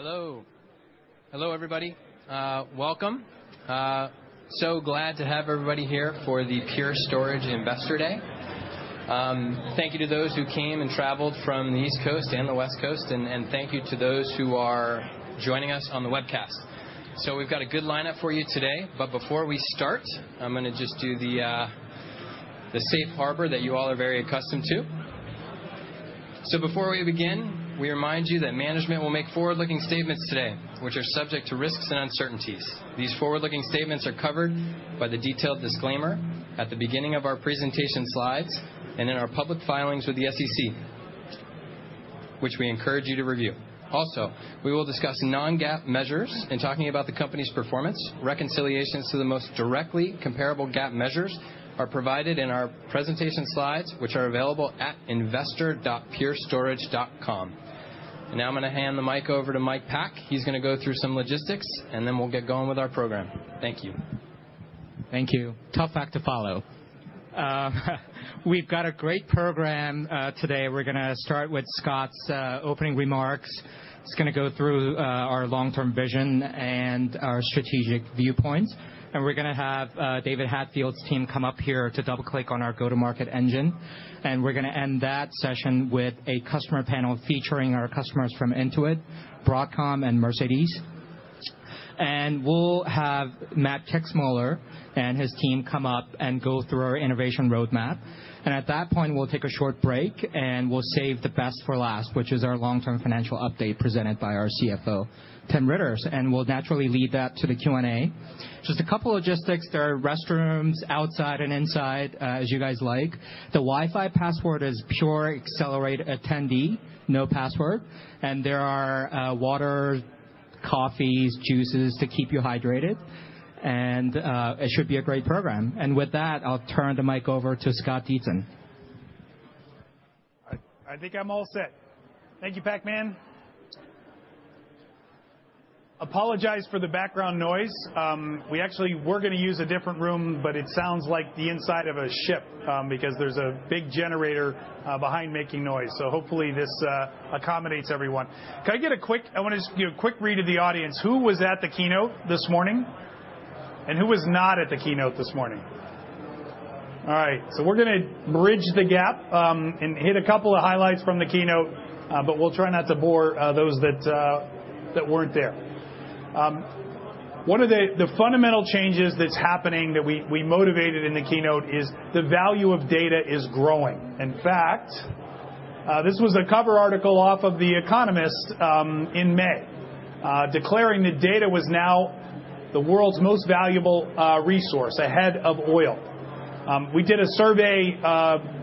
Hello. Hello, everybody. Welcome. Glad to have everybody here for the Pure Storage Investor Day. Thank you to those who came and traveled from the East Coast and the West Coast, and thank you to those who are joining us on the webcast. We've got a good lineup for you today, but before we start, I'm going to just do the safe harbor that you all are very accustomed to. Before we begin, we remind you that management will make forward-looking statements today, which are subject to risks and uncertainties. These forward-looking statements are covered by the detailed disclaimer at the beginning of our presentation slides and in our public filings with the SEC, which we encourage you to review. Also, we will discuss non-GAAP measures in talking about the company's performance. Reconciliations to the most directly comparable GAAP measures are provided in our presentation slides, which are available at investor.purestorage.com. I'm going to hand the mic over to Mike Paek. He's going to go through some logistics, then we'll get going with our program. Thank you. Thank you. Tough act to follow. We've got a great program today. We're going to start with Scott's opening remarks. He's going to go through our long-term vision and our strategic viewpoints. We're going to have David Hatfield's team come up here to double-click on our go-to-market engine. We're going to end that session with a customer panel featuring our customers from Intuit, Broadcom, and Mercedes. We'll have Matt Kixmoeller and his team come up and go through our innovation roadmap. At that point, we'll take a short break, we'll save the best for last, which is our long-term financial update presented by our CFO, Tim Riitters, we'll naturally lead that to the Q&A. Just a couple logistics. There are restrooms outside and inside, as you guys like. The Wi-Fi password is PureAccelerateattendee, no password. There are water, coffees, juices to keep you hydrated. It should be a great program. With that, I'll turn the mic over to Scott Dietzen. I think I'm all set. Thank you, Paek Man. Apologize for the background noise. We actually were going to use a different room, but it sounds like the inside of a ship because there's a big generator behind making noise. Hopefully, this accommodates everyone. I want to just get a quick read of the audience. Who was at the keynote this morning, and who was not at the keynote this morning? All right, we're going to bridge the gap and hit a couple of highlights from the keynote, but we'll try not to bore those that weren't there. One of the fundamental changes that's happening that we motivated in the keynote is the value of data is growing. In fact, this was a cover article off of "The Economist" in May, declaring that data was now the world's most valuable resource, ahead of oil. We did a survey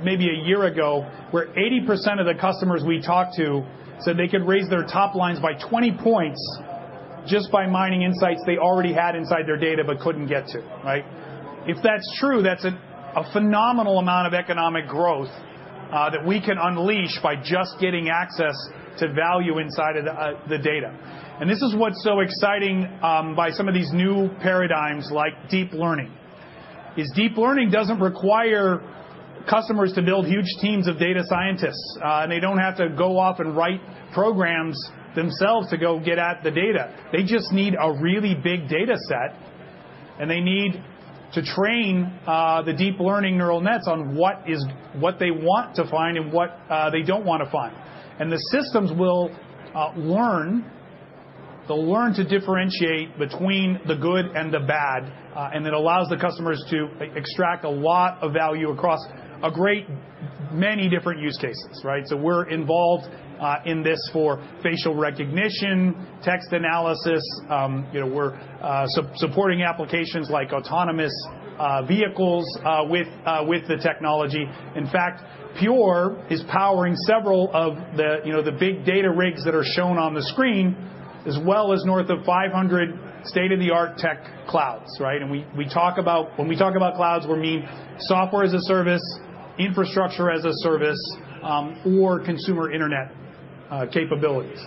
maybe a year ago where 80% of the customers we talked to said they could raise their top lines by 20 points just by mining insights they already had inside their data but couldn't get to, right? If that's true, that's a phenomenal amount of economic growth that we can unleash by just getting access to value inside of the data. This is what's so exciting by some of these new paradigms like deep learning, is deep learning doesn't require customers to build huge teams of data scientists. They don't have to go off and write programs themselves to go get at the data. They just need a really big data set, and they need to train the deep learning neural nets on what they want to find and what they don't want to find. The systems will learn to differentiate between the good and the bad, and it allows the customers to extract a lot of value across a great many different use cases, right? We're involved in this for facial recognition, text analysis. We're supporting applications like autonomous vehicles with the technology. In fact, Pure is powering several of the big data rigs that are shown on the screen, as well as north of 500 state-of-the-art tech clouds, right? When we talk about clouds, we mean software as a service, infrastructure as a service or consumer internet capabilities.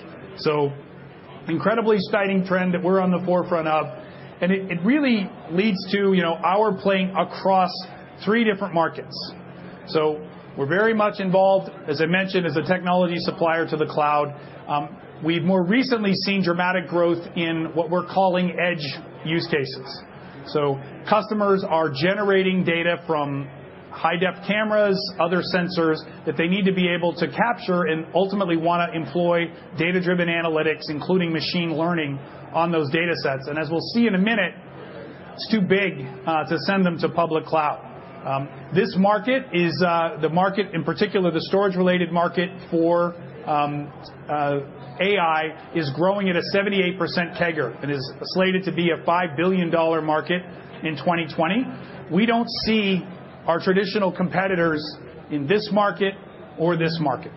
Incredibly exciting trend that we're on the forefront of, and it really leads to our playing across three different markets. We're very much involved, as I mentioned, as a technology supplier to the cloud. We've more recently seen dramatic growth in what we're calling edge use cases. Customers are generating data from high-def cameras, other sensors that they need to be able to capture and ultimately want to employ data-driven analytics, including machine learning, on those data sets. As we'll see in a minute, it's too big to send them to public cloud. This market is, in particular, the storage-related market for AI is growing at a 78% CAGR and is slated to be a $5 billion market in 2020. We don't see our traditional competitors in this market or this market.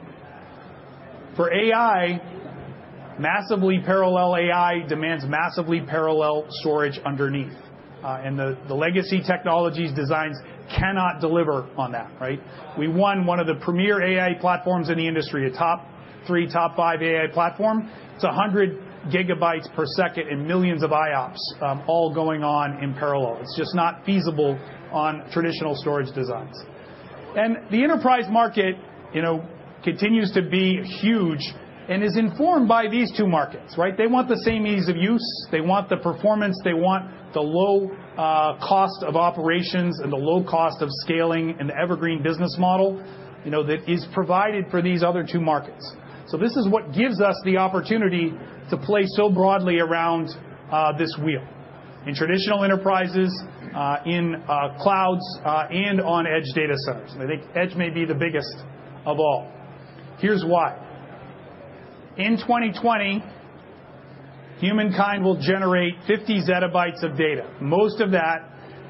For AI, massively parallel AI demands massively parallel storage underneath. The legacy technologies designs cannot deliver on that, right? We won one of the premier AI platforms in the industry, a top 3 top 5 AI platform. It's 100 GB per second and millions of IOPs all going on in parallel. It's just not feasible on traditional storage designs. The enterprise market continues to be huge and is informed by these two markets, right? They want the same ease of use. They want the performance. They want the low cost of operations and the low cost of scaling and the Evergreen business model that is provided for these other two markets. This is what gives us the opportunity to play so broadly around this wheel. In traditional enterprises, in clouds, and on edge data centers. I think edge may be the biggest of all. Here's why. In 2020, humankind will generate 50 zettabytes of data. Most of that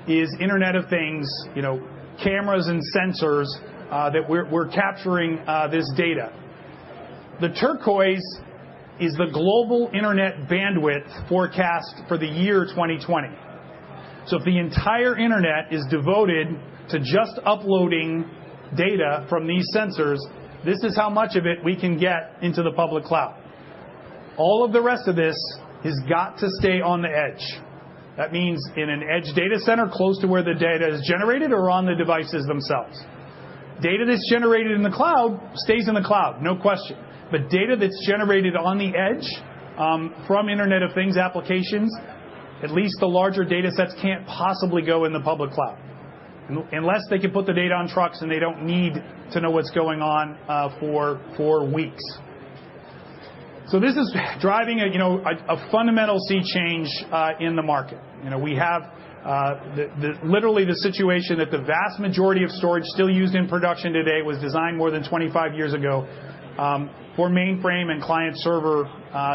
is Internet of Things, cameras and sensors that we're capturing this data. The turquoise is the global internet bandwidth forecast for the year 2020. If the entire internet is devoted to just uploading data from these sensors, this is how much of it we can get into the public cloud. All of the rest of this has got to stay on the edge. That means in an edge data center close to where the data is generated or on the devices themselves. Data that's generated in the cloud stays in the cloud, no question. Data that's generated on the edge, from Internet of Things applications, at least the larger data sets can't possibly go in the public cloud. Unless they can put the data on trucks and they don't need to know what's going on for weeks. This is driving a fundamental sea change in the market. We have literally the situation that the vast majority of storage still used in production today was designed more than 25 years ago for mainframe and client server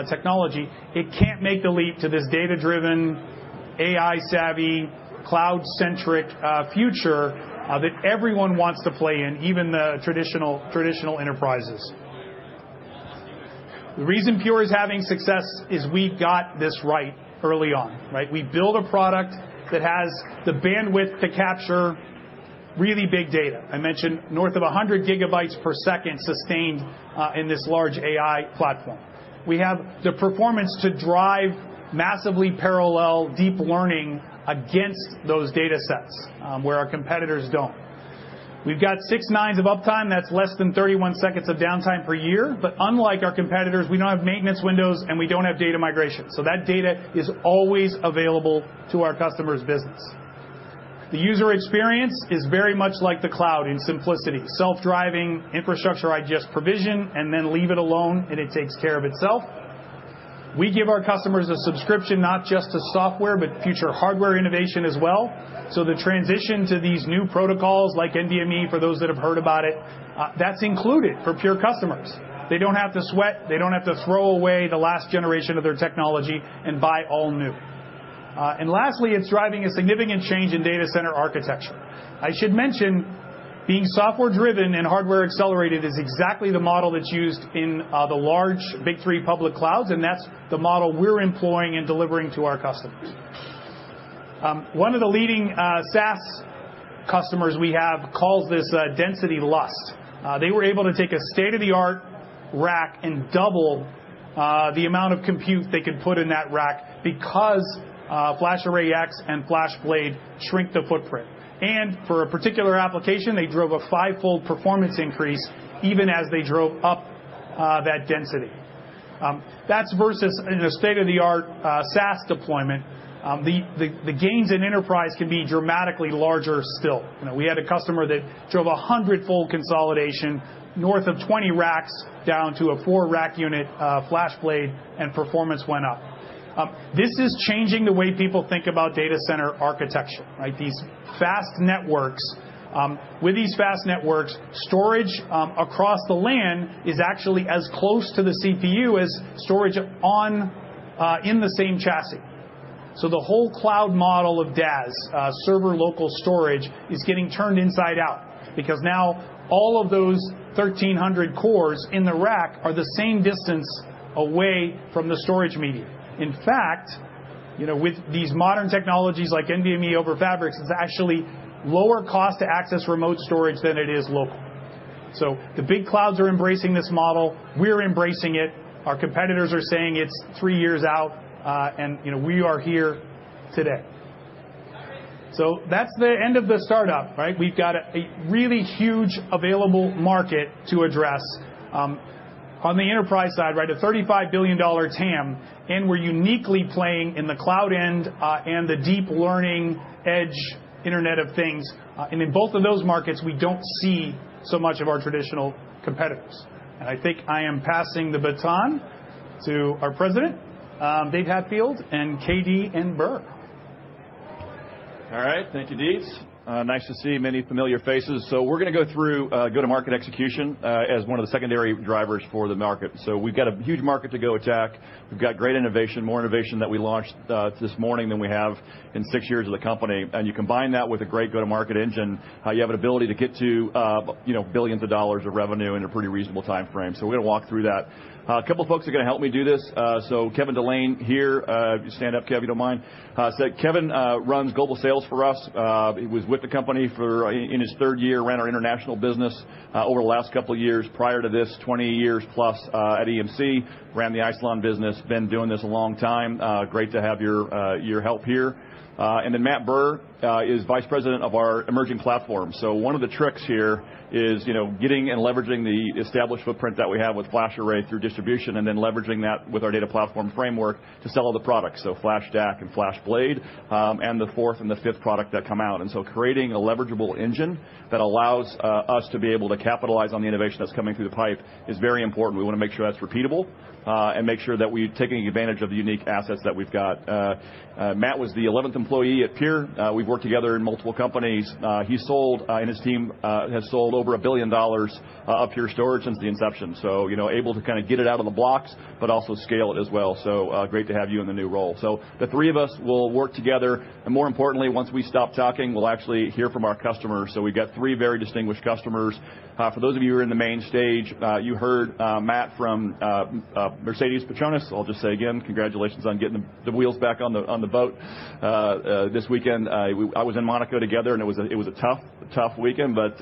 technology. It can't make the leap to this data-driven, AI-savvy, cloud-centric future that everyone wants to play in, even the traditional enterprises. The reason Pure is having success is we got this right early on, right? We build a product that has the bandwidth to capture really big data. I mentioned north of 100 gigabytes per second sustained in this large AI platform. We have the performance to drive massively parallel deep learning against those data sets, where our competitors don't. We've got six nines of uptime, that's less than 31 seconds of downtime per year. Unlike our competitors, we don't have maintenance windows and we don't have data migration. That data is always available to our customers' business. The user experience is very much like the cloud in simplicity. Self-driving infrastructure, I just provision and then leave it alone and it takes care of itself. We give our customers a subscription not just to software, but future hardware innovation as well. The transition to these new protocols like NVMe, for those that have heard about it, that's included for Pure customers. They don't have to sweat. They don't have to throw away the last generation of their technology and buy all new. Lastly, it's driving a significant change in data center architecture. I should mention, being software driven and hardware accelerated is exactly the model that's used in the large big three public clouds, and that's the model we're employing and delivering to our customers. One of the leading SaaS customers we have calls this density lust. They were able to take a state-of-the-art rack and double the amount of compute they could put in that rack because FlashArray//X and FlashBlade shrink the footprint. For a particular application, they drove a fivefold performance increase even as they drove up that density. That's versus in a state-of-the-art SaaS deployment. The gains in enterprise can be dramatically larger still. We had a customer that drove 100-fold consolidation north of 20 racks down to a four-rack unit FlashBlade, and performance went up. This is changing the way people think about data center architecture, right? These fast networks. These fast networks, storage across the LAN is actually as close to the CPU as storage in the same chassis. The whole cloud model of DAS, server local storage, is getting turned inside out because now all of those 1,300 cores in the rack are the same distance away from the storage media. In fact, with these modern technologies like NVMe over Fabrics, it's actually lower cost to access remote storage than it is local. The big clouds are embracing this model. We're embracing it. Our competitors are saying it's three years out. We are here today. That's the end of the startup, right? We've got a really huge available market to address on the enterprise side, right, a $35 billion TAM, and we're uniquely playing in the cloud end and the deep learning edge Internet of Things. In both of those markets, we don't see so much of our traditional competitors. I think I am passing the baton to our president, Dave Hatfield and Kevin Delane. All right. Thank you, Dietz. Nice to see many familiar faces. We're going to go through go-to-market execution as one of the secondary drivers for the market. We've got a huge market to go attack. We've got great innovation, more innovation that we launched this morning than we have in six years of the company. You combine that with a great go-to-market engine, how you have an ability to get to billions of dollars of revenue in a pretty reasonable timeframe. We're going to walk through that A couple of folks are going to help me do this. Kevin Delane here. Stand up, Kev, if you don't mind. Kevin runs global sales for us. He was with the company, in his third year, ran our international business over the last couple of years. Prior to this, 20 years plus at EMC, ran the Isilon business. Been doing this a long time. Great to have your help here. Matt Burr is Vice President of our emerging platform. One of the tricks here is getting and leveraging the established footprint that we have with FlashArray through distribution, then leveraging that with our data platform framework to sell all the products. FlashStack and FlashBlade, and the fourth and the fifth product that come out. Creating a leverageable engine that allows us to be able to capitalize on the innovation that's coming through the pipe is very important. We want to make sure that's repeatable, and make sure that we're taking advantage of the unique assets that we've got. Matt was the 11th employee at Pure. We've worked together in multiple companies. He sold, and his team has sold over $1 billion of Pure Storage since the inception. Able to get it out of the blocks, but also scale it as well. Great to have you in the new role. The three of us will work together, and more importantly, once we stop talking, we'll actually hear from our customers. We've got three very distinguished customers. For those of you who were in the main stage, you heard Matt from Mercedes-AMG Petronas. I'll just say again, congratulations on getting the wheels back on the boat. This weekend, I was in Monaco together, and it was a tough weekend, but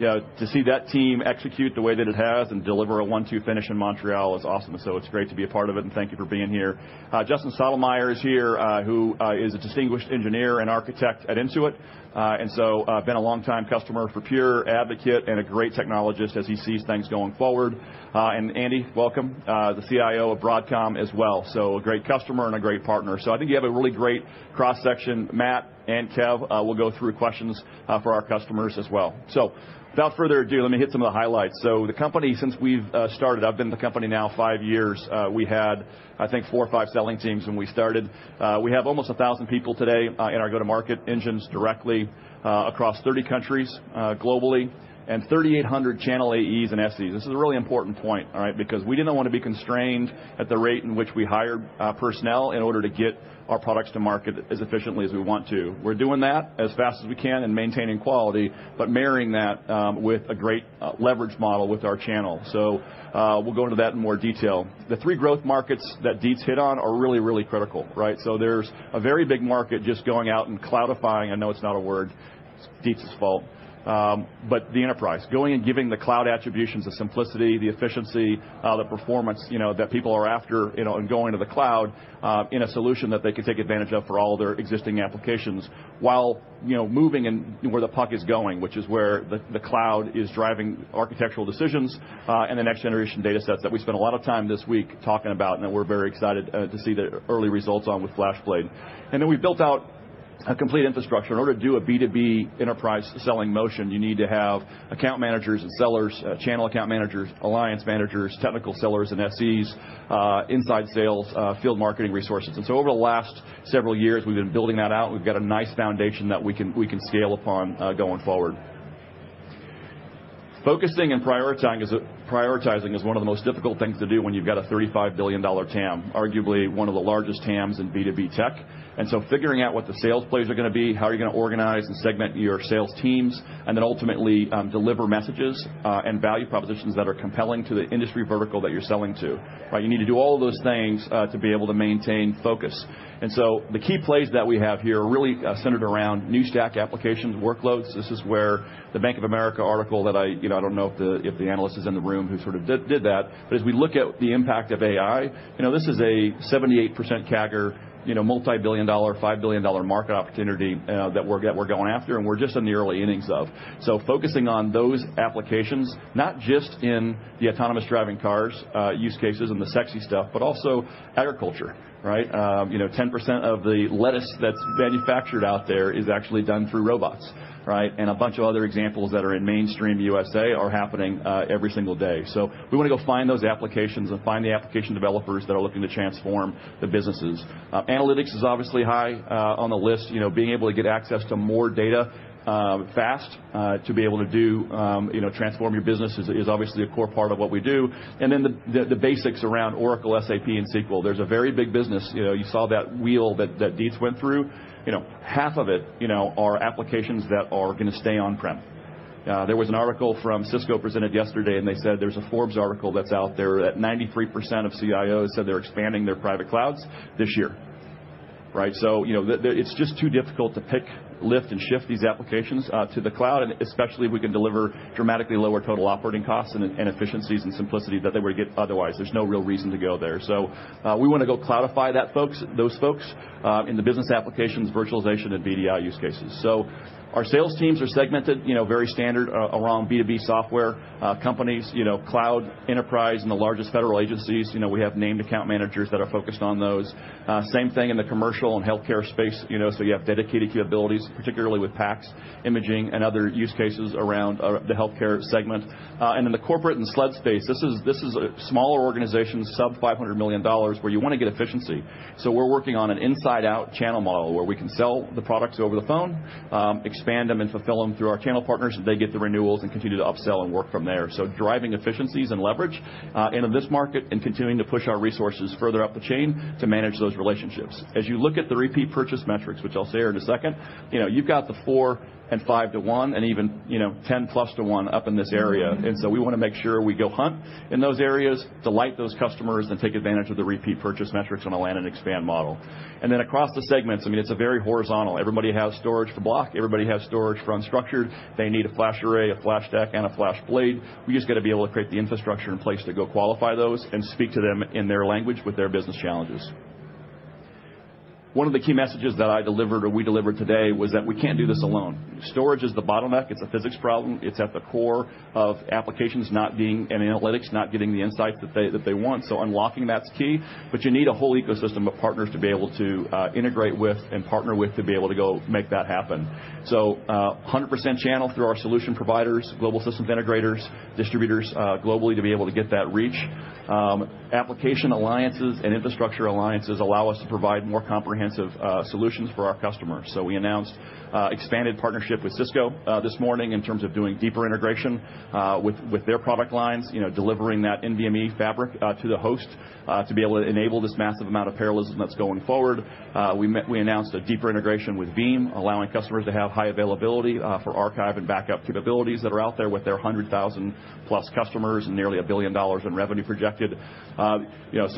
to see that team execute the way that it has and deliver a one-two finish in Montreal is awesome. It's great to be a part of it, and thank you for being here. Justin Stottlemyer is here, who is a Distinguished Engineer and Architect at Intuit. Been a long-time customer for Pure, advocate, and a great technologist as he sees things going forward. Andy, welcome. The CIO of Broadcom as well. A great customer and a great partner. I think you have a really great cross-section. Matt and Kev will go through questions for our customers as well. Without further ado, let me hit some of the highlights. The company, since we've started, I've been with the company now five years. We had, I think, four or five selling teams when we started. We have almost 1,000 people today in our go-to-market engines directly across 30 countries globally and 3,800 channel AEs and SEs. This is a really important point because we didn't want to be constrained at the rate in which we hired personnel in order to get our products to market as efficiently as we want to. We're doing that as fast as we can and maintaining quality, but marrying that with a great leverage model with our channel. We'll go into that in more detail. The three growth markets that Dietz hit on are really, really critical. There's a very big market just going out and cloudifying, I know it's not a word, it's Dietz's fault. The enterprise. Giving the cloud attributions, the simplicity, the efficiency, the performance that people are after in going to the cloud in a solution that they can take advantage of for all their existing applications while moving in where the puck is going, which is where the cloud is driving architectural decisions and the next generation data sets that we spent a lot of time this week talking about and that we're very excited to see the early results on with FlashBlade. We built out a complete infrastructure. In order to do a B2B enterprise selling motion, you need to have account managers and sellers, channel account managers, alliance managers, technical sellers, and SEs, inside sales, field marketing resources. Over the last several years, we've been building that out. We've got a nice foundation that we can scale upon going forward. Focusing and prioritizing is one of the most difficult things to do when you've got a $35 billion TAM, arguably one of the largest TAMs in B2B tech. Figuring out what the sales plays are going to be, how are you going to organize and segment your sales teams, and then ultimately deliver messages and value propositions that are compelling to the industry vertical that you're selling to. You need to do all those things to be able to maintain focus. The key plays that we have here are really centered around new stack applications, workloads. This is where the Bank of America article that I don't know if the analyst is in the room who did that. As we look at the impact of AI, this is a 78% CAGR, multibillion-dollar, $5 billion market opportunity that we're going after and we're just in the early innings of. Focusing on those applications, not just in the autonomous driving cars use cases and the sexy stuff, but also agriculture. 10% of the lettuce that's manufactured out there is actually done through robots. A bunch of other examples that are in mainstream USA are happening every single day. We want to go find those applications and find the application developers that are looking to transform the businesses. Analytics is obviously high on the list. Being able to get access to more data fast to be able to transform your business is obviously a core part of what we do. The basics around Oracle, SAP, and SQL. There's a very big business. You saw that wheel that Dietz went through. Half of it are applications that are going to stay on-prem. There was an article from Cisco presented yesterday, they said there's a Forbes article that's out there that 93% of CIOs said they're expanding their private clouds this year. It's just too difficult to pick, lift, and shift these applications to the cloud, and especially if we can deliver dramatically lower total operating costs and efficiencies and simplicity that they would get otherwise. There's no real reason to go there. We want to go cloudify those folks in the business applications, virtualization, and VDI use cases. Our sales teams are segmented, very standard around B2B software companies, cloud, enterprise, and the largest federal agencies. We have named account managers that are focused on those. Same thing in the commercial and healthcare space. You have dedicated capabilities, particularly with PACS, imaging, and other use cases around the healthcare segment. In the corporate and SLED space, this is a smaller organization, sub-$500 million, where you want to get efficiency. We're working on an inside-out channel model where we can sell the products over the phone, expand them, and fulfill them through our channel partners. They get the renewals and continue to upsell and work from there. Driving efficiencies and leverage into this market and continuing to push our resources further up the chain to manage those relationships. As you look at the repeat purchase metrics, which I'll say here in a second, you've got the 4 and 5 to 1 and even 10-plus to 1 up in this area. We want to make sure we go hunt in those areas, delight those customers, and take advantage of the repeat purchase metrics on a land and expand model. Across the segments, it's very horizontal. Everybody has storage for block. Everybody has storage for unstructured. They need a FlashArray, a FlashStack, and a FlashBlade. We just got to be able to create the infrastructure in place to go qualify those and speak to them in their language with their business challenges. One of the key messages that I delivered or we delivered today was that we can't do this alone. Storage is the bottleneck. It's a physics problem. It's at the core of applications not being, and analytics not getting the insight that they want. Unlocking that's key, but you need a whole ecosystem of partners to be able to integrate with and partner with to be able to go make that happen. 100% channel through our solution providers, global systems integrators, distributors globally to be able to get that reach. Application alliances and infrastructure alliances allow us to provide more comprehensive solutions for our customers. We announced expanded partnership with Cisco this morning in terms of doing deeper integration with their product lines, delivering that NVMe fabric to the host to be able to enable this massive amount of parallelism that's going forward. We announced a deeper integration with Veeam, allowing customers to have high availability for archive and backup capabilities that are out there with their 100,000-plus customers and nearly $1 billion in revenue projected.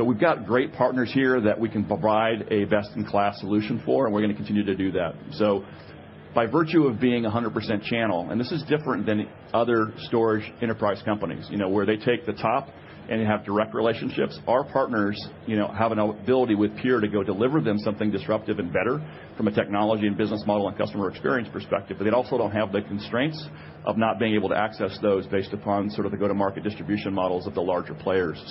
We've got great partners here that we can provide a best-in-class solution for, and we're going to continue to do that. By virtue of being 100% channel, and this is different than other storage enterprise companies, where they take the top and have direct relationships. Our partners have an ability with Pure to go deliver them something disruptive and better from a technology and business model and customer experience perspective. They also don't have the constraints of not being able to access those based upon the go-to-market distribution models of the larger players.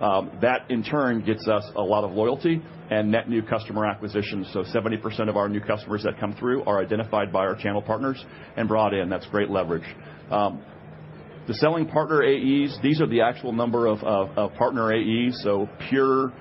That in turn gets us a lot of loyalty and net new customer acquisitions. 70% of our new customers that come through are identified by our channel partners and brought in. That's great leverage. The selling partner AEs, these are the actual number of partner AEs, so Pure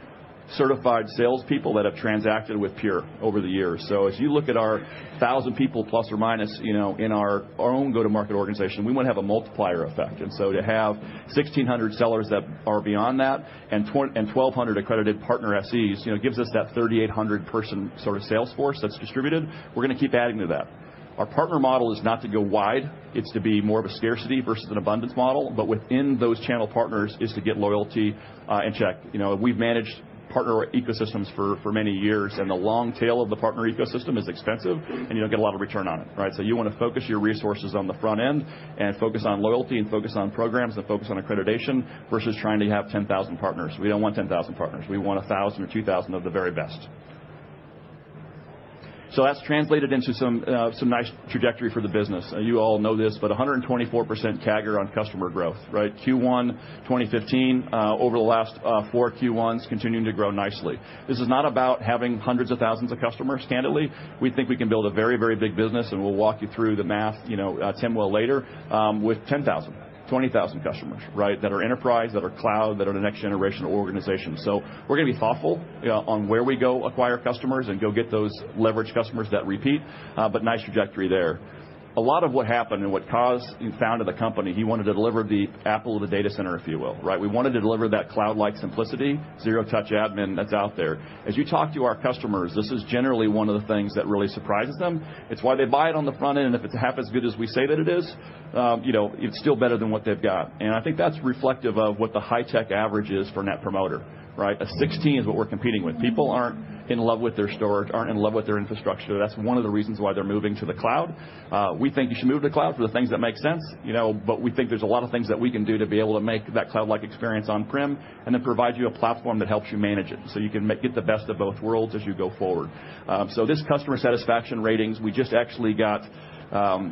certified salespeople that have transacted with Pure over the years. If you look at our 1,000 people plus or minus in our own go-to-market organization, we might have a multiplier effect. To have 1,600 sellers that are beyond that and 1,200 accredited partner SEs, it gives us that 3,800 person sort of sales force that's distributed. We're going to keep adding to that. Our partner model is not to go wide. It's to be more of a scarcity versus an abundance model. Within those channel partners is to get loyalty and check. We've managed partner ecosystems for many years, and the long tail of the partner ecosystem is expensive, and you don't get a lot of return on it, right? You want to focus your resources on the front end and focus on loyalty and focus on programs and focus on accreditation versus trying to have 10,000 partners. We don't want 10,000 partners. We want 1,000 or 2,000 of the very best. That's translated into some nice trajectory for the business. You all know this, 124% CAGR on customer growth, right? Q1 2015, over the last four Q1s, continuing to grow nicely. This is not about having hundreds of thousands of customers. Candidly, we think we can build a very, very big business, and we'll walk you through the math, Tim will later, with 10,000, 20,000 customers that are enterprise, that are cloud, that are the next generation organizations. We're going to be thoughtful on where we go acquire customers and go get those leverage customers that repeat. Nice trajectory there. A lot of what happened and what caused the founding of the company, he wanted to deliver the Apple of the data center, if you will. We wanted to deliver that cloud-like simplicity, zero-touch admin that's out there. As you talk to our customers, this is generally one of the things that really surprises them. It's why they buy it on the front end, and if it's half as good as we say that it is, it's still better than what they've got. I think that's reflective of what the high tech average is for Net Promoter. A 16 is what we're competing with. People aren't in love with their storage, aren't in love with their infrastructure. That's one of the reasons why they're moving to the cloud. We think you should move to the cloud for the things that make sense, we think there's a lot of things that we can do to be able to make that cloud-like experience on-prem and then provide you a platform that helps you manage it so you can get the best of both worlds as you go forward. This customer satisfaction ratings, we just actually got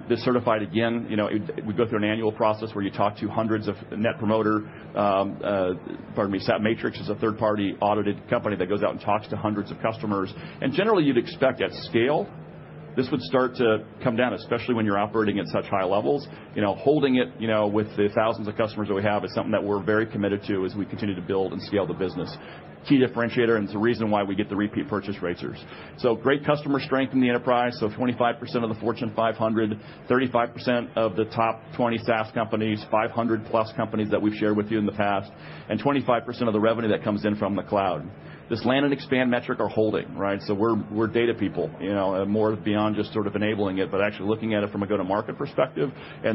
this certified again. We go through an annual process where you talk to hundreds of Net Promoter. Pardon me, Satmetrix is a third-party audited company that goes out and talks to hundreds of customers. Generally, you'd expect at scale, this would start to come down, especially when you're operating at such high levels. Holding it with the thousands of customers that we have is something that we're very committed to as we continue to build and scale the business. Key differentiator. It's the reason why we get the repeat purchase raters. Great customer strength in the enterprise. 25% of the Fortune 500, 35% of the top 20 SaaS companies, 500+ companies that we've shared with you in the past, 25% of the revenue that comes in from the cloud. This land and expand metric are holding. We're data people, more beyond just enabling it, but actually looking at it from a go-to-market perspective.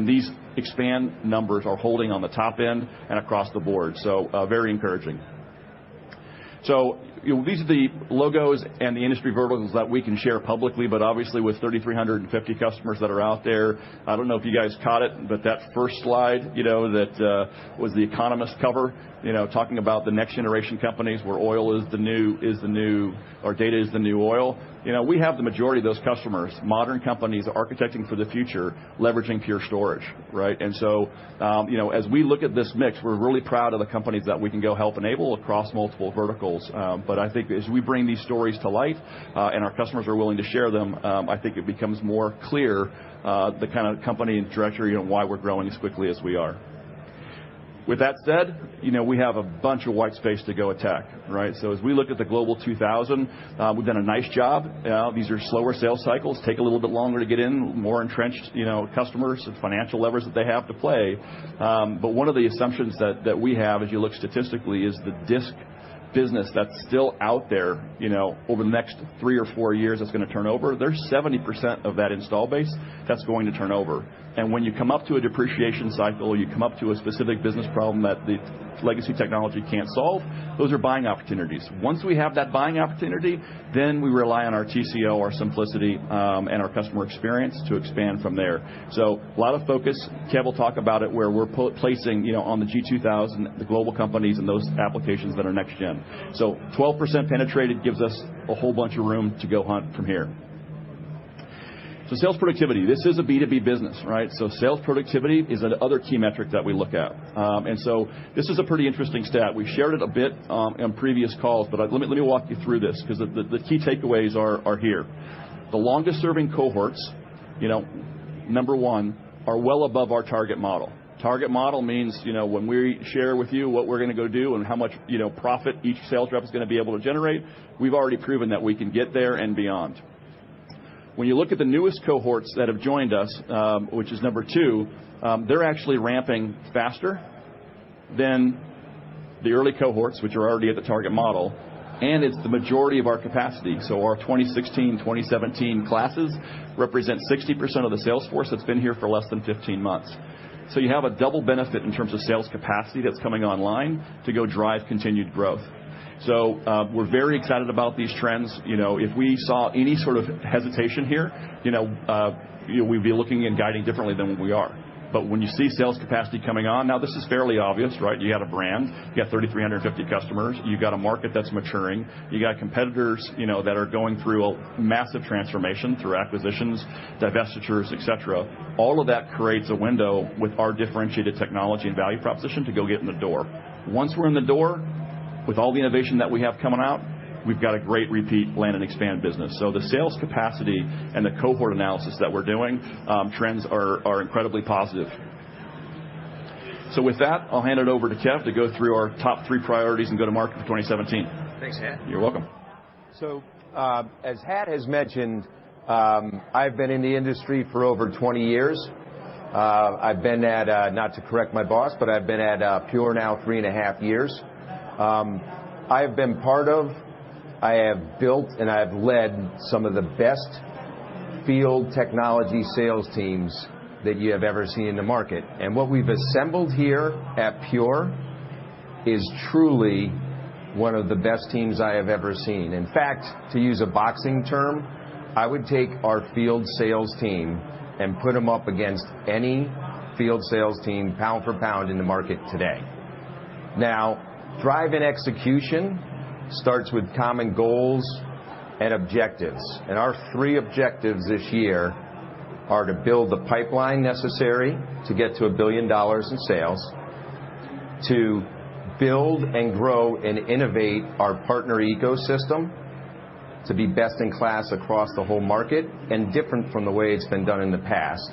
These expand numbers are holding on the top end and across the board. Very encouraging. These are the logos and the industry verticals that we can share publicly. Obviously with 3,350 customers that are out there, I don't know if you guys caught it. That first slide that was The Economist cover, talking about the next generation companies where oil is the new or data is the new oil. We have the majority of those customers, modern companies architecting for the future, leveraging Pure Storage. As we look at this mix, we're really proud of the companies that we can go help enable across multiple verticals. I think as we bring these stories to life, and our customers are willing to share them, I think it becomes more clear the kind of company trajectory and why we're growing as quickly as we are. With that said, we have a bunch of white space to go attack. As we look at the Global 2000, we've done a nice job. These are slower sales cycles, take a little bit longer to get in, more entrenched customers and financial levers that they have to play. One of the assumptions that we have, as you look statistically, is the disk business that's still out there over the next three or four years that's going to turn over, there's 70% of that install base that's going to turn over. When you come up to a depreciation cycle, you come up to a specific business problem that the legacy technology can't solve, those are buying opportunities. Once we have that buying opportunity, we rely on our TCO, our simplicity, and our customer experience to expand from there. A lot of focus, Kev will talk about it, where we're placing on the G 2000, the global companies, and those applications that are next gen. 12% penetrated gives us a whole bunch of room to go hunt from here. Sales productivity. This is a B2B business, right? Sales productivity is another key metric that we look at. This is a pretty interesting stat. We've shared it a bit in previous calls, let me walk you through this, because the key takeaways are here. The longest-serving cohorts, number one, are well above our target model. Target model means when we share with you what we're going to go do and how much profit each sales rep is going to be able to generate, we've already proven that we can get there and beyond. When you look at the newest cohorts that have joined us, which is number 2, they're actually ramping faster than the early cohorts, which are already at the target model, and it's the majority of our capacity. Our 2016, 2017 classes represent 60% of the sales force that's been here for less than 15 months. You have a double benefit in terms of sales capacity that's coming online to go drive continued growth. We're very excited about these trends. If we saw any sort of hesitation here, we'd be looking and guiding differently than what we are. When you see sales capacity coming on, now this is fairly obvious, right? You got a brand, you got 3,350 customers, you got a market that's maturing, you got competitors that are going through a massive transformation through acquisitions, divestitures, et cetera. All of that creates a window with our differentiated technology and value proposition to go get in the door. Once we're in the door, with all the innovation that we have coming out, we've got a great repeat land-and-expand business. The sales capacity and the cohort analysis that we're doing, trends are incredibly positive. With that, I'll hand it over to Kev to go through our top three priorities and go to market for 2017. Thanks, Hat. You're welcome. As Hat has mentioned, I've been in the industry for over 20 years. I've been at, not to correct my boss, but I've been at Pure now three and a half years. I have been part of, I have built, and I have led some of the best field technology sales teams that you have ever seen in the market. What we've assembled here at Pure is truly one of the best teams I have ever seen. In fact, to use a boxing term, I would take our field sales team and put them up against any field sales team pound for pound in the market today. Drive and execution starts with common goals and objectives. Our three objectives this year are to build the pipeline necessary to get to $1 billion in sales, to build and grow and innovate our partner ecosystem to be best in class across the whole market and different from the way it's been done in the past,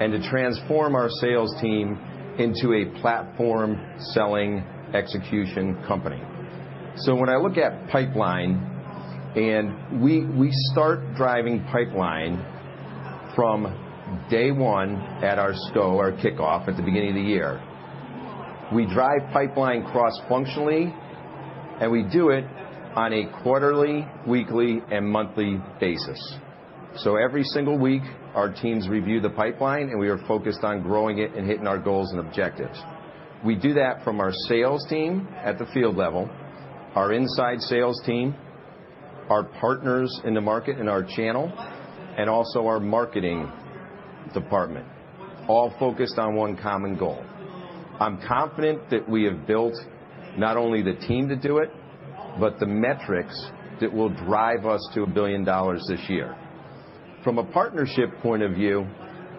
and to transform our sales team into a platform-selling execution company. When I look at pipeline, we start driving pipeline from day one at our kickoff at the beginning of the year. We drive pipeline cross-functionally, and we do it on a quarterly, weekly, and monthly basis. Every single week, our teams review the pipeline, and we are focused on growing it and hitting our goals and objectives. We do that from our sales team at the field level, our inside sales team, our partners in the market and our channel, and also our marketing department, all focused on one common goal. I'm confident that we have built not only the team to do it, but the metrics that will drive us to $1 billion this year. From a partnership point of view,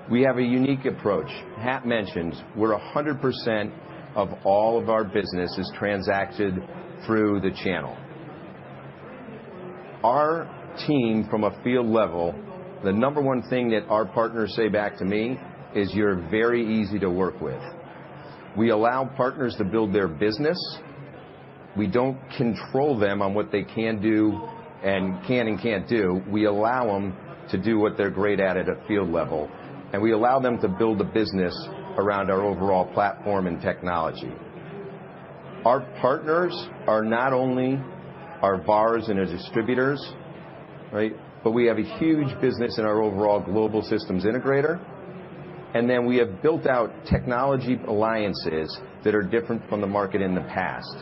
we have a unique approach. Hat mentioned where 100% of all of our business is transacted through the channel. Our team from a field level, the number one thing that our partners say back to me is, "You're very easy to work with." We allow partners to build their business. We don't control them on what they can and can't do. We allow them to do what they're great at at a field level, and we allow them to build a business around our overall platform and technology. Our partners are not only our VARs and our distributors, but we have a huge business in our overall global systems integrator. We have built out technology alliances that are different from the market in the past.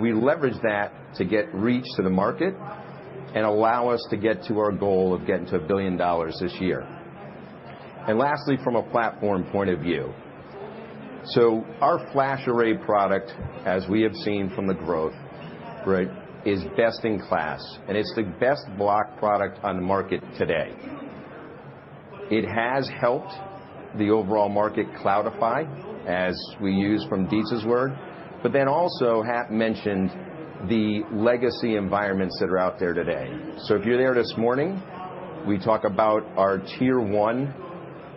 We leverage that to get reach to the market and allow us to get to our goal of getting to $1 billion this year. Lastly, from a platform point of view. Our FlashArray product, as we have seen from the growth, is best in class, and it's the best block product on the market today. It has helped the overall market cloudify, as we use from Dietz's word. Also, Hat mentioned the legacy environments that are out there today. If you're there this morning, we talk about our tier 1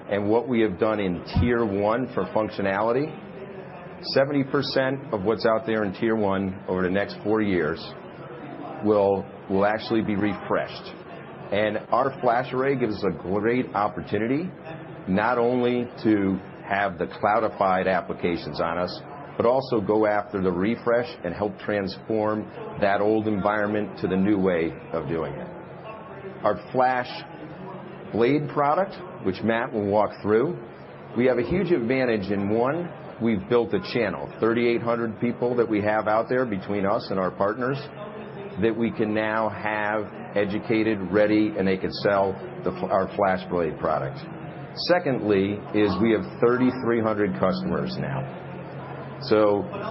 and what we have done in tier 1 for functionality. 70% of what's out there in tier 1 over the next 4 years will actually be refreshed. Our FlashArray gives a great opportunity, not only to have the cloudified applications on us, but also go after the refresh and help transform that old environment to the new way of doing it. Our FlashBlade product, which Matt will walk through, we have a huge advantage in one, we've built a channel. 3,800 people that we have out there between us and our partners that we can now have educated, ready, and they could sell our FlashBlade product. Secondly is we have 3,300 customers now.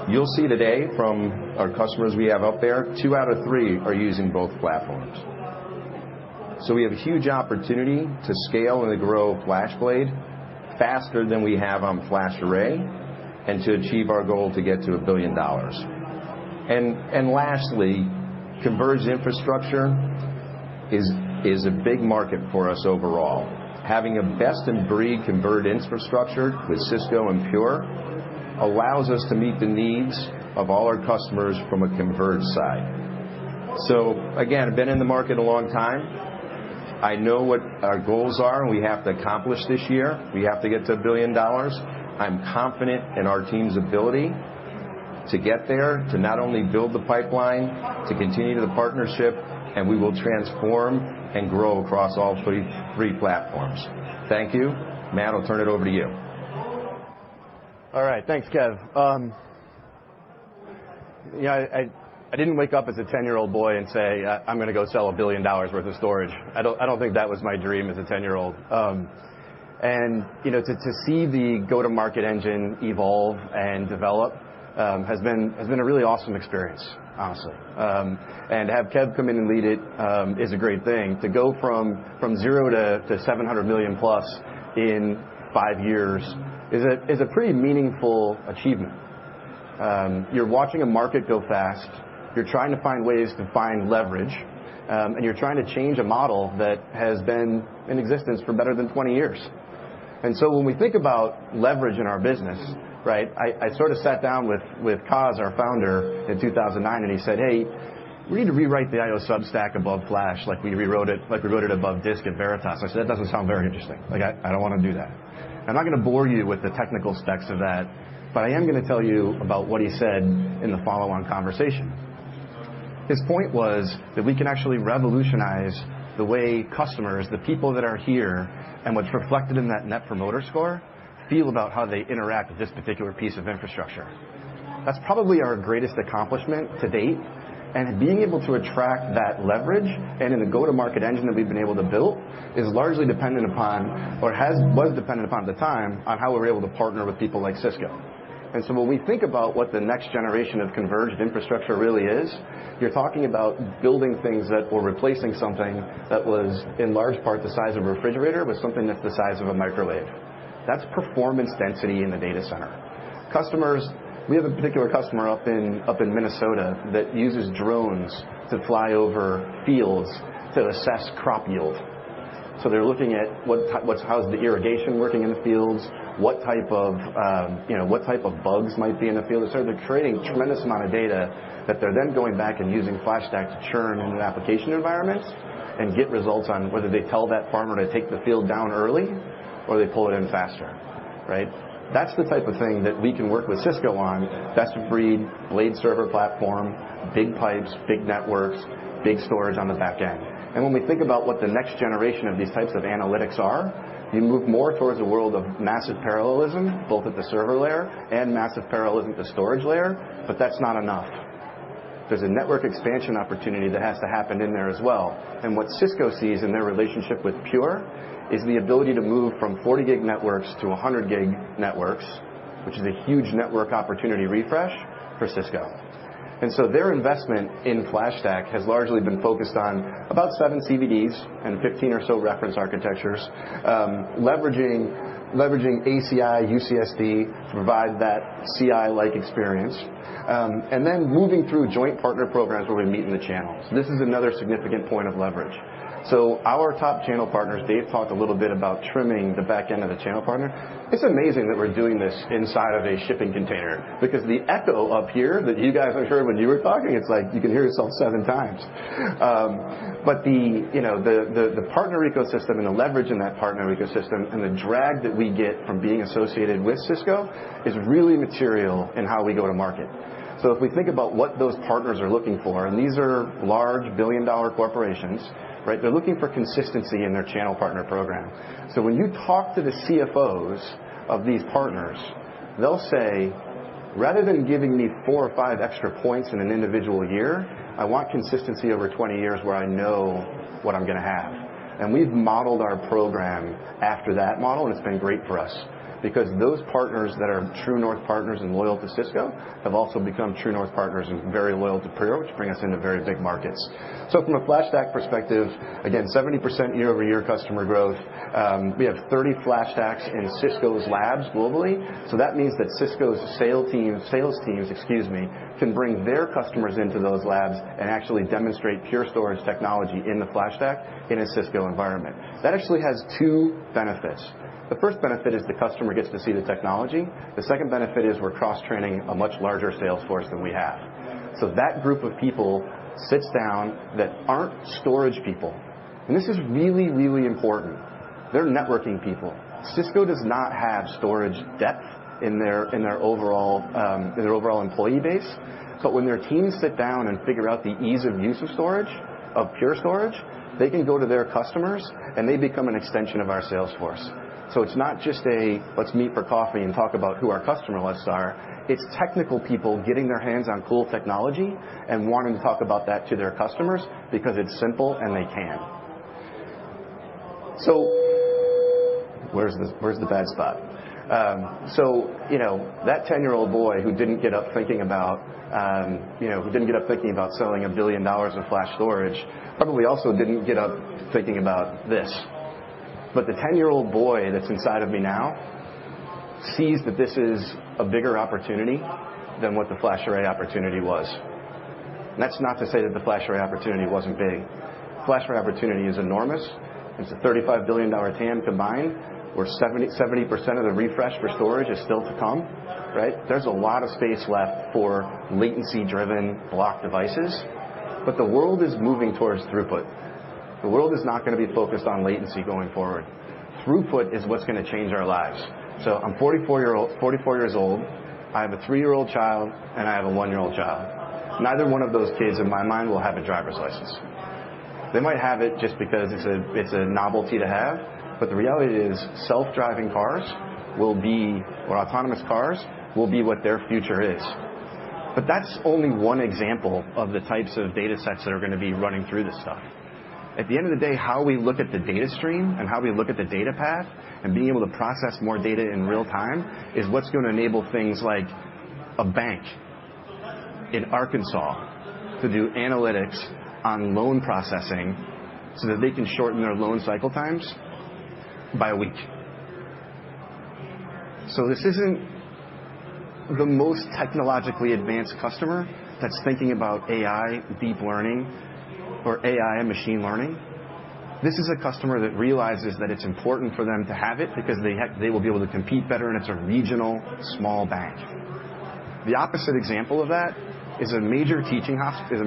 You'll see today from our customers we have up there, two out of three are using both platforms. We have a huge opportunity to scale and to grow FlashBlade faster than we have on FlashArray, and to achieve our goal to get to $1 billion. Lastly, converged infrastructure is a big market for us overall. Having a best-in-breed converged infrastructure with Cisco and Pure allows us to meet the needs of all our customers from a converged side. Again, I've been in the market a long time. I know what our goals are and we have to accomplish this year. We have to get to $1 billion. I'm confident in our team's ability to get there, to not only build the pipeline, to continue the partnership, we will transform and grow across all three platforms. Thank you. Matt, I'll turn it over to you. All right. Thanks, Kev. I didn't wake up as a 10-year-old boy and say, "I'm going to go sell $1 billion worth of storage." I don't think that was my dream as a 10-year-old. To see the go-to-market engine evolve and develop has been a really awesome experience, honestly. To have Kev come in and lead it is a great thing. To go from 0 to $700 million-plus in 5 years is a pretty meaningful achievement. You're watching a market go fast. You're trying to find ways to find leverage. You're trying to change a model that has been in existence for better than 20 years. When we think about leverage in our business. I sort of sat down with Coz, our founder, in 2009, and he said, "Hey, we need to rewrite the IO sub-stack above Flash like we wrote it above disk at Veritas." I said, "That doesn't sound very interesting. I don't want to do that." I'm not going to bore you with the technical specs of that, but I am going to tell you about what he said in the follow-on conversation. His point was that we can actually revolutionize the way customers, the people that are here, and what's reflected in that net promoter score, feel about how they interact with this particular piece of infrastructure. That's probably our greatest accomplishment to date, being able to attract that leverage and in the go-to-market engine that we've been able to build is largely dependent upon, or was dependent upon at the time, on how we were able to partner with people like Cisco. When we think about what the next generation of converged infrastructure really is, you're talking about building things that were replacing something that was, in large part, the size of a refrigerator with something that's the size of a microwave. That's performance density in the data center. We have a particular customer up in Minnesota that uses drones to fly over fields to assess crop yield. They're looking at how's the irrigation working in the fields, what type of bugs might be in the field. They're creating tremendous amount of data that they're then going back and using FlashStack to churn in an application environment and get results on whether they tell that farmer to take the field down early or they pull it in faster. That's the type of thing that we can work with Cisco on, best-of-breed, blade server platform, big pipes, big networks, big storage on the back end. When we think about what the next generation of these types of analytics are, you move more towards a world of massive parallelism, both at the server layer and massive parallelism at the storage layer, but that's not enough. There's a network expansion opportunity that has to happen in there as well. What Cisco sees in their relationship with Pure is the ability to move from 40-gig networks to 100-gig networks, which is a huge network opportunity refresh for Cisco. Their investment in FlashStack has largely been focused on about 7 CVDs and 15 or so reference architectures, leveraging ACI UCSD to provide that CI-like experience. Moving through joint partner programs where we meet in the channels. This is another significant point of leverage. Our top channel partners, Dave talked a little bit about trimming the back end of the channel partner. It's amazing that we're doing this inside of a shipping container because the echo up here that you guys have heard when you were talking, it's like you could hear yourself seven times. The partner ecosystem and the leverage in that partner ecosystem and the drag that we get from being associated with Cisco is really material in how we go to market. If we think about what those partners are looking for, and these are large billion-dollar corporations. They're looking for consistency in their channel partner program. When you talk to the CFOs of these partners, they'll say, "Rather than giving me four or five extra points in an individual year, I want consistency over 20 years where I know what I'm going to have." We've modeled our program after that model, and it's been great for us because those partners that are true north partners and loyal to Cisco have also become true north partners and very loyal to Pure, which bring us into very big markets. From a FlashStack perspective, again, 70% year-over-year customer growth. We have 30 FlashStacks in Cisco's labs globally. That means that Cisco's sales teams can bring their customers into those labs and actually demonstrate Pure Storage technology in the FlashStack in a Cisco environment. That actually has two benefits. The first benefit is the customer gets to see the technology. The second benefit is we're cross-training a much larger sales force than we have. That group of people sits down that aren't storage people, and this is really, really important. They're networking people. Cisco does not have storage depth in their overall employee base. When their teams sit down and figure out the ease of use of storage, of Pure Storage, they can go to their customers, and they become an extension of our sales force. It's not just a, "Let's meet for coffee and talk about who our customer lists are." It's technical people getting their hands on cool technology and wanting to talk about that to their customers because it's simple and they can. Where's the bad spot? That 10-year-old boy who didn't get up thinking about selling $1 billion of flash storage probably also didn't get up thinking about this. The 10-year-old boy that's inside of me now sees that this is a bigger opportunity than what the FlashArray opportunity was. That's not to say that the FlashArray opportunity wasn't big. The FlashArray opportunity is enormous. It's a $35 billion TAM combined, where 70% of the refresh for storage is still to come, right? There's a lot of space left for latency-driven block devices. The world is moving towards throughput. The world is not going to be focused on latency going forward. Throughput is what's going to change our lives. I'm 44 years old, I have a three-year-old child, and I have a one-year-old child. Neither one of those kids, in my mind, will have a driver's license. They might have it just because it's a novelty to have, but the reality is self-driving cars will be, or autonomous cars, will be what their future is. That's only one example of the types of data sets that are going to be running through this stuff. At the end of the day, how we look at the data stream and how we look at the data path and being able to process more data in real time is what's going to enable things like a bank in Arkansas to do analytics on loan processing so that they can shorten their loan cycle times by a week. This isn't the most technologically advanced customer that's thinking about AI deep learning or AI machine learning. This is a customer that realizes that it's important for them to have it because they will be able to compete better, and it's a regional small bank. The opposite example of that is a major teaching hospital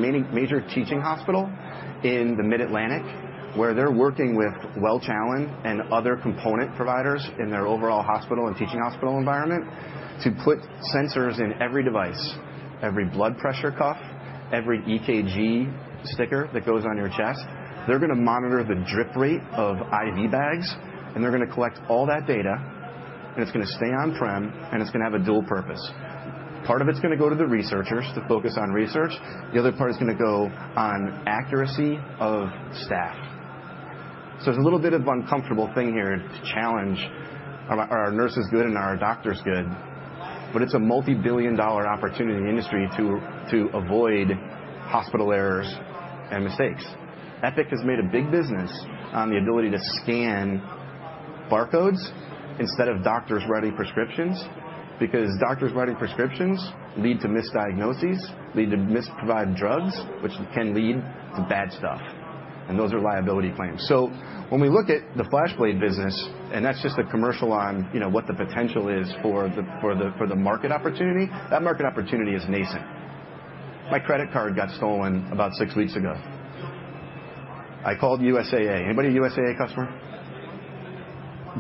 in the Mid-Atlantic, where they're working with Welch Allyn and other component providers in their overall hospital and teaching hospital environment to put sensors in every device. Every blood pressure cuff, every EKG sticker that goes on your chest. They're going to monitor the drip rate of IV bags, and they're going to collect all that data, and it's going to stay on-prem, and it's going to have a dual purpose. Part of it's going to go to the researchers to focus on research. The other part is going to go on accuracy of staff. There's a little bit of uncomfortable thing here to challenge, are our nurses good and are our doctors good? It's a multibillion-dollar opportunity in the industry to avoid hospital errors and mistakes. Epic has made a big business on the ability to scan barcodes instead of doctors writing prescriptions, because doctors writing prescriptions lead to misdiagnoses, lead to misprovided drugs, which can lead to bad stuff, and those are liability claims. When we look at the FlashBlade business, and that's just a commercial on what the potential is for the market opportunity, that market opportunity is nascent. My credit card got stolen about six weeks ago. I called USAA. Anybody a USAA customer?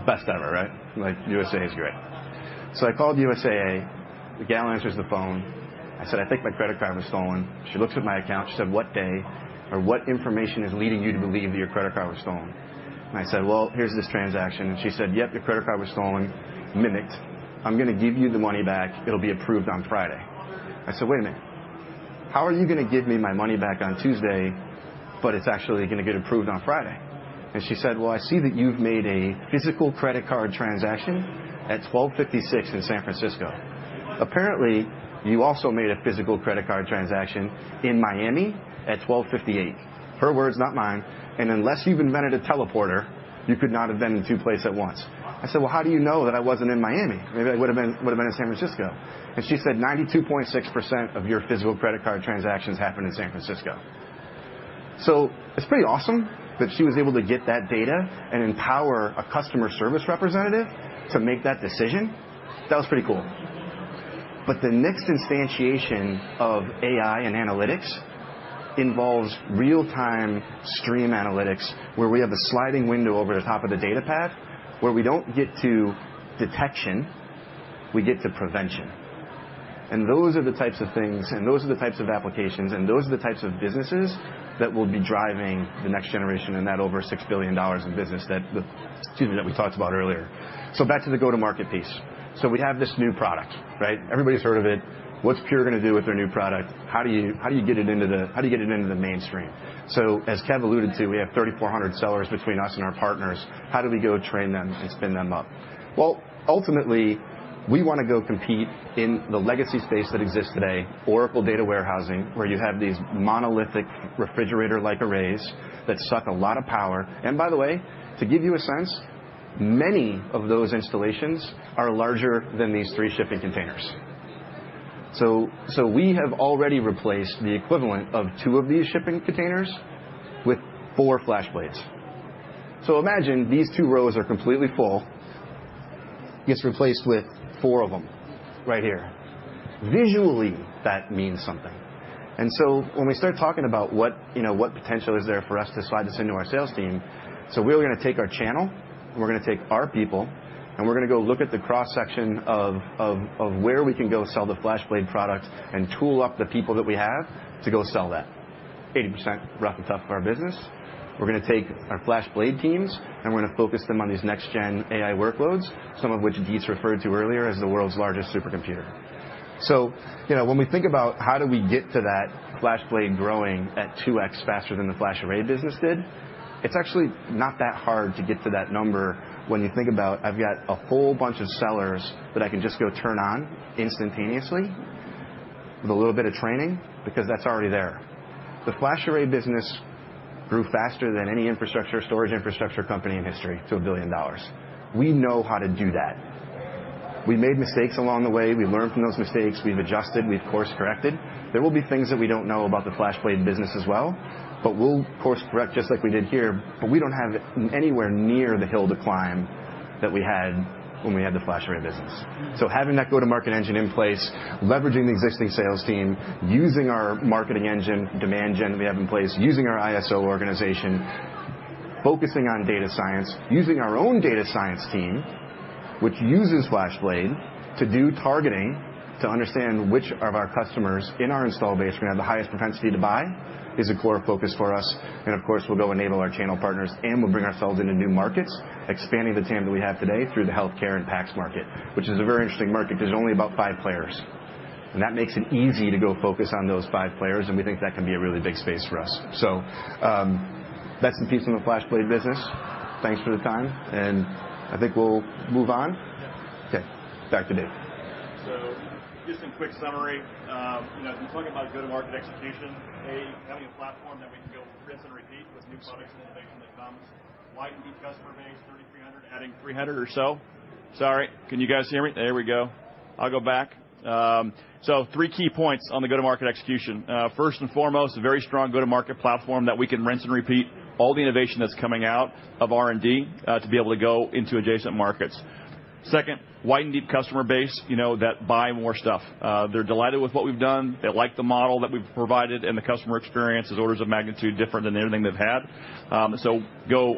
Best ever, right? USAA is great. I called USAA. The gal answers the phone. I said, "I think my credit card was stolen." She looks at my account. She said, "What day?" Or, "What information is leading you to believe that your credit card was stolen?" I said, "Well, here's this transaction." She said, "Yep, your credit card was stolen, mimicked. I'm going to give you the money back. It'll be approved on Friday." I said, "Wait a minute. How are you going to give me my money back on Tuesday, but it's actually going to get approved on Friday?" She said, "Well, I see that you've made a physical credit card transaction at 12:56 in San Francisco. Apparently, you also made a physical credit card transaction in Miami at 12:58." Her words, not mine. "Unless you've invented a teleporter, you could not have been in two places at once." I said, "Well, how do you know that I wasn't in Miami? Maybe I would've been in San Francisco." She said, "92.6% of your physical credit card transactions happen in San Francisco." It's pretty awesome that she was able to get that data and empower a customer service representative to make that decision. That was pretty cool. The next instantiation of AI and analytics involves real-time stream analytics, where we have a sliding window over the top of the data path where we don't get to detection, we get to prevention. Those are the types of things, and those are the types of applications, and those are the types of businesses that will be driving the next generation and that over $6 billion in business that, excuse me, that we talked about earlier. Back to the go-to-market piece. We have this new product, right? Everybody's heard of it. What's Pure going to do with their new product? How do you get it into the mainstream? As Kev alluded to, we have 3,400 sellers between us and our partners. How do we go train them and spin them up? Well, ultimately, we want to go compete in the legacy space that exists today, Oracle data warehousing, where you have these monolithic refrigerator-like arrays that suck a lot of power. By the way, to give you a sense, many of those installations are larger than these three shipping containers. We have already replaced the equivalent of two of these shipping containers with four FlashBlades. Imagine these two rows are completely full, gets replaced with four of them right here. Visually, that means something. When we start talking about what potential is there for us to slide this into our sales team, we're going to take our channel, and we're going to take our people, and we're going to go look at the cross-section of where we can go sell the FlashBlade product and tool up the people that we have to go sell that. 80% rough and tough of our business. We're going to take our FlashBlade teams, and we're going to focus them on these next-gen AI workloads, some of which Dietz referred to earlier as the world's largest supercomputer. When we think about how do we get to that FlashBlade growing at 2x faster than the FlashArray business did, it's actually not that hard to get to that number when you think about I've got a whole bunch of sellers that I can just go turn on instantaneously with a little bit of training, because that's already there. The FlashArray business grew faster than any infrastructure, storage infrastructure company in history to $1 billion. We know how to do that. We made mistakes along the way. We learned from those mistakes. We've adjusted, we've course-corrected. There will be things that we don't know about the FlashBlade business as well, we'll course correct just like we did here. We don't have anywhere near the hill to climb that we had when we had the FlashArray business. Having that go-to-market engine in place, leveraging the existing sales team, using our marketing engine, demand gen that we have in place, using our ISO organization, focusing on data science, using our own data science team, which uses FlashBlade to do targeting to understand which of our customers in our install base are going to have the highest propensity to buy is a core focus for us. Of course, we'll go enable our channel partners and we'll bring ourselves into new markets, expanding the TAM that we have today through the healthcare and PACS market, which is a very interesting market. There's only about five players. That makes it easy to go focus on those five players. We think that can be a really big space for us. That's the piece on the FlashBlade business. Thanks for the time. I think we'll move on. Yeah. Okay, back to Dave. Just in quick summary, if we talk about go-to-market execution, A, having a platform that we can go rinse and repeat with new products and innovation that comes. Widen deep customer base 3,300, adding 300 or so. Sorry, can you guys hear me? There we go. I'll go back. Three key points on the go-to-market execution. First and foremost, a very strong go-to-market platform that we can rinse and repeat all the innovation that's coming out of R&D to be able to go into adjacent markets. Second, widen deep customer base, that buy more stuff. They're delighted with what we've done. They like the model that we've provided. The customer experience is orders of magnitude different than anything they've had. Go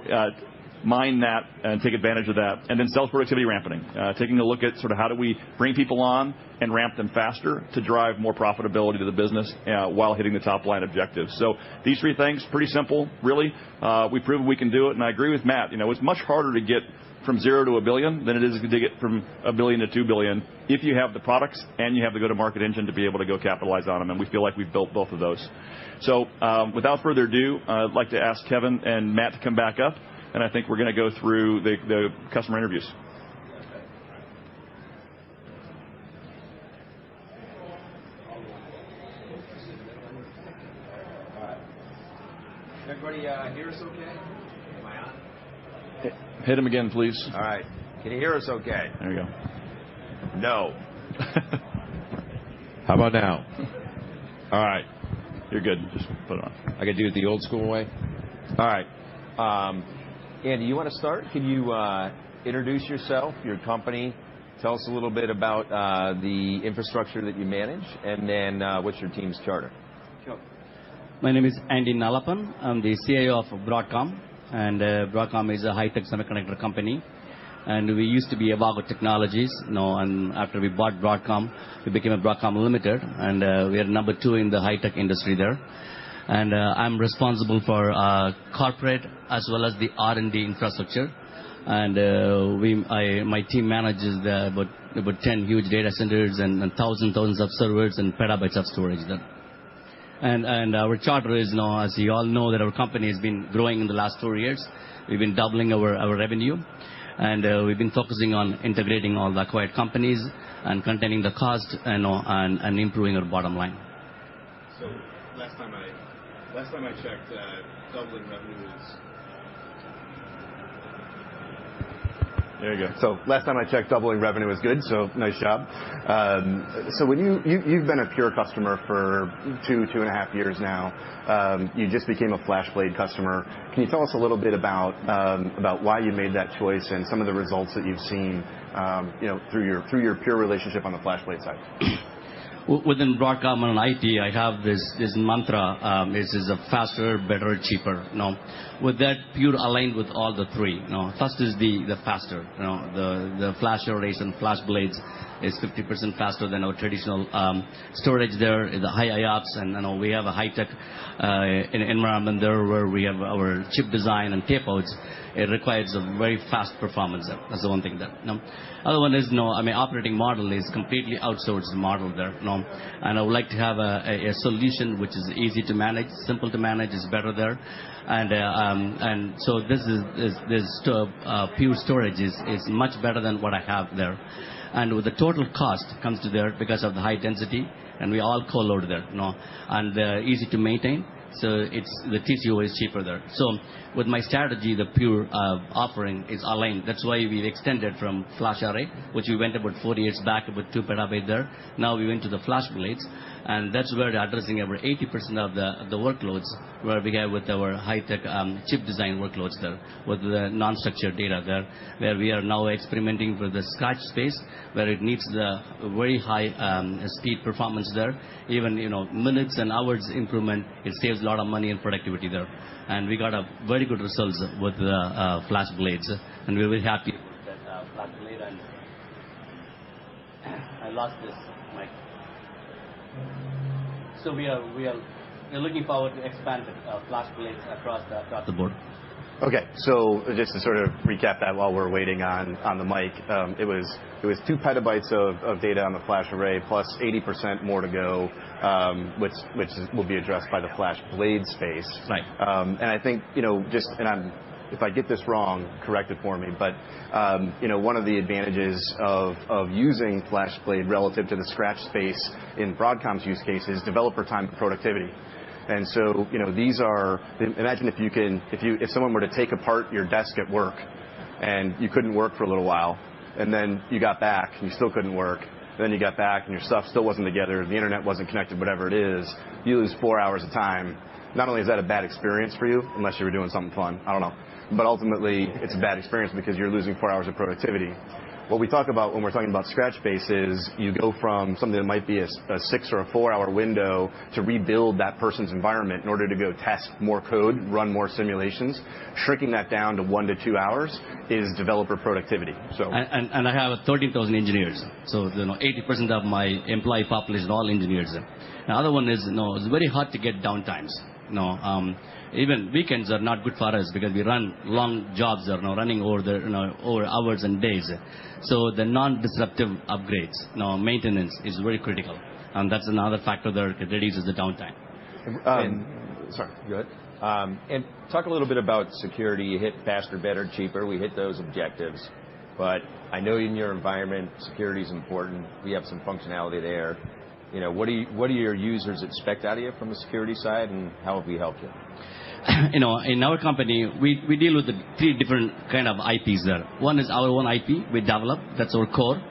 mine that and take advantage of that. Sales productivity rampening. Taking a look at sort of how do we bring people on and ramp them faster to drive more profitability to the business while hitting the top-line objectives. These three things, pretty simple really. We've proven we can do it. I agree with Matt, it's much harder to get from zero to a billion than it is to get from a billion to two billion if you have the products. You have the go-to-market engine to be able to go capitalize on them. We feel like we've built both of those. Without further ado, I'd like to ask Kevin and Matt to come back up. I think we're going to go through the customer interviews. Okay. Can everybody hear us okay? Am I on? Hit him again, please. All right. Can you hear us okay? There we go. No. How about now? All right. You're good. Just put it on. I got to do it the old school way? All right. Andy, you want to start? Can you introduce yourself, your company? Tell us a little bit about the infrastructure that you manage, then what's your team's charter? Sure. My name is Andy Nallappan. I'm the CIO of Broadcom. Broadcom is a high-tech semiconductor company. We used to be Avago Technologies. After we bought Broadcom, we became Broadcom Limited, and we are number two in the high-tech industry there. I'm responsible for corporate as well as the R&D infrastructure. My team manages about 10 huge data centers and 1,000 tons of servers and petabytes of storage there. Our charter is now, as you all know, that our company has been growing in the last two years. We've been doubling our revenue, and we've been focusing on integrating all the acquired companies and containing the cost and improving our bottom line. Last time I checked, doubling revenue was There you go. Last time I checked, doubling revenue was good, so nice job. You've been a Pure customer for two and a half years now. You just became a FlashBlade customer. Can you tell us a little bit about why you made that choice and some of the results that you've seen through your Pure relationship on the FlashBlade side? Within Broadcom and IT, I have this mantra, is faster, better, cheaper. With that, Pure aligned with all the three. First is the faster. The FlashArray and FlashBlade is 50% faster than our traditional storage there, the high IOPS, and we have a high-tech environment there where we have our chip design and tape outs. It requires a very fast performance there. That's the one thing there. Other one is, operating model is completely outsourced model there. I would like to have a solution which is easy to manage, simple to manage is better there. This Pure Storage is much better than what I have there. With the total cost comes to there because of the high density, and we all co-load there. Easy to maintain, so the TCO is cheaper there. With my strategy, the Pure offering is aligned. That's why we've extended from FlashArray, which we went about four years back, about two petabytes there. We went to the FlashBlades, and that's where we're addressing over 80% of the workloads where we have with our high-tech chip design workloads there with the non-structured data there, where we are now experimenting with the scratch space, where it needs the very high speed performance there. Even minutes and hours improvement, it saves a lot of money and productivity there. We got very good results with FlashBlades, and we're very happy with that FlashBlade. I lost this mic. We are looking forward to expanding FlashBlades across the board. Okay. Just to sort of recap that while we're waiting on the mic, it was two petabytes of data on the FlashArray, plus 80% more to go, which will be addressed by the FlashBlade space. Right. I think, if I get this wrong, correct it for me, one of the advantages of using FlashBlade relative to the scratch space in Broadcom's use case is developer time productivity. Imagine if someone were to take apart your desk at work and you couldn't work for a little while, then you got back and you still couldn't work. You got back and your stuff still wasn't together, the internet wasn't connected, whatever it is, you lose four hours of time. Not only is that a bad experience for you, unless you were doing something fun, I don't know. Ultimately, it's a bad experience because you're losing four hours of productivity. What we talk about when we're talking about scratch space is you go from something that might be a six or a four-hour window to rebuild that person's environment in order to go test more code, run more simulations. Shrinking that down to one to two hours is developer productivity. I have 13,000 engineers, 80% of my employee population is all engineers. The other one is, it's very hard to get downtimes. Even weekends are not good for us because we run long jobs. They're now running over hours and days. The non-disruptive upgrades, maintenance is very critical, and that's another factor there because it reduces the downtime. Sorry, go ahead. Talk a little bit about security. You hit faster, better, cheaper. We hit those objectives, I know in your environment, security's important. We have some functionality there. What do your users expect out of you from a security side, and how have we helped you? In our company, we deal with three different kind of IPs there. One is our own IP we develop, that's our core.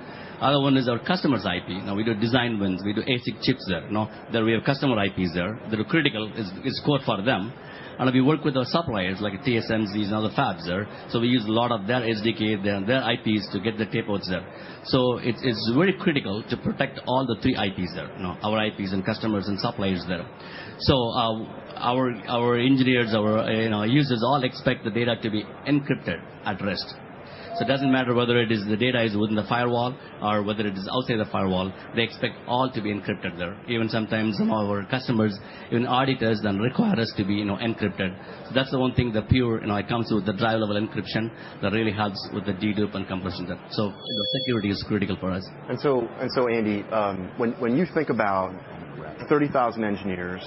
Other one is our customer's IP. We do design wins. We do ASIC chips there. There we have customer IPs there that are critical, is core for them. We work with our suppliers, like TSMCs and other fabs there. We use a lot of their SDK, their IPs to get the tapouts there. It's very critical to protect all the three IPs there, our IPs and customers and suppliers there. Our engineers, our users all expect the data to be encrypted at rest. It doesn't matter whether it is the data is within the firewall or whether it is outside the firewall, they expect all to be encrypted there. Even sometimes some of our customers, even auditors then require us to be encrypted. That's the one thing that Pure, it comes with the drive level encryption that really helps with the Dedup and compression there. The security is critical for us. Andy, when you think about 30,000 engineers,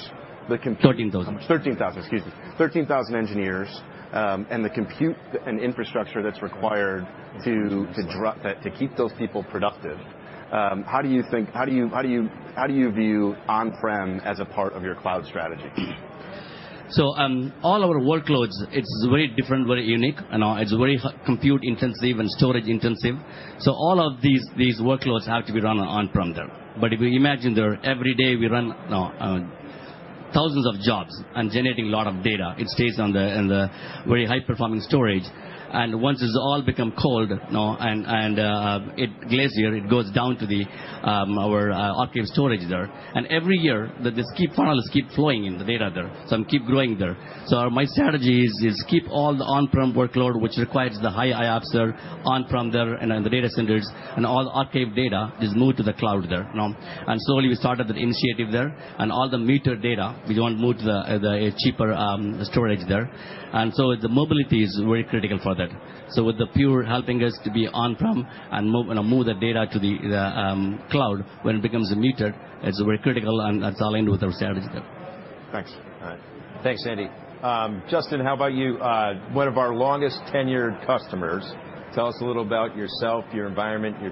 the compute- 13,000. 13,000, excuse me. 13,000 engineers, and the compute and infrastructure that's required to keep those people productive, how do you view on-prem as a part of your cloud strategy? All our workloads, it's very different, very unique. It's very compute intensive and storage intensive. All of these workloads have to be run on-prem there. If you imagine there every day we run thousands of jobs and generating a lot of data, it stays in the very high performing storage. Once it's all become cold, and it Glacier, it goes down to our archive storage there. Every year, the disk keep finals keep flowing in the data there, some keep growing there. My strategy is keep all the on-prem workload, which requires the high IOPS there on-prem there and in the data centers and all archive data is moved to the cloud there. Slowly we started the initiative there. All the metadata, we don't move to the cheaper storage there. The mobility is very critical for that. With the Pure helping us to be on-prem and move the data to the cloud when it becomes a meter, it's very critical and that's all in with our strategy there. Thanks. All right. Thanks, Andy. Justin, how about you? One of our longest tenured customers. Tell us a little about yourself, your environment, your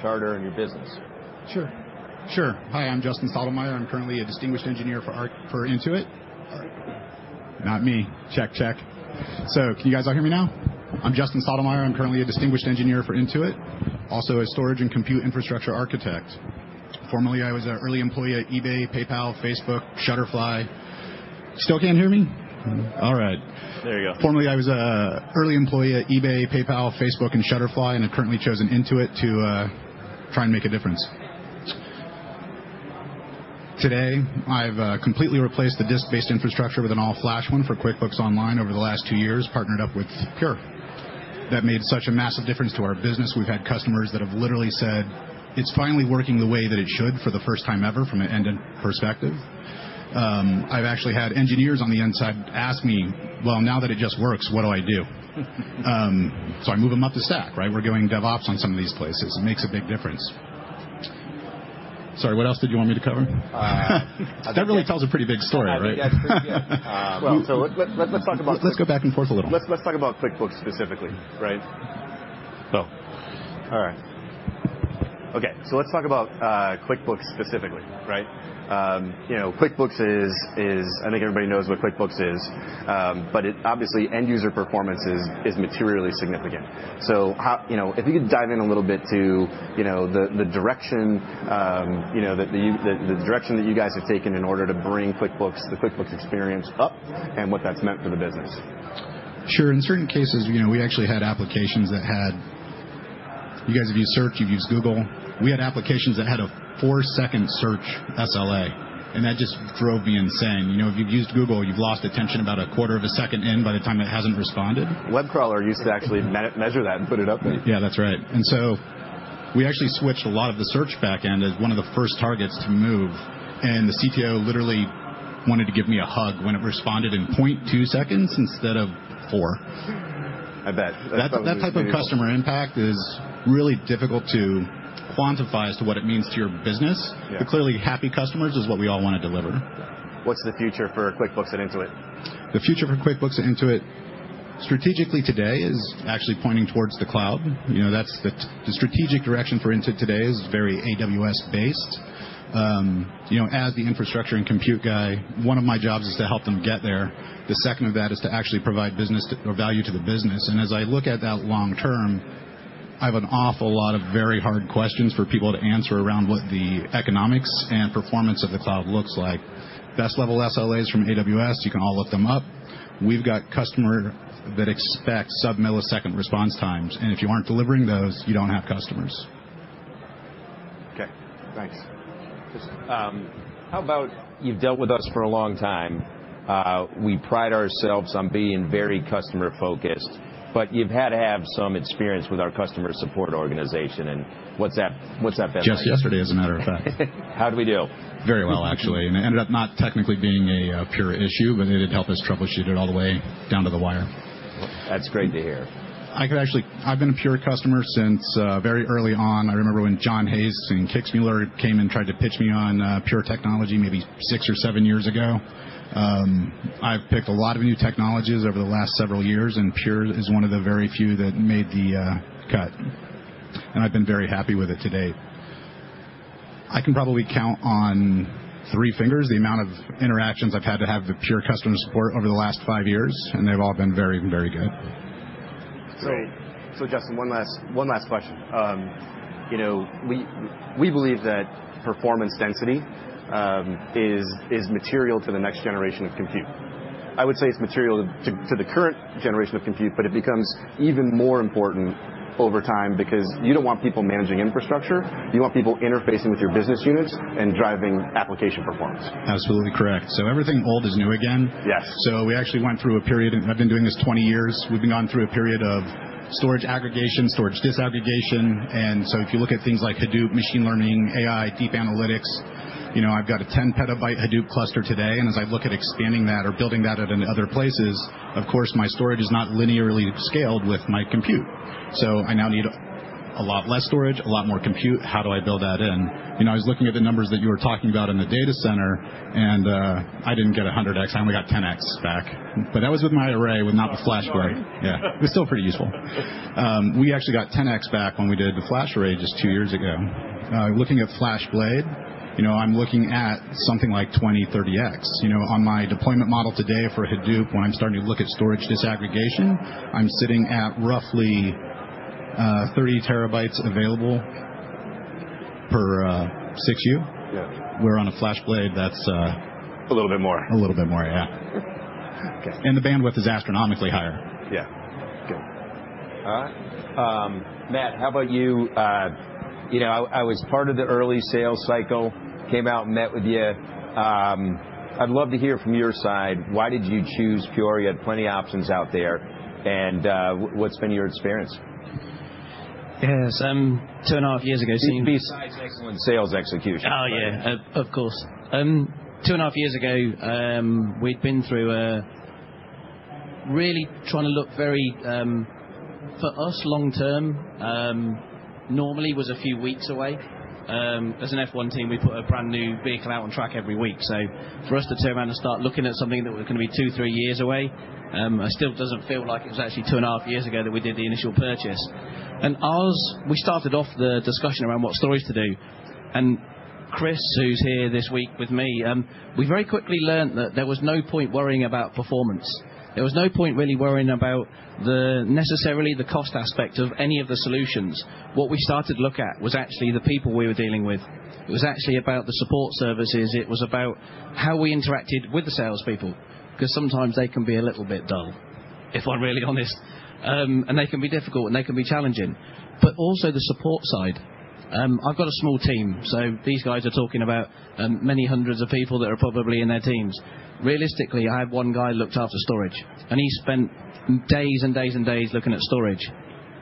charter, and your business. Sure. Hi, I'm Justin Sodoma. I'm currently a Distinguished Engineer for Intuit. Sorry. Not me. Check. Can you guys all hear me now? I'm Justin Sodoma. I'm currently a Distinguished Engineer for Intuit, also a storage and compute infrastructure architect. Formerly, I was an early employee at eBay, PayPal, Facebook, Shutterfly. Still can't hear me? All right. There you go. Formerly, I was an early employee at eBay, PayPal, Facebook, and Shutterfly, and have currently chosen Intuit to try and make a difference. Today, I've completely replaced the disk-based infrastructure with an all-flash one for QuickBooks Online over the last two years, partnered up with Pure. That made such a massive difference to our business. We've had customers that have literally said, "It's finally working the way that it should for the first time ever from an end-to-end perspective." I've actually had engineers on the inside ask me, "Well, now that it just works, what do I do?" I move them up the stack, right? We're doing DevOps on some of these places. It makes a big difference. Sorry, what else did you want me to cover? That really tells a pretty big story, right? Yeah. Let's talk about- Let's go back and forth a little. Let's talk about QuickBooks specifically, right? All right. Let's talk about QuickBooks specifically, right? QuickBooks is, I think everybody knows what QuickBooks is. It obviously end user performance is materially significant. If you could dive in a little bit to the direction that you guys have taken in order to bring the QuickBooks experience up and what that's meant for the business. Sure. In certain cases, we actually had applications that had, you guys have used Search, you've used Google. We had applications that had a four-second search SLA, and that just drove me insane. If you've used Google, you've lost attention about a quarter of a second in by the time it hasn't responded. WebCrawler used to actually measure that and put it up there. Yeah, that's right. We actually switched a lot of the search backend as one of the first targets to move, and the CTO literally wanted to give me a hug when it responded in 0.2 seconds instead of four. I bet. That type of customer impact is really difficult to quantify as to what it means to your business. Yeah. Clearly happy customers is what we all want to deliver. What's the future for QuickBooks at Intuit? The future for QuickBooks at Intuit, strategically today, is actually pointing towards the cloud. The strategic direction for Intuit today is very AWS based. As the infrastructure and compute guy, one of my jobs is to help them get there. The second of that is to actually provide value to the business. As I look at that long term, I have an awful lot of very hard questions for people to answer around what the economics and performance of the cloud looks like. Best level SLAs from AWS, you can all look them up. We've got customer that expects sub-millisecond response times, and if you aren't delivering those, you don't have customers. Okay, thanks. How about you've dealt with us for a long time. We pride ourselves on being very customer-focused, but you've had to have some experience with our customer support organization, and what's that been like? Just yesterday, as a matter of fact. How'd we do? Very well, actually. It ended up not technically being a Pure issue, but it did help us troubleshoot it all the way down to the wire. That's great to hear. I've been a Pure customer since very early on. I remember when John Hayes and Matt Kixmoeller came and tried to pitch me on Pure technology maybe six or seven years ago. I've picked a lot of new technologies over the last several years, and Pure is one of the very few that made the cut, and I've been very happy with it to date. I can probably count on three fingers the amount of interactions I've had to have with Pure customer support over the last five years, and they've all been very, very good. Great. Justin, one last question. We believe that performance density is material to the next generation of compute. I would say it's material to the current generation of compute, but it becomes even more important over time because you don't want people managing infrastructure. You want people interfacing with your business units and driving application performance. Absolutely correct. Everything old is new again. Yes. We actually went through a period, and I've been doing this 20 years. We've been going through a period of storage aggregation, storage disaggregation. If you look at things like Hadoop machine learning, AI, deep analytics, I've got a 10 petabyte Hadoop cluster today. As I look at expanding that or building that out into other places, of course, my storage is not linearly scaled with my compute. I now need a lot less storage, a lot more compute. How do I build that in? I was looking at the numbers that you were talking about in the data center. I didn't get 100X. I only got 10X back. That was with my array, with not the FlashBlade. Oh, sorry. Yeah. It was still pretty useful. We actually got 10X back when we did the FlashArray just two years ago. Looking at FlashBlade, I'm looking at something like 20, 30X. On my deployment model today for Hadoop, where I'm starting to look at storage disaggregation, I'm sitting at roughly 30 terabytes available per 6U. Yeah. Where on a FlashBlade, that's- A little bit more. A little bit more, yeah. Okay. The bandwidth is astronomically higher. Yeah. Good. All right. Matt, how about you? I was part of the early sales cycle, came out and met with you. I'd love to hear from your side, why did you choose Pure? You had plenty options out there. What's been your experience? Yes. Two and a half years ago. Besides excellent sales execution. Oh, yeah. Of course. Two and a half years ago, we'd been through really trying to look very, for us, long-term normally was a few weeks away. As an F1 team, we put a brand new vehicle out on track every week. For us to turn around and start looking at something that was going to be two, three years away, it still doesn't feel like it was actually two and a half years ago that we did the initial purchase. We started off the discussion around what storage to do, and Chris, who's here this week with me, we very quickly learned that there was no point worrying about performance. There was no point really worrying about necessarily the cost aspect of any of the solutions. What we started to look at was actually the people we were dealing with. It was actually about the support services. It was about how we interacted with the salespeople, because sometimes they can be a little bit dull, if I'm really honest. They can be difficult, and they can be challenging. Also the support side. I've got a small team, so these guys are talking about many hundreds of people that are probably in their teams. Realistically, I have one guy looked after storage, and he spent days and days and days looking at storage.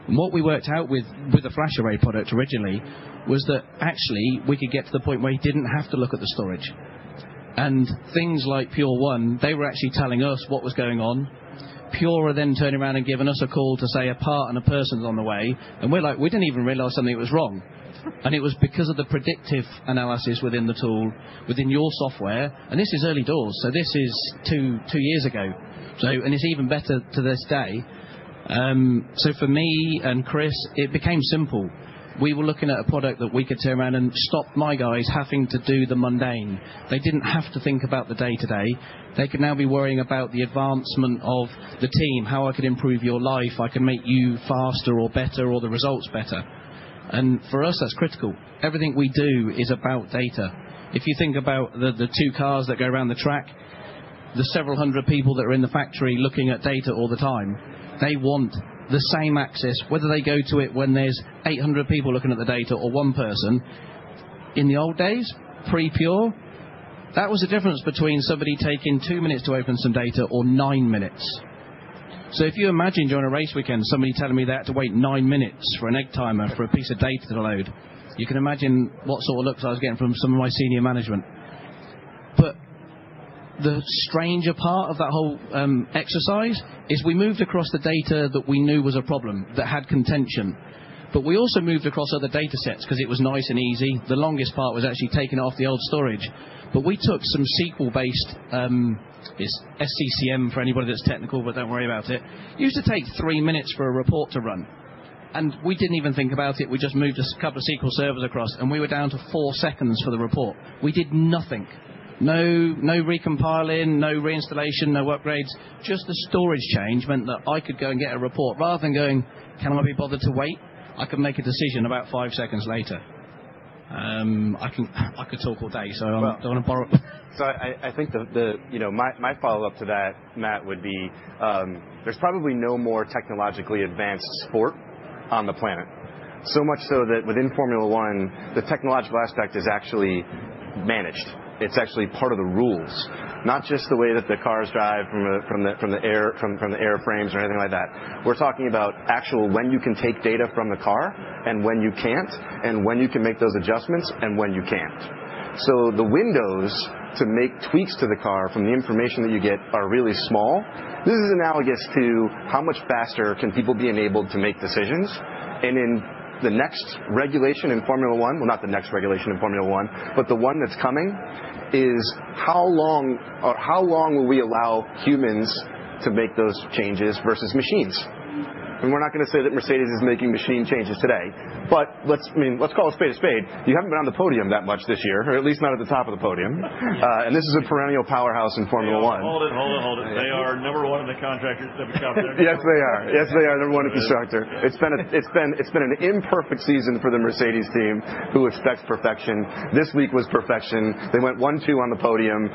What we worked out with the FlashArray product originally was that actually, we could get to the point where he didn't have to look at the storage. Things like Pure1, they were actually telling us what was going on. Pure turning around and giving us a call to say a part and a person's on the way, and we're like, we didn't even realize something was wrong. It was because of the predictive analysis within the tool, within your software. This is early doors, so this is two years ago. It's even better to this day. For me and Chris, it became simple. We were looking at a product that we could turn around and stop my guys having to do the mundane. They didn't have to think about the day-to-day. They could now be worrying about the advancement of the team, how I could improve your life. I can make you faster or better, or the results better. For us, that's critical. Everything we do is about data. If you think about the two cars that go around the track, the several hundred people that are in the factory looking at data all the time, they want the same access, whether they go to it when there's 800 people looking at the data or one person. In the old days, pre-Pure, that was the difference between somebody taking two minutes to open some data or nine minutes. If you imagine during a race weekend, somebody telling me they had to wait nine minutes for an egg timer for a piece of data to load, you can imagine what sort of looks I was getting from some of my senior management. The stranger part of that whole exercise is we moved across the data that we knew was a problem, that had contention, but we also moved across other data sets because it was nice and easy. The longest part was actually taking off the old storage. We took some SQL-based, it's SCCM for anybody that's technical, but don't worry about it. It used to take three minutes for a report to run, and we didn't even think about it, we just moved a couple of SQL servers across, and we were down to four seconds for the report. We did nothing. No recompiling, no reinstallation, no upgrades, just the storage change meant that I could go and get a report. Rather than going, "Can I be bothered to wait?" I could make a decision about five seconds later. I could talk all day, do you want to borrow? I think my follow-up to that, Matt, would be, there's probably no more technologically advanced sport on the planet. So much so that within Formula One, the technological aspect is actually managed. It's actually part of the rules, not just the way that the cars drive from the airframes or anything like that. We're talking about actual, when you can take data from the car and when you can't, and when you can make those adjustments and when you can't. The windows to make tweaks to the car from the information that you get are really small. In the next regulation in Formula One, well, not the next regulation in Formula One, but the one that's coming, is how long will we allow humans to make those changes versus machines? We're not going to say that Mercedes is making machine changes today, let's call a spade a spade. You haven't been on the podium that much this year, or at least not at the top of the podium. This is a perennial powerhouse in Formula One. Hold it. They are number one in the constructors that we count every year. Yes, they are number one in constructor. It's been an imperfect season for the Mercedes team, who expects perfection. This week was perfection. They went 1-2 on the podium.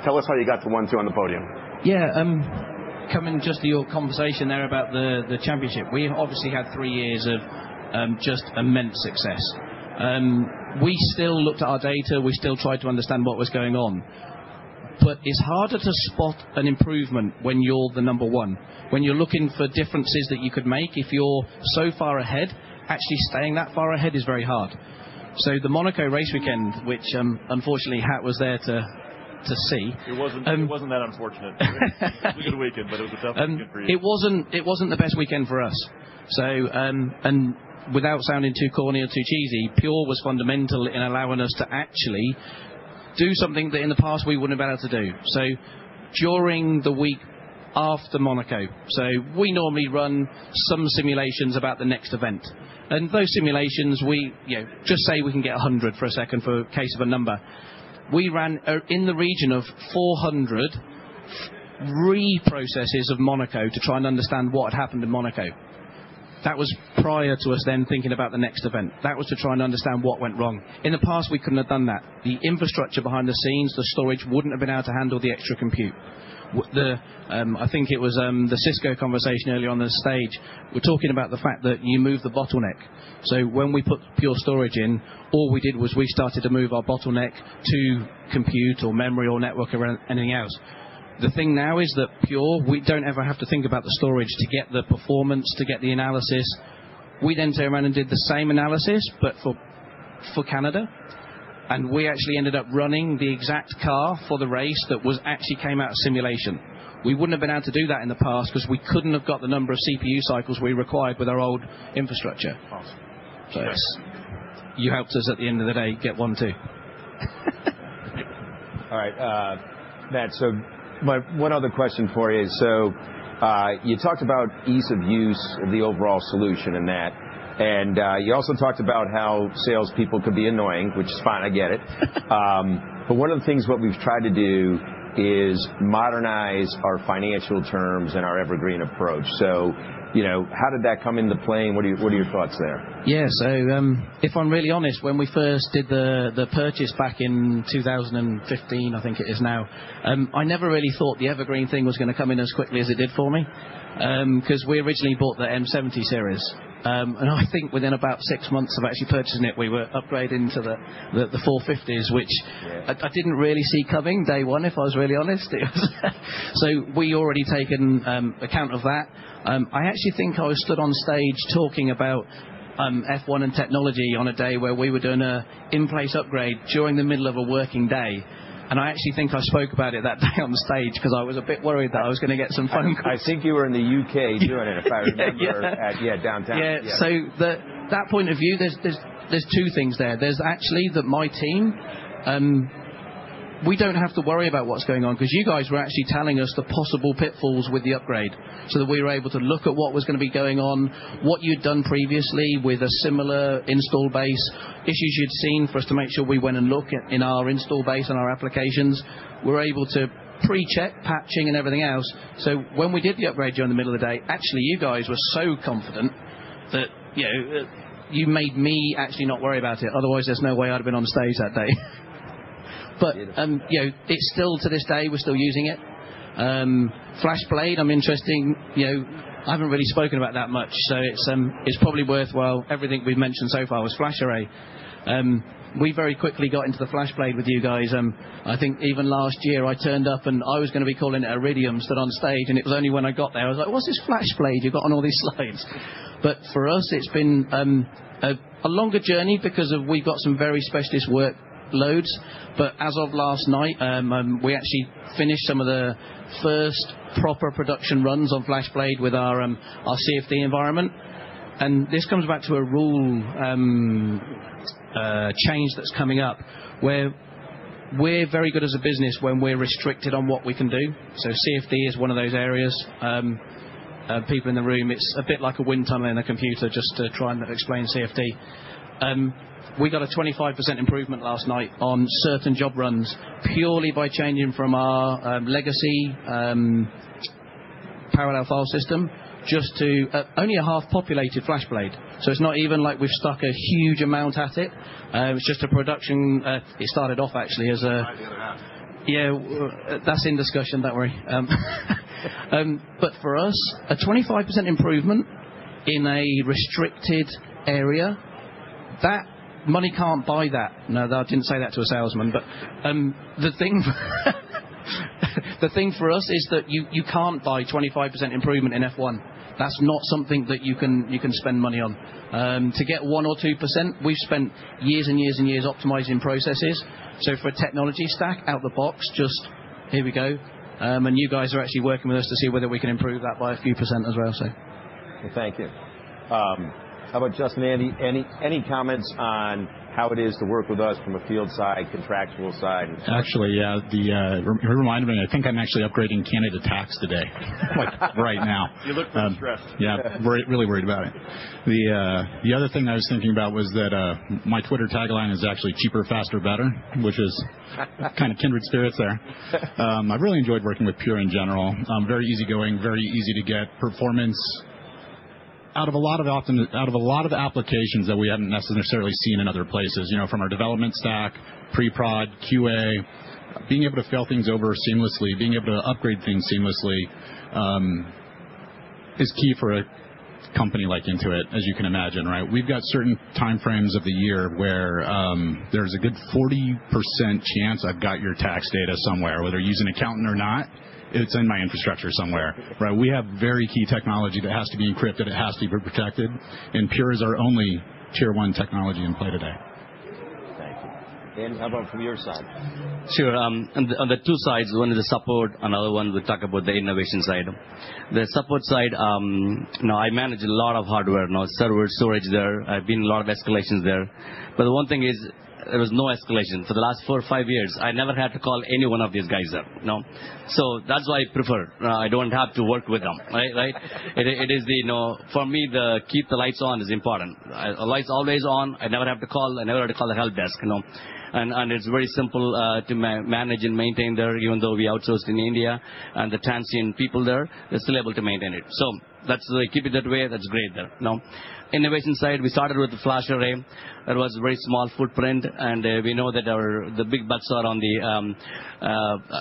Tell us how you got to 1-2 on the podium. Coming just to your conversation there about the championship, we have obviously had three years of just immense success. We still looked at our data. We still tried to understand what was going on. It's harder to spot an improvement when you're the number one. When you're looking for differences that you could make, if you're so far ahead, actually staying that far ahead is very hard. The Monaco race weekend, which, unfortunately, Hat was there to see. It wasn't that unfortunate. It was a good weekend, but it was a tough weekend for you. Without sounding too corny or too cheesy, Pure was fundamental in allowing us to actually do something that in the past we wouldn't have been able to do. During the week after Monaco, we normally run some simulations about the next event. Those simulations, just say we can get 100 for a second for case of a number. We ran in the region of 400 reprocesses of Monaco to try and understand what had happened in Monaco. That was prior to us then thinking about the next event. That was to try and understand what went wrong. In the past, we couldn't have done that. The infrastructure behind the scenes, the storage wouldn't have been able to handle the extra compute. I think it was the Cisco conversation earlier on the stage. We're talking about the fact that you move the bottleneck. When we put Pure Storage in, all we did was we started to move our bottleneck to compute or memory or network or anything else. The thing now is that Pure, we don't ever have to think about the storage to get the performance, to get the analysis. We turned around and did the same analysis, but for Canada. We actually ended up running the exact car for the race that actually came out of simulation. We wouldn't have been able to do that in the past because we couldn't have got the number of CPU cycles we required with our old infrastructure. Awesome. You helped us at the end of the day get one-two. My one other question for you is, you talked about ease of use of the overall solution and that. You also talked about how salespeople could be annoying, which is fine, I get it. One of the things what we've tried to do is modernize our financial terms and our Evergreen approach. How did that come into play, and what are your thoughts there? Yeah. If I'm really honest, when we first did the purchase back in 2015, I think it is now, I never really thought the Evergreen thing was going to come in as quickly as it did for me. Because we originally bought the M70 series. I think within about six months of actually purchasing it, we were upgrading to the 450s. Yeah I didn't really see coming day one, if I was really honest. We already taken account of that. I actually think I stood on stage talking about F1 and technology on a day where we were doing a in-place upgrade during the middle of a working day. I actually think I spoke about it that day on stage because I was a bit worried that I was going to get some phone calls. I think you were in the U.K. doing it, if I remember. Yeah. Downtown. Yeah. That point of view, there's two things there. There's actually that my team, we don't have to worry about what's going on because you guys were actually telling us the possible pitfalls with the upgrade. That we were able to look at what was going to be going on, what you'd done previously with a similar install base, issues you'd seen for us to make sure we went and look in our install base and our applications. We were able to pre-check patching and everything else. When we did the upgrade during the middle of the day, actually, you guys were so confident that you made me actually not worry about it. Otherwise, there's no way I'd have been on stage that day. It's still to this day, we're still using it. FlashBlade, interesting, I haven't really spoken about that much, it's probably worthwhile. Everything we've mentioned so far was FlashArray. We very quickly got into the FlashBlade with you guys. I think even last year I turned up and I was going to be calling it Iridium, stood on stage, and it was only when I got there, I was like, "What's this FlashBlade you've got on all these slides?" For us, it's been a longer journey because we've got some very specialist workloads. As of last night, we actually finished some of the first proper production runs on FlashBlade with our CFD environment. This comes back to a rule change that's coming up, where we're very good as a business when we're restricted on what we can do. CFD is one of those areas. People in the room, it's a bit like a wind tunnel in a computer, just to try and explain CFD. We got a 25% improvement last night on certain job runs purely by changing from our legacy parallel file system just to only a half-populated FlashBlade. It's not even like we've stuck a huge amount at it. It was just a production. It started off actually as a. The idea of that. Yeah. That's in discussion, don't worry. For us, a 25% improvement in a restricted area, money can't buy that. No, I didn't say that to a salesman, but the thing for us is that you can't buy 25% improvement in F1. That's not something that you can spend money on. To get 1% or 2%, we've spent years and years and years optimizing processes. For a technology stack out the box, just here we go, and you guys are actually working with us to see whether we can improve that by a few percent as well. Well, thank you. How about Justin, Andy, any comments on how it is to work with us from a field side, contractual side? Actually, yeah. You remind me, I think I'm actually upgrading candidate tax today. Like right now. You look pretty stressed. Yeah. Really worried about it. The other thing I was thinking about was that my Twitter tagline is actually cheaper, faster, better, which is kindred spirits there. I've really enjoyed working with Pure in general. Very easygoing, very easy to get performance out of a lot of applications that we haven't necessarily seen in other places. From our development stack, pre-prod, QA, being able to fail things over seamlessly, being able to upgrade things seamlessly, is key for a company like Intuit, as you can imagine, right? We've got certain time frames of the year where there's a good 40% chance I've got your tax data somewhere, whether you use an accountant or not, it's in my infrastructure somewhere, right? We have very key technology that has to be encrypted, it has to be protected, and Pure is our only tier 1 technology in play today. Thank you. Andy, how about from your side? Sure. On the two sides, one is the support, another one, we talk about the innovation side. The support side, I manage a lot of hardware. Server, storage there. I've been a lot of escalations there. The one thing is, there was no escalation. For the last four or five years, I never had to call any one of these guys up. That's why I prefer. I don't have to work with them, right? For me, the keep the lights on is important. The light's always on. I never have to call. I never have to call the help desk. And it's very simple to manage and maintain there, even though we outsource in India, and the transient people there, they're still able to maintain it. That's the way, keep it that way. That's great there. Innovation side, we started with the FlashArray. That was a very small footprint, we know that the big bucks are on the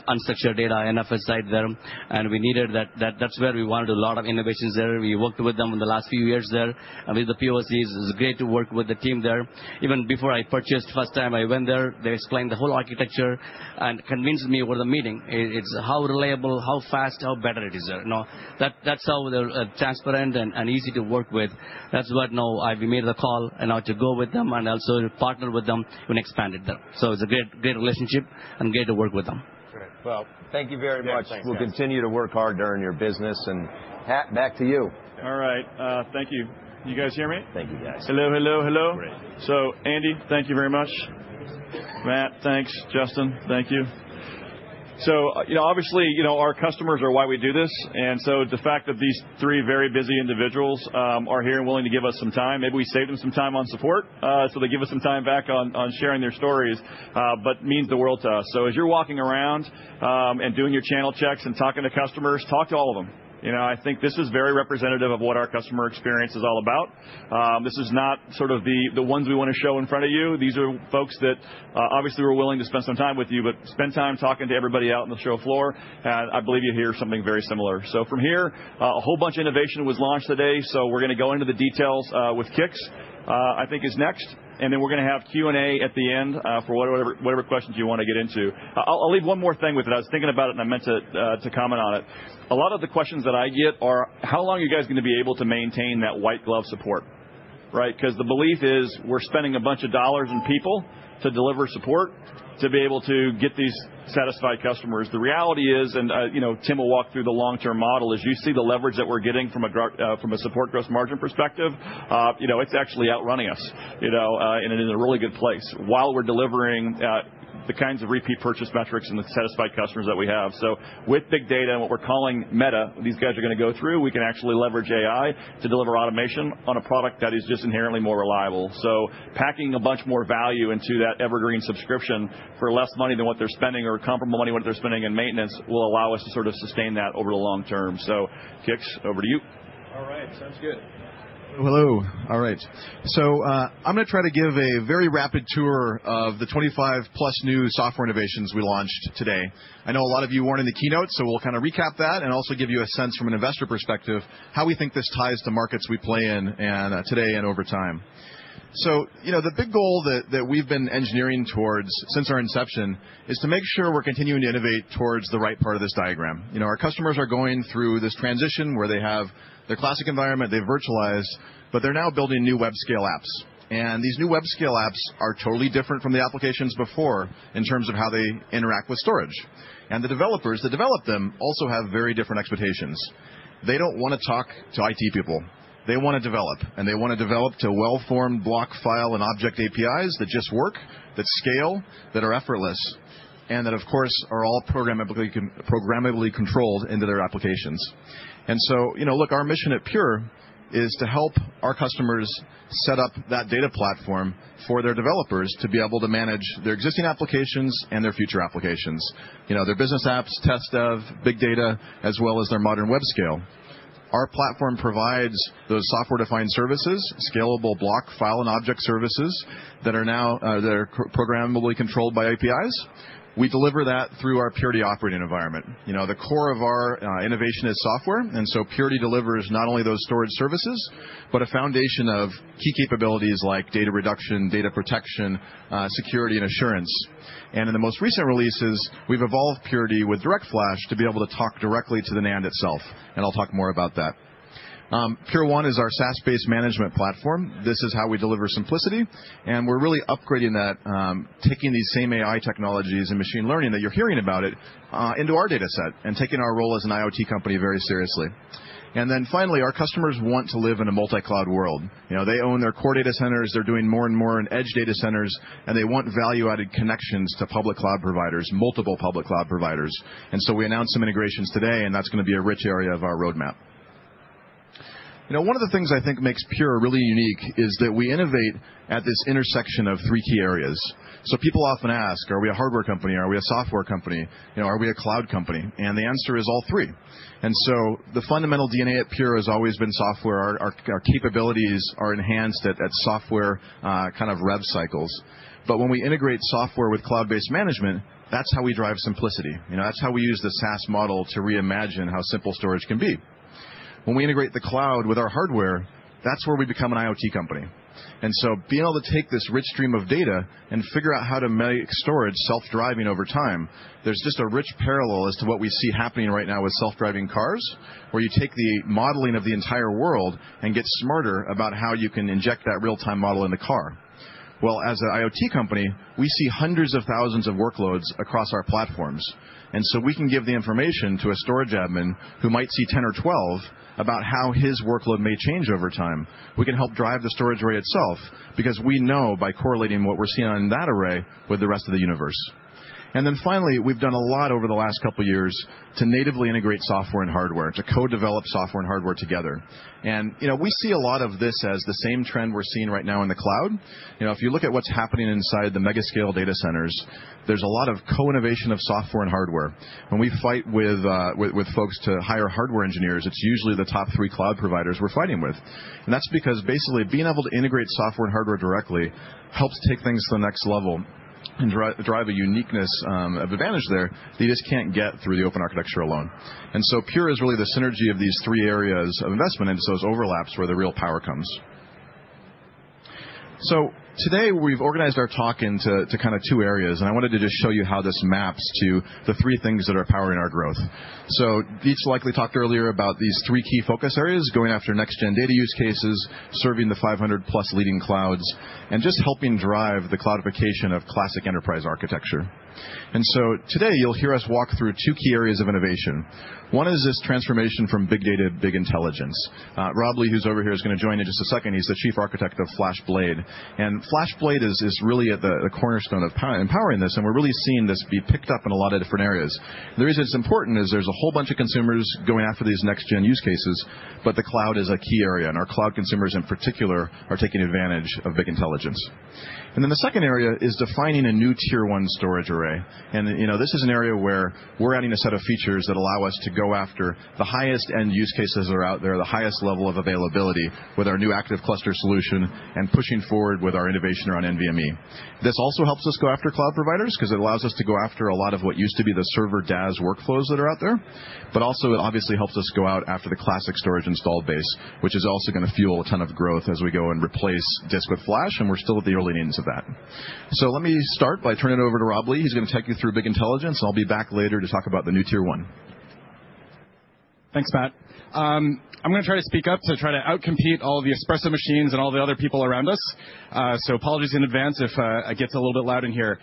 unstructured data, NFS side there, and that's where we wanted a lot of innovations there. We worked with them in the last few years there with the POCs. It's great to work with the team there. Even before I purchased, first time I went there, they explained the whole architecture and convinced me over the meeting. It's how reliable, how fast, how better it is there. That's how they're transparent and easy to work with. That's what now we made the call in order to go with them and also to partner with them and expand it there. It's a great relationship and great to work with them. Great. Well, thank you very much. Yeah, thanks guys. We'll continue to work hard during your business. Pat, back to you. All right. Thank you. You guys hear me? Thank you, guys. Hello, hello. Great. Andy, thank you very much. Matt, thanks. Justin, thank you. Obviously, our customers are why we do this, and so the fact that these three very busy individuals are here and willing to give us some time, maybe we saved them some time on support, so they give us some time back on sharing their stories, but means the world to us. As you're walking around and doing your channel checks and talking to customers, talk to all of them. I think this is very representative of what our customer experience is all about. This is not sort of the ones we want to show in front of you. These are folks that obviously were willing to spend some time with you, but spend time talking to everybody out on the show floor. I believe you hear something very similar. From here, a whole bunch of innovation was launched today. We're going to go into the details with Kix, I think is next, and then we're going to have Q&A at the end, for whatever questions you want to get into. I'll leave one more thing with it. I was thinking about it and I meant to comment on it. A lot of the questions that I get are, how long are you guys going to be able to maintain that white glove support? Right? Because the belief is we're spending a bunch of dollars in people to deliver support to be able to get these satisfied customers. The reality is, and Tim will walk through the long-term model, is you see the leverage that we're getting from a support gross margin perspective. It's actually outrunning us, and it is in a really good place while we're delivering the kinds of repeat purchase metrics and the satisfied customers that we have. With big data and what we're calling Meta, these guys are going to go through, we can actually leverage AI to deliver automation on a product that is just inherently more reliable. Packing a bunch more value into that Evergreen subscription for less money than what they're spending or comparable money, what they're spending in maintenance will allow us to sort of sustain that over the long term. Kix, over to you. All right. Sounds good. Hello. All right. I'm going to try to give a very rapid tour of the 25+ new software innovations we launched today. I know a lot of you weren't in the keynote, so we'll kind of recap that and also give you a sense from an investor perspective, how we think this ties to markets we play in and today and over time. The big goal that we've been engineering towards since our inception is to make sure we're continuing to innovate towards the right part of this diagram. Our customers are going through this transition where they have their classic environment, they virtualize, but they're now building new web scale apps. These new web scale apps are totally different from the applications before in terms of how they interact with storage. The developers that develop them also have very different expectations. They don't want to talk to IT people. They want to develop, and they want to develop to well-formed block file and object APIs that just work, that scale, that are effortless, and that, of course, are all programmably controlled into their applications. Look, our mission at Pure is to help our customers set up that data platform for their developers to be able to manage their existing applications and their future applications. Their business apps, TestDev, big data, as well as their modern web scale. Our platform provides those software-defined services, scalable block file and object services that are now programmably controlled by APIs. We deliver that through our Purity operating environment. The core of our innovation is software. Purity delivers not only those storage services, but a foundation of key capabilities like data reduction, data protection, security, and assurance. In the most recent releases, we've evolved Purity with DirectFlash to be able to talk directly to the NAND itself. I'll talk more about that. Pure1 is our SaaS-based management platform. This is how we deliver simplicity, and we're really upgrading that, taking these same AI technologies and machine learning that you're hearing about it into our data set and taking our role as an IoT company very seriously. Finally, our customers want to live in a multi-cloud world. They own their core data centers. They're doing more and more in edge data centers, and they want value-added connections to public cloud providers, multiple public cloud providers. We announced some integrations today, and that's going to be a rich area of our roadmap. One of the things I think makes Pure really unique is that we innovate at this intersection of three key areas. People often ask, are we a hardware company? Are we a software company? Are we a cloud company? The answer is all three. The fundamental DNA at Pure has always been software. Our capabilities are enhanced at software kind of rev cycles. When we integrate software with cloud-based management, that's how we drive simplicity. That's how we use the SaaS model to reimagine how simple storage can be. When we integrate the cloud with our hardware, that's where we become an IoT company. Being able to take this rich stream of data and figure out how to make storage self-driving over time, there's just a rich parallel as to what we see happening right now with self-driving cars, where you take the modeling of the entire world and get smarter about how you can inject that real-time model in the car. Well, as an IoT company, we see hundreds of thousands of workloads across our platforms. We can give the information to a storage admin who might see 10 or 12 about how his workload may change over time. We can help drive the storage array itself because we know by correlating what we're seeing on that array with the rest of the universe. Finally, we've done a lot over the last couple of years to natively integrate software and hardware, to co-develop software and hardware together. We see a lot of this as the same trend we're seeing right now in the cloud. If you look at what's happening inside the mega scale data centers, there's a lot of co-innovation of software and hardware. When we fight with folks to hire hardware engineers, it's usually the top three cloud providers we're fighting with. That's because basically being able to integrate software and hardware directly helps take things to the next level and drive a uniqueness of advantage there that you just can't get through the open architecture alone. Pure is really the synergy of these three areas of investment, and it's those overlaps where the real power comes. Today, we've organized our talk into two areas, and I wanted to just show you how this maps to the three things that are powering our growth. Deech likely talked earlier about these three key focus areas, going after next gen data use cases, serving the 500 plus leading clouds, and just helping drive the cloudification of classic enterprise architecture. Today you'll hear us walk through two key areas of innovation. One is this transformation from big data to big intelligence. Robert Lee, who's over here, is going to join in just a second. He's the chief architect of FlashBlade. FlashBlade is really at the cornerstone of empowering this, and we're really seeing this be picked up in a lot of different areas. The reason it's important is there's a whole bunch of consumers going after these next gen use cases, but the cloud is a key area, and our cloud consumers in particular are taking advantage of big intelligence. Then the second area is defining a new tier 1 storage array. This is an area where we're adding a set of features that allow us to go after the highest end use cases that are out there, the highest level of availability with our new ActiveCluster solution and pushing forward with our innovation around NVMe. This also helps us go after cloud providers because it allows us to go after a lot of what used to be the server DAS workflows that are out there. Also it obviously helps us go out after the classic storage install base, which is also going to fuel a ton of growth as we go and replace disk with flash, and we're still at the early innings of that. Let me start by turning it over to Robert Lee. He's going to take you through big intelligence. I'll be back later to talk about the new tier 1. Thanks, Matt. I'm going to try to speak up to try to out-compete all the espresso machines and all the other people around us. Apologies in advance if it gets a little bit loud in here.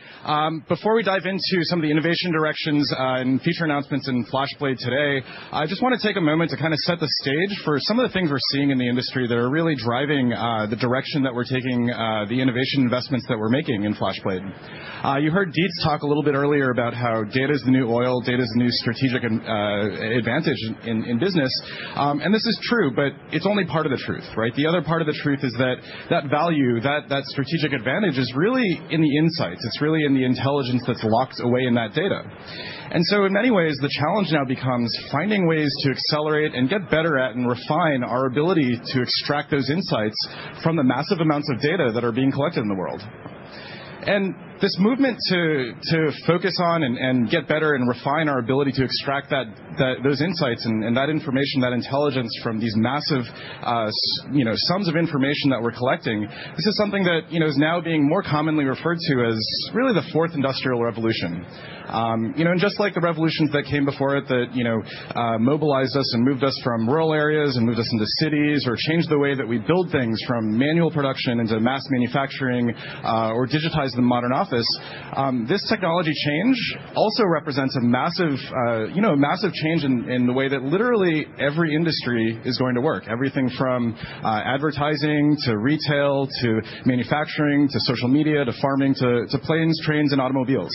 Before we dive into some of the innovation directions and feature announcements in FlashBlade today, I just want to take a moment to set the stage for some of the things we're seeing in the industry that are really driving the direction that we're taking, the innovation investments that we're making in FlashBlade. You heard Deeps talk a little bit earlier about how data is the new oil, data is the new strategic advantage in business. This is true, but it's only part of the truth, right? The other part of the truth is that value, that strategic advantage is really in the insights. It's really in the intelligence that's locked away in that data. In many ways, the challenge now becomes finding ways to accelerate and get better at and refine our ability to extract those insights from the massive amounts of data that are being collected in the world. This movement to focus on and get better and refine our ability to extract those insights and that information, that intelligence from these massive sums of information that we're collecting, this is something that is now being more commonly referred to as really the fourth industrial revolution. Just like the revolutions that came before it, that mobilized us and moved us from rural areas and moved us into cities or changed the way that we build things from manual production into mass manufacturing or digitized the modern office, this technology change also represents a massive change in the way that literally every industry is going to work. Everything from advertising to retail to manufacturing to social media to farming to planes, trains, and automobiles.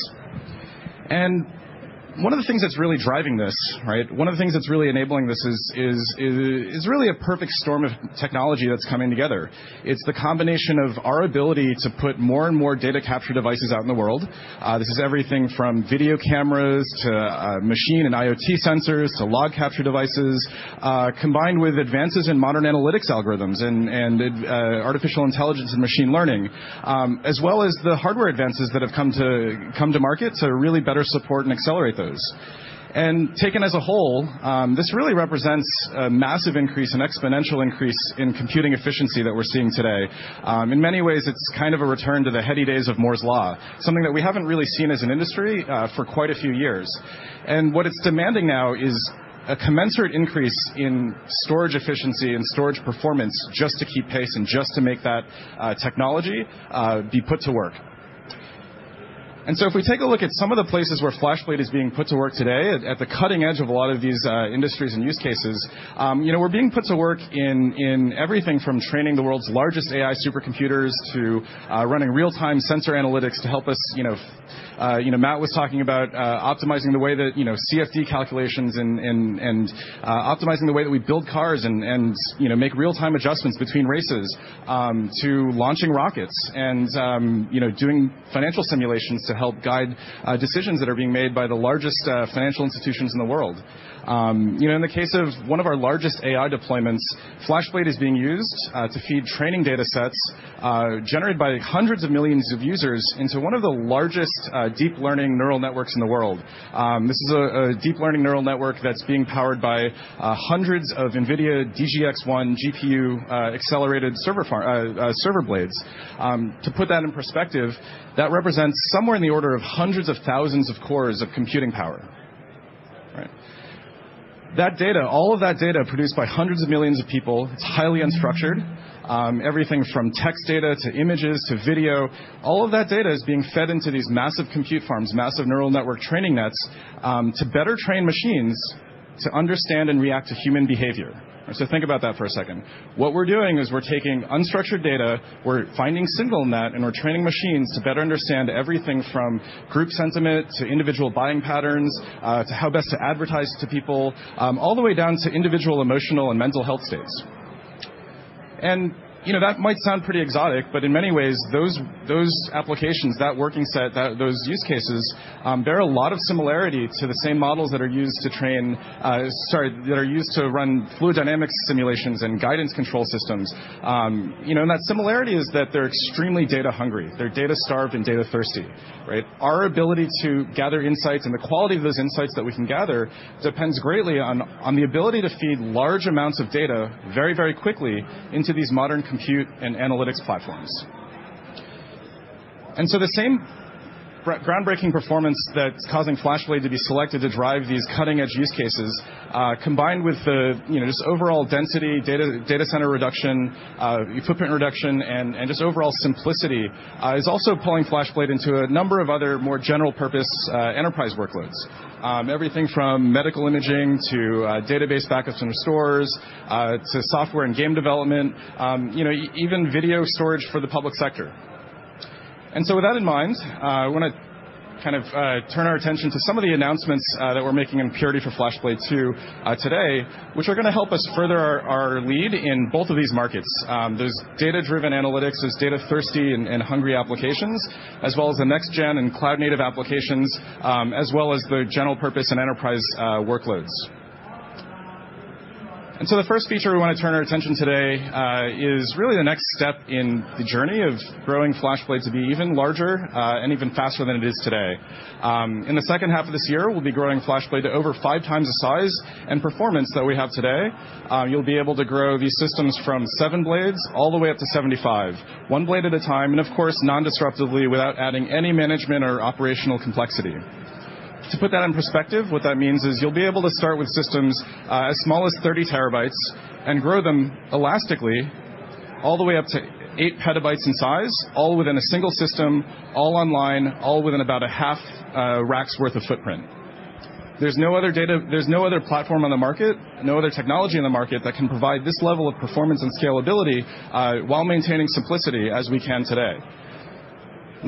One of the things that's really driving this, one of the things that's really enabling this is really a perfect storm of technology that's coming together. It's the combination of our ability to put more and more data capture devices out in the world. This is everything from video cameras to machine and IoT sensors to log capture devices, combined with advances in modern analytics algorithms and artificial intelligence and machine learning, as well as the hardware advances that have come to market to really better support and accelerate those. Taken as a whole, this really represents a massive increase, an exponential increase in computing efficiency that we're seeing today. In many ways, it's kind of a return to the heady days of Moore's Law, something that we haven't really seen as an industry for quite a few years. What it's demanding now is a commensurate increase in storage efficiency and storage performance just to keep pace and just to make that technology be put to work. If we take a look at some of the places where FlashBlade is being put to work today at the cutting edge of a lot of these industries and use cases, we're being put to work in everything from training the world's largest AI supercomputers to running real-time sensor analytics to help us. Matt was talking about optimizing the way that CFD calculations and optimizing the way that we build cars and make real-time adjustments between races to launching rockets and doing financial simulations to help guide decisions that are being made by the largest financial institutions in the world. In the case of one of our largest AI deployments, FlashBlade is being used to feed training data sets generated by hundreds of millions of users into one of the largest deep learning neural networks in the world. This is a deep learning neural network that's being powered by hundreds of NVIDIA DGX1 GPU accelerated server blades. To put that in perspective, that represents somewhere in the order of hundreds of thousands of cores of computing power. Right? That data, all of that data produced by hundreds of millions of people, it's highly unstructured. Everything from text data to images to video, all of that data is being fed into these massive compute farms, massive neural network training nets, to better train machines to understand and react to human behavior. Think about that for a second. What we're doing is we're taking unstructured data, we're finding signal in that, and we're training machines to better understand everything from group sentiment to individual buying patterns to how best to advertise to people, all the way down to individual emotional and mental health states. That might sound pretty exotic, but in many ways, those applications, that working set, those use cases, bear a lot of similarity to the same models that are used to train, sorry, that are used to run fluid dynamics simulations and guidance control systems. That similarity is that they're extremely data hungry. They're data starved and data thirsty. Our ability to gather insights and the quality of those insights that we can gather depends greatly on the ability to feed large amounts of data very, very quickly into these modern compute and analytics platforms. The same groundbreaking performance that's causing FlashBlade to be selected to drive these cutting-edge use cases, combined with just overall density, data center reduction, footprint reduction, and just overall simplicity, is also pulling FlashBlade into a number of other more general purpose enterprise workloads. Everything from medical imaging to database backups and restores to software and game development, even video storage for the public sector. With that in mind, I want to turn our attention to some of the announcements that we're making in Purity for FlashBlade 2 today, which are going to help us further our lead in both of these markets. Those data-driven analytics, those data thirsty and hungry applications, as well as the next gen and cloud native applications, as well as the general purpose and enterprise workloads. The first feature we want to turn our attention today is really the next step in the journey of growing FlashBlade to be even larger and even faster than it is today. In the second half of this year, we'll be growing FlashBlade to over five times the size and performance that we have today. You'll be able to grow these systems from seven blades all the way up to 75, one blade at a time, and of course, non-disruptively without adding any management or operational complexity. To put that in perspective, what that means is you'll be able to start with systems as small as 30 terabytes and grow them elastically all the way up to eight petabytes in size, all within a single system, all online, all within about a half rack's worth of footprint. There's no other platform on the market, no other technology on the market that can provide this level of performance and scalability, while maintaining simplicity as we can today.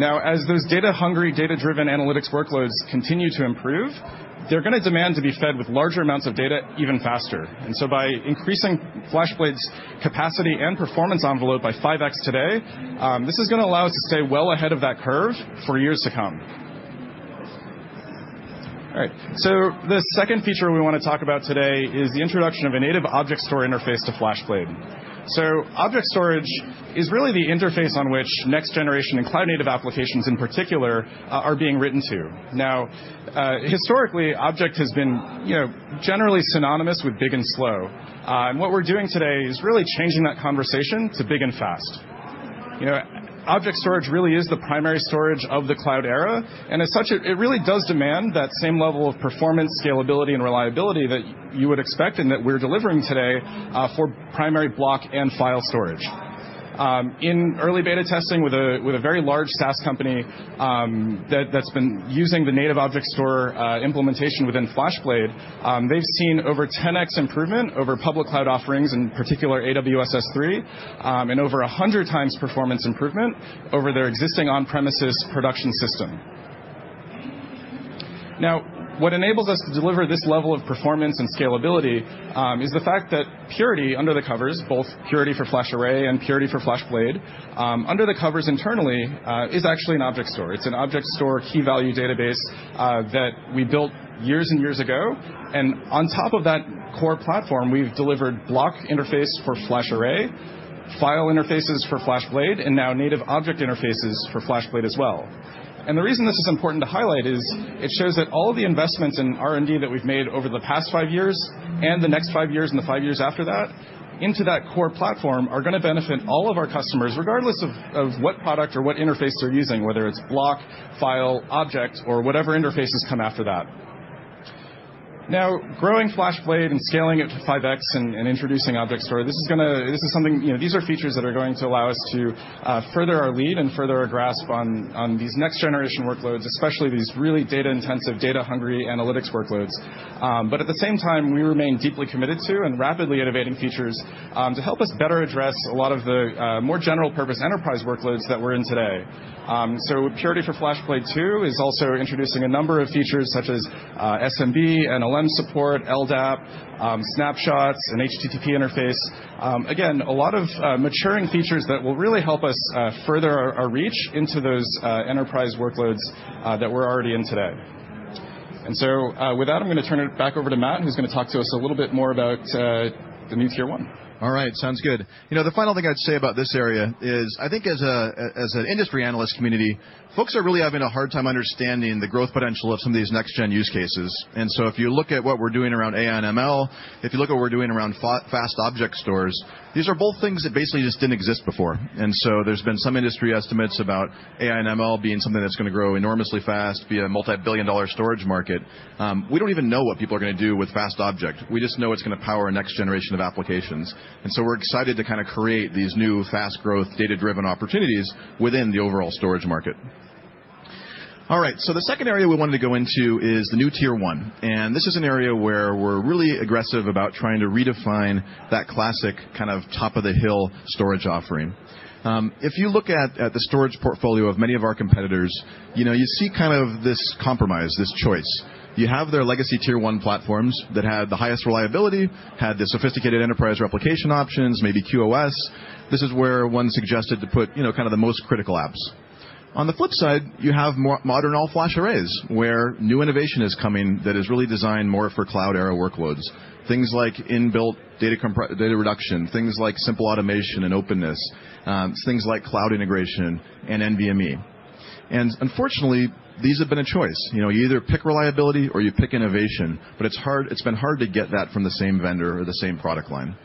As those data-hungry, data-driven analytics workloads continue to improve, they're going to demand to be fed with larger amounts of data even faster. By increasing FlashBlade's capacity and performance envelope by 5x today, this is going to allow us to stay well ahead of that curve for years to come. The second feature we want to talk about today is the introduction of a native object store interface to FlashBlade. Object storage is really the interface on which next generation and cloud-native applications, in particular, are being written to. Historically, object has been generally synonymous with big and slow. What we're doing today is really changing that conversation to big and fast. Object storage really is the primary storage of the cloud era. As such, it really does demand that same level of performance, scalability, and reliability that you would expect and that we're delivering today for primary block and file storage. In early beta testing with a very large SaaS company that's been using the native object store implementation within FlashBlade, they've seen over 10x improvement over public cloud offerings, in particular AWS S3, and over 100 times performance improvement over their existing on-premises production system. What enables us to deliver this level of performance and scalability is the fact that Purity under the covers, both Purity for FlashArray and Purity for FlashBlade, under the covers internally, is actually an object store. It's an object store key-value database that we built years and years ago. On top of that core platform, we've delivered block interface for FlashArray, file interfaces for FlashBlade, and now native object interfaces for FlashBlade as well. The reason this is important to highlight is it shows that all of the investments in R&D that we've made over the past five years, and the next five years, and the five years after that into that core platform are going to benefit all of our customers, regardless of what product or what interface they're using, whether it's block, file, object, or whatever interfaces come after that. Now, growing FlashBlade and scaling it to 5x and introducing object store, these are features that are going to allow us to further our lead and further our grasp on these next-generation workloads, especially these really data-intensive, data-hungry analytics workloads. At the same time, we remain deeply committed to and rapidly innovating features to help us better address a lot of the more general-purpose enterprise workloads that we're in today. Purity for FlashBlade 2 is also introducing a number of features such as SMB, NLM support, LDAP, snapshots, and HTTP interface. Again, a lot of maturing features that will really help us further our reach into those enterprise workloads that we're already in today. With that, I'm going to turn it back over to Matt, who's going to talk to us a little bit more about the new tier 1. All right. Sounds good. The final thing I'd say about this area is I think as an industry analyst community, folks are really having a hard time understanding the growth potential of some of these next-gen use cases. If you look at what we're doing around AI and ML, if you look at what we're doing around fast object stores, these are both things that basically just didn't exist before. There's been some industry estimates about AI and ML being something that's going to grow enormously fast, be a multi-billion dollar storage market. We don't even know what people are going to do with fast object. We just know it's going to power a next generation of applications. We're excited to create these new fast growth, data-driven opportunities within the overall storage market. All right. The second area we wanted to go into is the new tier 1. This is an area where we're really aggressive about trying to redefine that classic top of the hill storage offering. If you look at the storage portfolio of many of our competitors, you see this compromise, this choice. You have their legacy tier 1 platforms that had the highest reliability, had the sophisticated enterprise replication options, maybe QoS. This is where one suggested to put the most critical apps. On the flip side, you have modern all-flash arrays, where new innovation is coming that is really designed more for cloud-era workloads. Things like in-built data reduction. Things like simple automation and openness. Things like cloud integration and NVMe. Unfortunately, these have been a choice. You either pick reliability or you pick innovation, but it's been hard to get that from the same vendor or the same product line.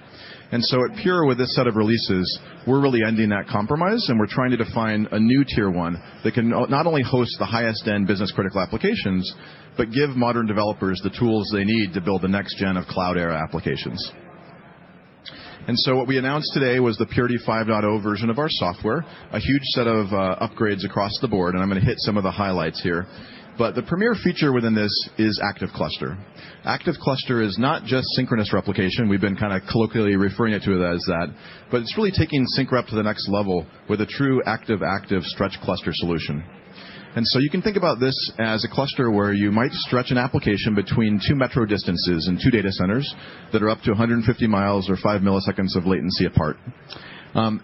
At Pure, with this set of releases, we're really ending that compromise, and we're trying to define a new tier 1 that can not only host the highest end business-critical applications but give modern developers the tools they need to build the next gen of cloud-era applications. What we announced today was the Purity 5.0 version of our software, a huge set of upgrades across the board, and I'm going to hit some of the highlights here. The premier feature within this is ActiveCluster. ActiveCluster is not just synchronous replication. We've been colloquially referring it to as that, but it's really taking sync rep to the next level with a true active-active stretch cluster solution. You can think about this as a cluster where you might stretch an application between two metro distances and two data centers that are up to 150 miles or five milliseconds of latency apart.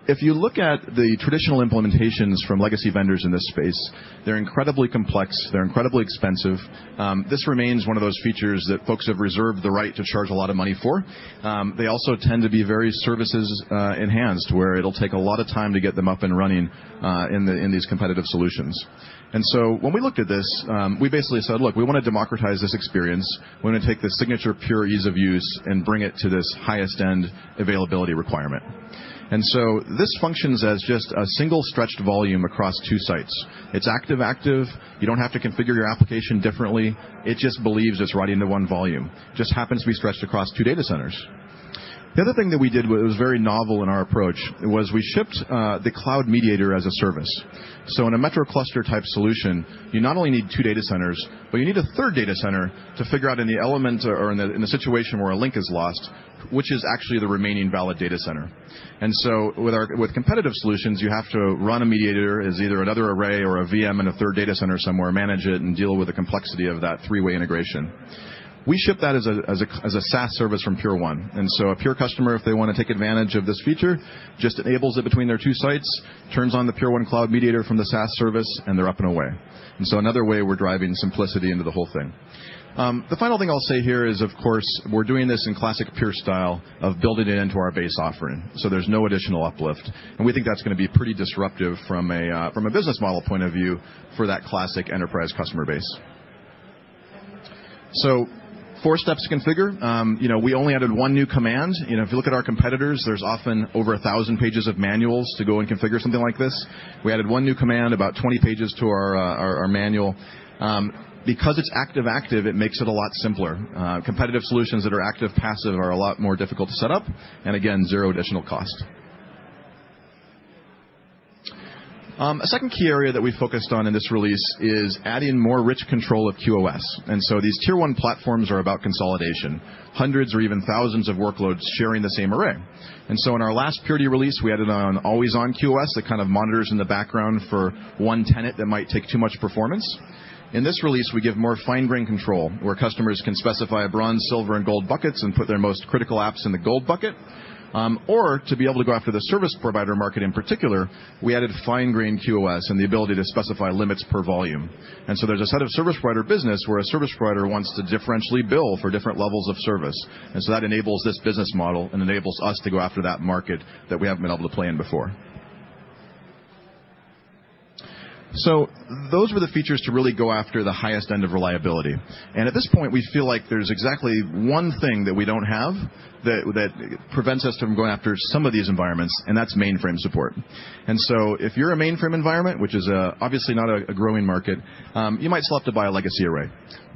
If you look at the traditional implementations from legacy vendors in this space, they're incredibly complex. They're incredibly expensive. This remains one of those features that folks have reserved the right to charge a lot of money for. They also tend to be very services enhanced, where it'll take a lot of time to get them up and running in these competitive solutions. When we looked at this, we basically said, "Look, we want to democratize this experience." We want to take the signature Pure ease of use and bring it to this highest end availability requirement. This functions as just a single stretched volume across two sites. It's active-active. You don't have to configure your application differently. It just believes it's writing to one volume. Just happens to be stretched across two data centers. The other thing that we did was very novel in our approach, was we shipped the cloud mediator as a service. In a metro cluster type solution, you not only need two data centers, but you need a third data center to figure out in the situation where a link is lost, which is actually the remaining valid data center. With competitive solutions, you have to run a mediator as either another array or a VM in a third data center somewhere, manage it, and deal with the complexity of that three-way integration. We ship that as a SaaS service from Pure1. A Pure customer, if they want to take advantage of this feature, just enables it between their two sites, turns on the Pure1 cloud mediator from the SaaS service, they're up and away. Another way we're driving simplicity into the whole thing. The final thing I'll say here is, of course, we're doing this in classic Pure style of build it into our base offering, so there's no additional uplift. We think that's going to be pretty disruptive from a business model point of view for that classic enterprise customer base. Four steps to configure. We only added one new command. If you look at our competitors, there's often over 1,000 pages of manuals to go and configure something like this. We added one new command, about 20 pages to our manual. Because it's active-active, it makes it a lot simpler. Competitive solutions that are active-passive are a lot more difficult to set up, again, zero additional cost. A second key area that we focused on in this release is adding more rich control of QoS. These Tier 1 platforms are about consolidation, hundreds or even thousands of workloads sharing the same array. In our last Purity release, we added on always-on QoS that kind of monitors in the background for one tenant that might take too much performance. In this release, we give more fine-grain control, where customers can specify bronze, silver, and gold buckets and put their most critical apps in the gold bucket. Or to be able to go after the service provider market in particular, we added fine-grain QoS and the ability to specify limits per volume. There's a set of service provider business where a service provider wants to differentially bill for different levels of service. That enables this business model and enables us to go after that market that we haven't been able to play in before. Those were the features to really go after the highest end of reliability. At this point, we feel like there's exactly one thing that we don't have that prevents us from going after some of these environments, that's mainframe support. If you're a mainframe environment, which is obviously not a growing market, you might still have to buy a legacy array.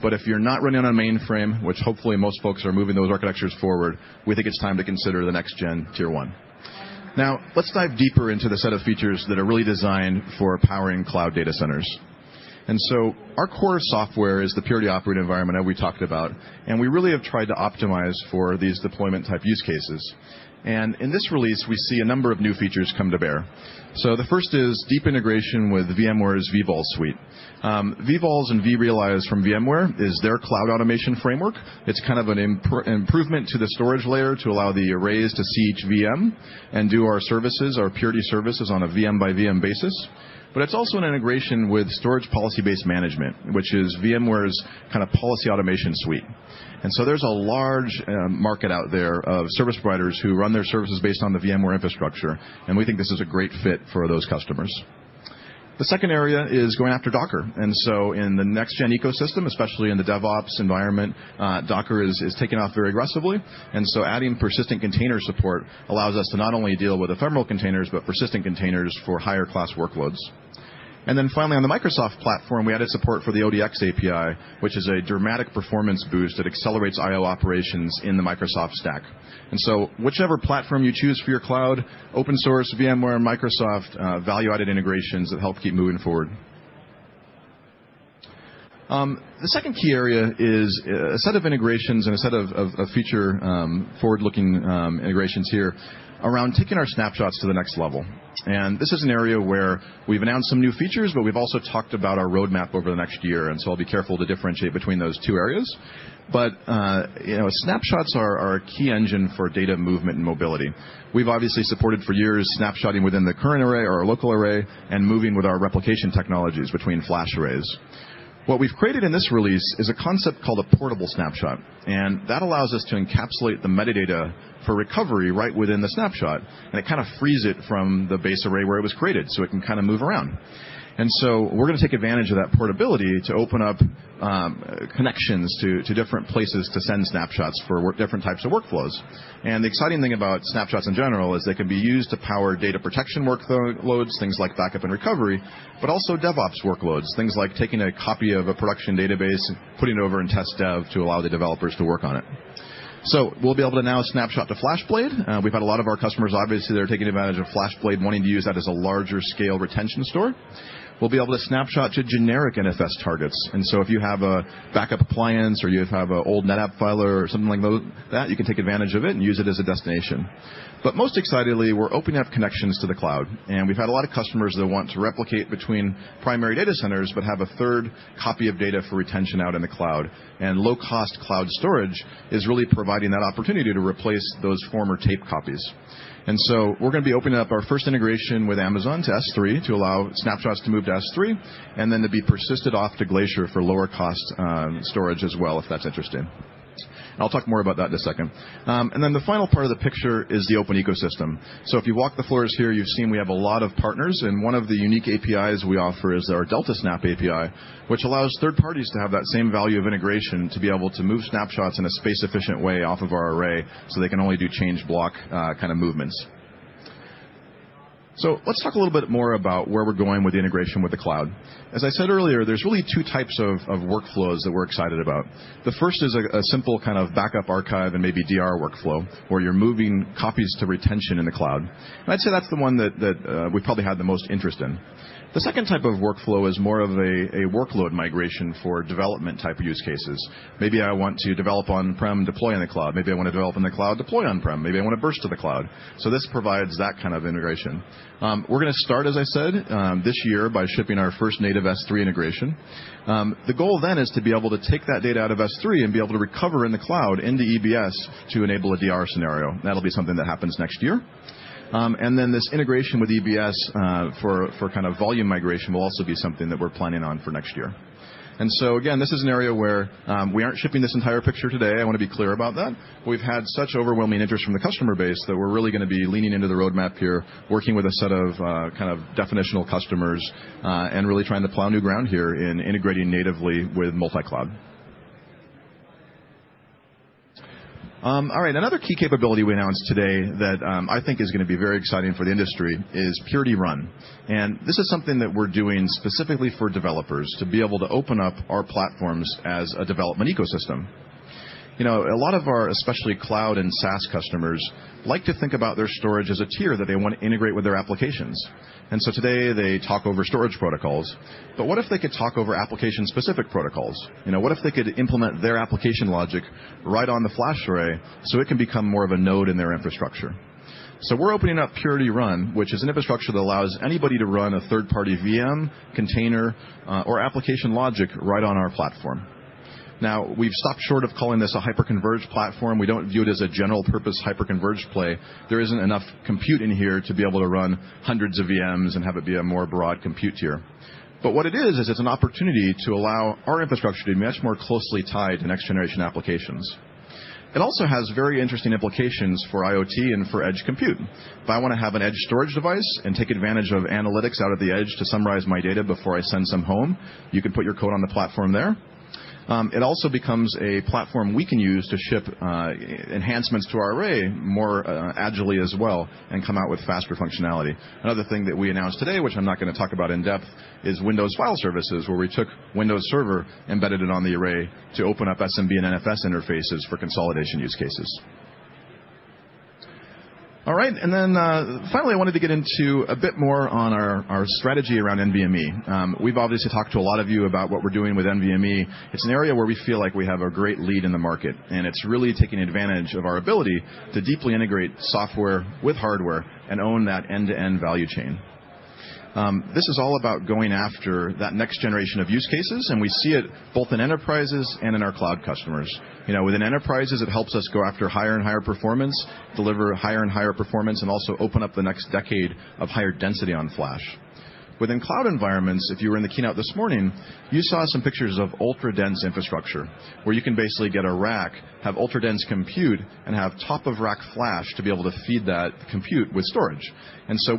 If you're not running on a mainframe, which hopefully most folks are moving those architectures forward, we think it's time to consider the next-gen Tier 1. Now, let's dive deeper into the set of features that are really designed for powering cloud data centers. Our core software is the Purity Operate environment that we talked about, and we really have tried to optimize for these deployment-type use cases. In this release, we see a number of new features come to bear. The first is deep integration with VMware's vVols suite. vVols and vRealize from VMware is their cloud automation framework. It's kind of an improvement to the storage layer to allow the arrays to see each VM and do our services, our Purity services, on a VM-by-VM basis. It's also an integration with storage policy-based management, which is VMware's policy automation suite. There's a large market out there of service providers who run their services based on the VMware infrastructure, and we think this is a great fit for those customers. The second area is going after Docker. In the next-gen ecosystem, especially in the DevOps environment, Docker has taken off very aggressively. Adding persistent container support allows us to not only deal with ephemeral containers but persistent containers for higher-class workloads. Then finally, on the Microsoft platform, we added support for the ODX API, which is a dramatic performance boost that accelerates I/O operations in the Microsoft stack. Whichever platform you choose for your cloud, open source, VMware, Microsoft, value-added integrations that help keep moving forward. The second key area is a set of integrations and a set of feature forward-looking integrations here around taking our snapshots to the next level. This is an area where we've announced some new features, but we've also talked about our roadmap over the next year, so I'll be careful to differentiate between those two areas. Snapshots are our key engine for data movement and mobility. We've obviously supported for years snapshotting within the current array or a local array and moving with our replication technologies between FlashArrays. What we've created in this release is a concept called a portable snapshot, and that allows us to encapsulate the metadata for recovery right within the snapshot, and it kind of frees it from the base array where it was created, so it can move around. We're going to take advantage of that portability to open up connections to different places to send snapshots for different types of workflows. The exciting thing about snapshots in general is they can be used to power data protection workloads, things like backup and recovery, but also DevOps workloads, things like taking a copy of a production database and putting it over in test dev to allow the developers to work on it. We'll be able to now snapshot to FlashBlade. We've had a lot of our customers, obviously, that are taking advantage of FlashBlade, wanting to use that as a larger-scale retention store. We'll be able to snapshot to generic NFS targets. If you have a backup appliance or you have an old NetApp filer or something like that, you can take advantage of it and use it as a destination. Most excitedly, we're opening up connections to the cloud, and we've had a lot of customers that want to replicate between primary data centers but have a third copy of data for retention out in the cloud. Low-cost cloud storage is really providing that opportunity to replace those former tape copies. We're going to be opening up our first integration with Amazon to S3 to allow snapshots to move to S3 and then to be persisted off to Glacier for lower-cost storage as well, if that's interesting. I'll talk more about that in a second. Then the final part of the picture is the open ecosystem. If you walk the floors here, you've seen we have a lot of partners, and one of the unique APIs we offer is our Delta Snap API, which allows third parties to have that same value of integration to be able to move snapshots in a space-efficient way off of our array, so they can only do change block kind of movements. Let's talk a little bit more about where we're going with the integration with the cloud. As I said earlier, there's really 2 types of workflows that we're excited about. The first is a simple kind of backup archive and maybe DR workflow, where you're moving copies to retention in the cloud. I'd say that's the one that we probably had the most interest in. The second type of workflow is more of a workload migration for development type use cases. Maybe I want to develop on-prem, deploy in the cloud. Maybe I want to develop in the cloud, deploy on-prem. Maybe I want to burst to the cloud. This provides that kind of integration. We're going to start, as I said, this year by shipping our first native S3 integration. The goal is to be able to take that data out of S3 and be able to recover in the cloud into EBS to enable a DR scenario. That'll be something that happens next year. This integration with EBS for volume migration will also be something that we're planning on for next year. Again, this is an area where we aren't shipping this entire picture today. I want to be clear about that. We've had such overwhelming interest from the customer base that we're really going to be leaning into the roadmap here, working with a set of definitional customers and really trying to plow new ground here in integrating natively with multi-cloud. All right. Another key capability we announced today that I think is going to be very exciting for the industry is Purity Run. This is something that we're doing specifically for developers to be able to open up our platforms as a development ecosystem. A lot of our, especially cloud and SaaS customers, like to think about their storage as a tier that they want to integrate with their applications. Today they talk over storage protocols. What if they could talk over application-specific protocols? What if they could implement their application logic right on the FlashArray so it can become more of a node in their infrastructure? We're opening up Purity Run, which is an infrastructure that allows anybody to run a third-party VM, container, or application logic right on our platform. We've stopped short of calling this a hyperconverged platform. We don't view it as a general-purpose hyperconverged play. There isn't enough compute in here to be able to run hundreds of VMs and have it be a more broad compute tier. What it is it's an opportunity to allow our infrastructure to be much more closely tied to next-generation applications. It also has very interesting implications for IoT and for edge compute. If I want to have an edge storage device and take advantage of analytics out of the edge to summarize my data before I send some home, you can put your code on the platform there. It also becomes a platform we can use to ship enhancements to our array more agilely as well and come out with faster functionality. Another thing that we announced today, which I'm not going to talk about in depth, is Windows File Services, where we took Windows Server, embedded it on the array to open up SMB and NFS interfaces for consolidation use cases. All right. Finally, I wanted to get into a bit more on our strategy around NVMe. We've obviously talked to a lot of you about what we're doing with NVMe. It's an area where we feel like we have a great lead in the market, and it's really taking advantage of our ability to deeply integrate software with hardware and own that end-to-end value chain. This is all about going after that next generation of use cases, and we see it both in enterprises and in our cloud customers. Within enterprises, it helps us go after higher and higher performance, deliver higher and higher performance, and also open up the next decade of higher density on flash. Within cloud environments, if you were in the keynote this morning, you saw some pictures of ultra-dense infrastructure where you can basically get a rack, have ultra-dense compute, and have top-of-rack flash to be able to feed that compute with storage.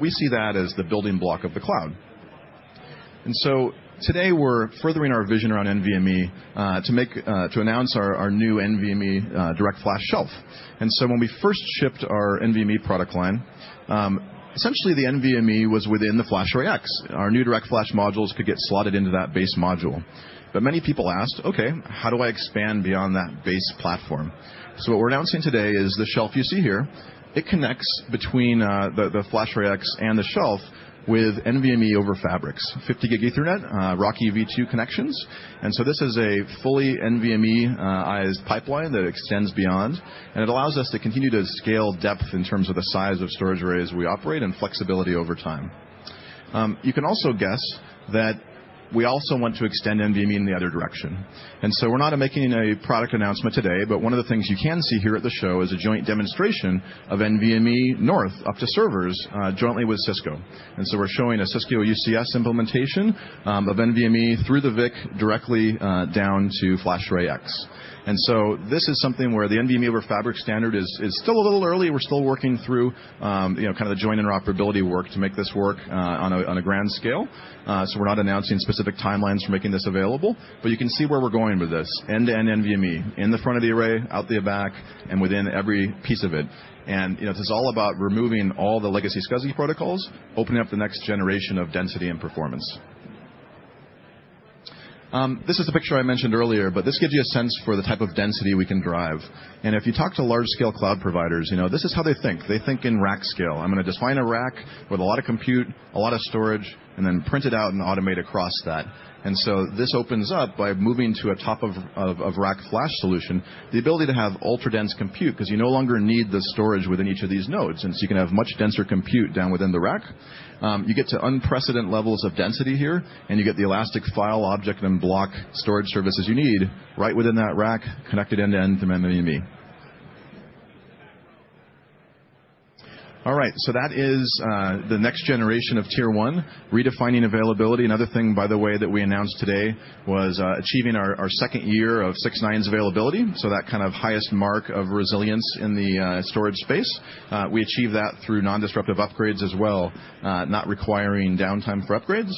We see that as the building block of the cloud. Today, we're furthering our vision around NVMe, to announce our new NVMe DirectFlash Shelf. When we first shipped our NVMe product line, essentially the NVMe was within the FlashArray//X. Our new DirectFlash modules could get slotted into that base module. Many people asked, "Okay, how do I expand beyond that base platform?" What we're announcing today is the shelf you see here. It connects between the FlashArray//X and the shelf with NVMe over Fabrics, 50 Gig Ethernet, RoCE v2 connections. This is a fully NVMe-ized pipeline that extends beyond, and it allows us to continue to scale depth in terms of the size of storage arrays we operate and flexibility over time. You can also guess that we also want to extend NVMe in the other direction, we're not making a product announcement today, one of the things you can see here at the show is a joint demonstration of NVMe north up to servers jointly with Cisco. We're showing a Cisco UCS implementation of NVMe through the VIC directly down to FlashArray//X. This is something where the NVMe over Fabric standard is still a little early. We're still working through kind of joint interoperability work to make this work on a grand scale. We're not announcing specific timelines for making this available, but you can see where we're going with this. End-to-end NVMe in the front of the array, out the back, and within every piece of it. This is all about removing all the legacy SCSI protocols, opening up the next generation of density and performance. This is the picture I mentioned earlier, but this gives you a sense for the type of density we can drive. If you talk to large-scale cloud providers, this is how they think. They think in rack scale. I'm going to define a rack with a lot of compute, a lot of storage, and then print it out and automate across that. This opens up by moving to a top-of-rack Flash solution, the ability to have ultra-dense compute because you no longer need the storage within each of these nodes since you can have much denser compute down within the rack. You get to unprecedented levels of density here, and you get the elastic file object and block storage services you need right within that rack connected end-to-end to NVMe. That is the next generation of tier 1, redefining availability. Another thing, by the way, that we announced today was achieving our second year of six nines availability. That kind of highest mark of resilience in the storage space. We achieve that through non-disruptive upgrades as well, not requiring downtime for upgrades.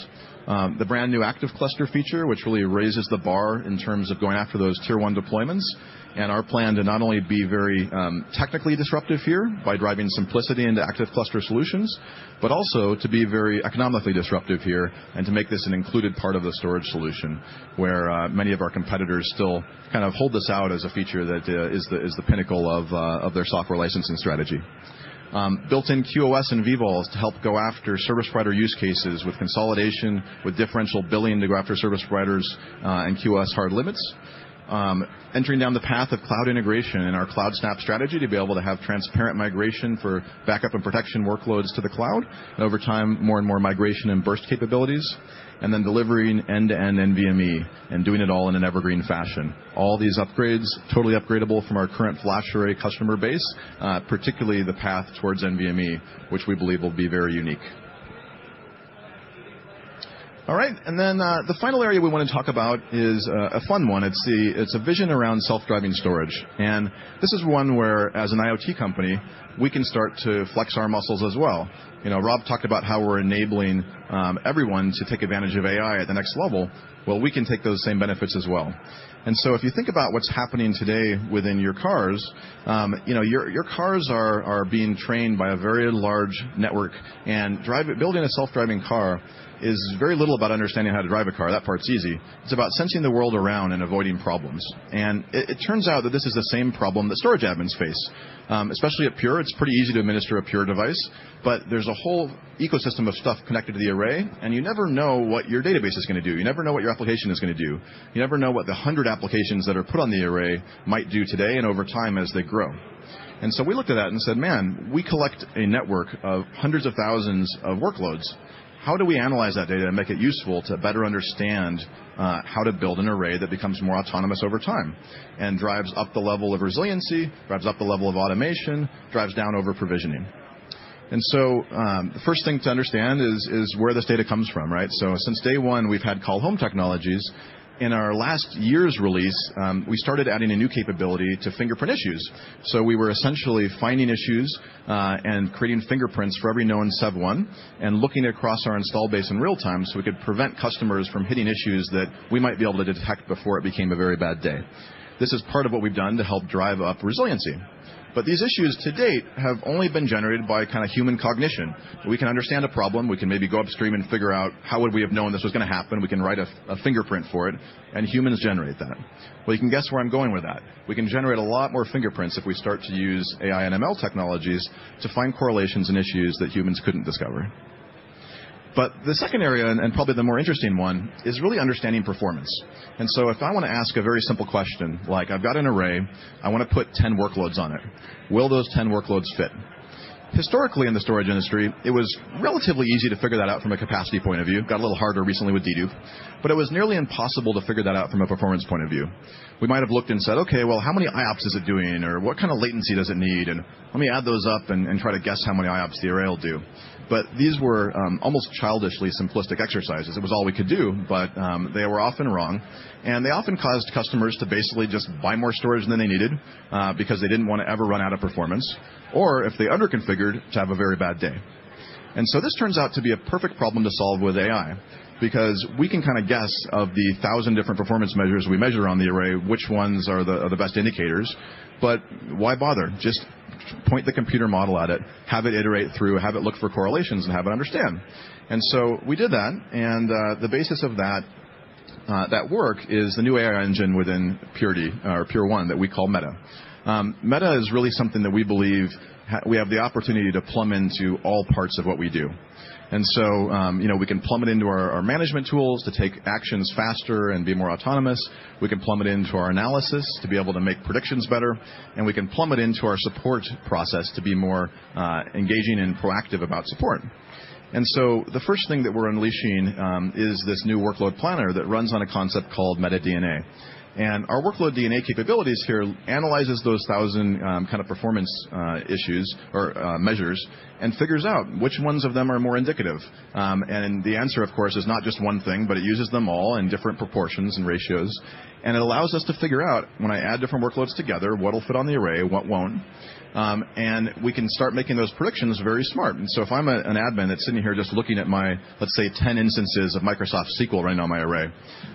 The brand-new ActiveCluster feature, which really raises the bar in terms of going after those tier 1 deployments, and our plan to not only be very technically disruptive here by driving simplicity into ActiveCluster solutions but also to be very economically disruptive here and to make this an included part of the storage solution, where many of our competitors still kind of hold this out as a feature that is the pinnacle of their software licensing strategy. Built-in QoS and vVol to help go after service provider use cases with consolidation, with differential billing to go after service providers, and QoS hard limits. Entering down the path of cloud integration and our CloudSnap strategy to be able to have transparent migration for backup and protection workloads to the cloud. Over time, more and more migration and burst capabilities. Delivering end-to-end NVMe and doing it all in an Evergreen fashion. All these upgrades, totally upgradable from our current FlashArray customer base, particularly the path towards NVMe, which we believe will be very unique. The final area we want to talk about is a fun one. It's a vision around self-driving storage. This is one where, as an IoT company, we can start to flex our muscles as well. Rob talked about how we're enabling everyone to take advantage of AI at the next level. We can take those same benefits as well. If you think about what's happening today within your cars, your cars are being trained by a very large network, and building a self-driving car is very little about understanding how to drive a car. That part's easy. It's about sensing the world around and avoiding problems. It turns out that this is the same problem that storage admins face. Especially at Pure, it is pretty easy to administer a Pure device, but there is a whole ecosystem of stuff connected to the array, and you never know what your database is going to do. You never know what your application is going to do. You never know what the 100 applications that are put on the array might do today and over time as they grow. We looked at that and said, "Man, we collect a network of hundreds of thousands of workloads. How do we analyze that data and make it useful to better understand how to build an array that becomes more autonomous over time, and drives up the level of resiliency, drives up the level of automation, drives down over-provisioning?" The first thing to understand is where this data comes from, right? Since day one, we have had call home technologies. In our last year's release, we started adding a new capability to fingerprint issues. We were essentially finding issues, and creating fingerprints for every known Sev 1, and looking across our install base in real time so we could prevent customers from hitting issues that we might be able to detect before it became a very bad day. This is part of what we have done to help drive up resiliency. These issues to date have only been generated by human cognition. We can understand a problem. We can maybe go upstream and figure out how would we have known this was going to happen. We can write a fingerprint for it, and humans generate that. You can guess where I am going with that. We can generate a lot more fingerprints if we start to use AI and ML technologies to find correlations in issues that humans could not discover. The second area, and probably the more interesting one, is really understanding performance. If I want to ask a very simple question, like I have got an array, I want to put 10 workloads on it. Will those 10 workloads fit? Historically in the storage industry, it was relatively easy to figure that out from a capacity point of view. Got a little harder recently with Dedup, it was nearly impossible to figure that out from a performance point of view. We might have looked and said, "Okay, well, how many IOPS is it doing? Or what kind of latency does it need? Let me add those up and try to guess how many IOPS the array will do." These were almost childishly simplistic exercises. It was all we could do, but they were often wrong, and they often caused customers to basically just buy more storage than they needed, because they did not want to ever run out of performance. Or if they under-configured, to have a very bad day. This turns out to be a perfect problem to solve with AI, because we can kind of guess of the thousand different performance measures we measure on the array, which ones are the best indicators. Why bother? Just point the computer model at it, have it iterate through, have it look for correlations, and have it understand. We did that, and the basis of that work is the new AI engine within Purity or Pure1 that we call Meta. Meta is really something that we believe we have the opportunity to plumb into all parts of what we do. We can plumb it into our management tools to take actions faster and be more autonomous. We can plumb it into our analysis to be able to make predictions better, and we can plumb it into our support process to be more engaging and proactive about support. The first thing that we're unleashing is this new workload planner that runs on a concept called Meta DNA. Our workload DNA capabilities here analyzes those 1,000 kind of performance issues or measures and figures out which ones of them are more indicative. The answer, of course, is not just one thing, but it uses them all in different proportions and ratios. It allows us to figure out when I add different workloads together, what'll fit on the array, what won't. We can start making those predictions very smart. If I'm an admin that's sitting here just looking at my, let's say, 10 instances of Microsoft SQL running on my array.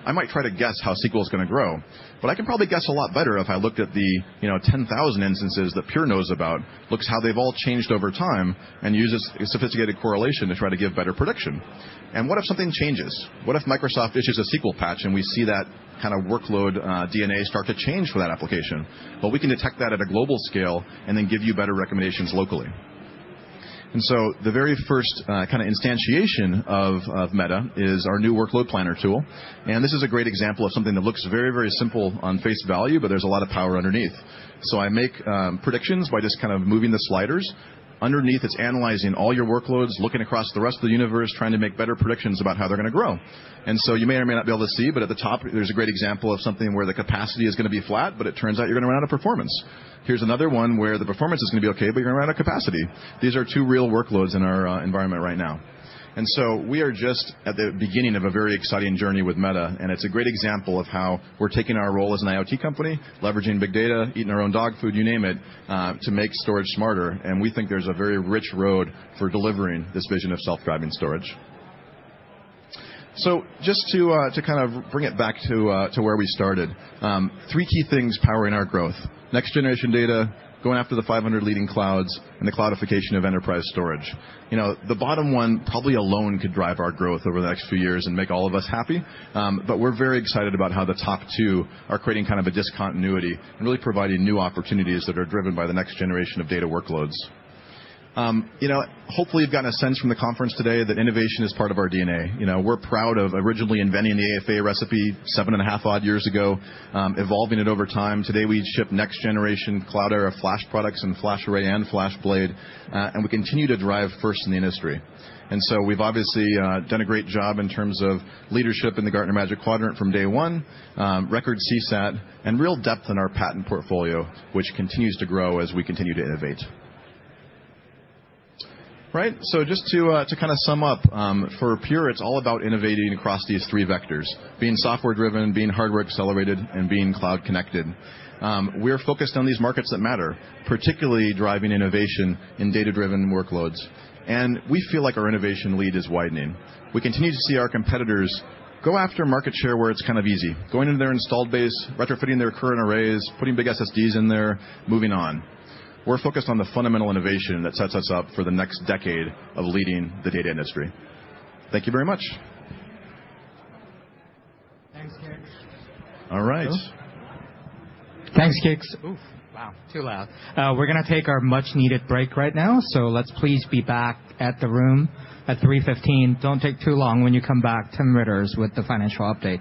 I might try to guess how SQL is going to grow, but I can probably guess a lot better if I looked at the 10,000 instances that Pure knows about, looks how they've all changed over time, and uses a sophisticated correlation to try to give better prediction. What if something changes? What if Microsoft issues a SQL patch and we see that kind of workload DNA start to change for that application? We can detect that at a global scale and then give you better recommendations locally. The very first kind of instantiation of Meta is our new workload planner tool. This is a great example of something that looks very, very simple on face value, but there's a lot of power underneath. I make predictions by just kind of moving the sliders. Underneath, it's analyzing all your workloads, looking across the rest of the universe, trying to make better predictions about how they're going to grow. You may or may not be able to see, but at the top, there's a great example of something where the capacity is going to be flat, but it turns out you're going to run out of performance. Here's another one where the performance is going to be okay, but you're going to run out of capacity. These are two real workloads in our environment right now. We are just at the beginning of a very exciting journey with Meta, and it's a great example of how we're taking our role as an IoT company, leveraging big data, eating our own dog food, you name it, to make storage smarter. We think there's a very rich road for delivering this vision of self-driving storage. Just to kind of bring it back to where we started. Three key things powering our growth: next-generation data, going after the 500 leading clouds, and the cloudification of enterprise storage. The bottom one probably alone could drive our growth over the next few years and make all of us happy. We're very excited about how the top two are creating kind of a discontinuity and really providing new opportunities that are driven by the next generation of data workloads. Hopefully, you've gotten a sense from the conference today that innovation is part of our DNA. We're proud of originally inventing the AFA recipe seven and a half odd years ago, evolving it over time. Today, we ship next-generation cloud-era Flash products and FlashArray and FlashBlade, and we continue to drive first in the industry. We've obviously done a great job in terms of leadership in the Gartner Magic Quadrant from day one, record CSAT, and real depth in our patent portfolio, which continues to grow as we continue to innovate. Right. Just to sum up, for Pure, it's all about innovating across these three vectors: being software-driven, being hardware-accelerated, and being cloud-connected. We are focused on these markets that matter, particularly driving innovation in data-driven workloads. We feel like our innovation lead is widening. We continue to see our competitors go after market share where it's kind of easy, going into their installed base, retrofitting their current arrays, putting big SSDs in there, moving on. We're focused on the fundamental innovation that sets us up for the next decade of leading the data industry. Thank you very much. Thanks, Kix. All right. Thanks, Kix. Oof, wow. Too loud. We're going to take our much-needed break right now, let's please be back at the room at 3:15 P.M. Don't take too long when you come back. Tim Riitters with the financial update.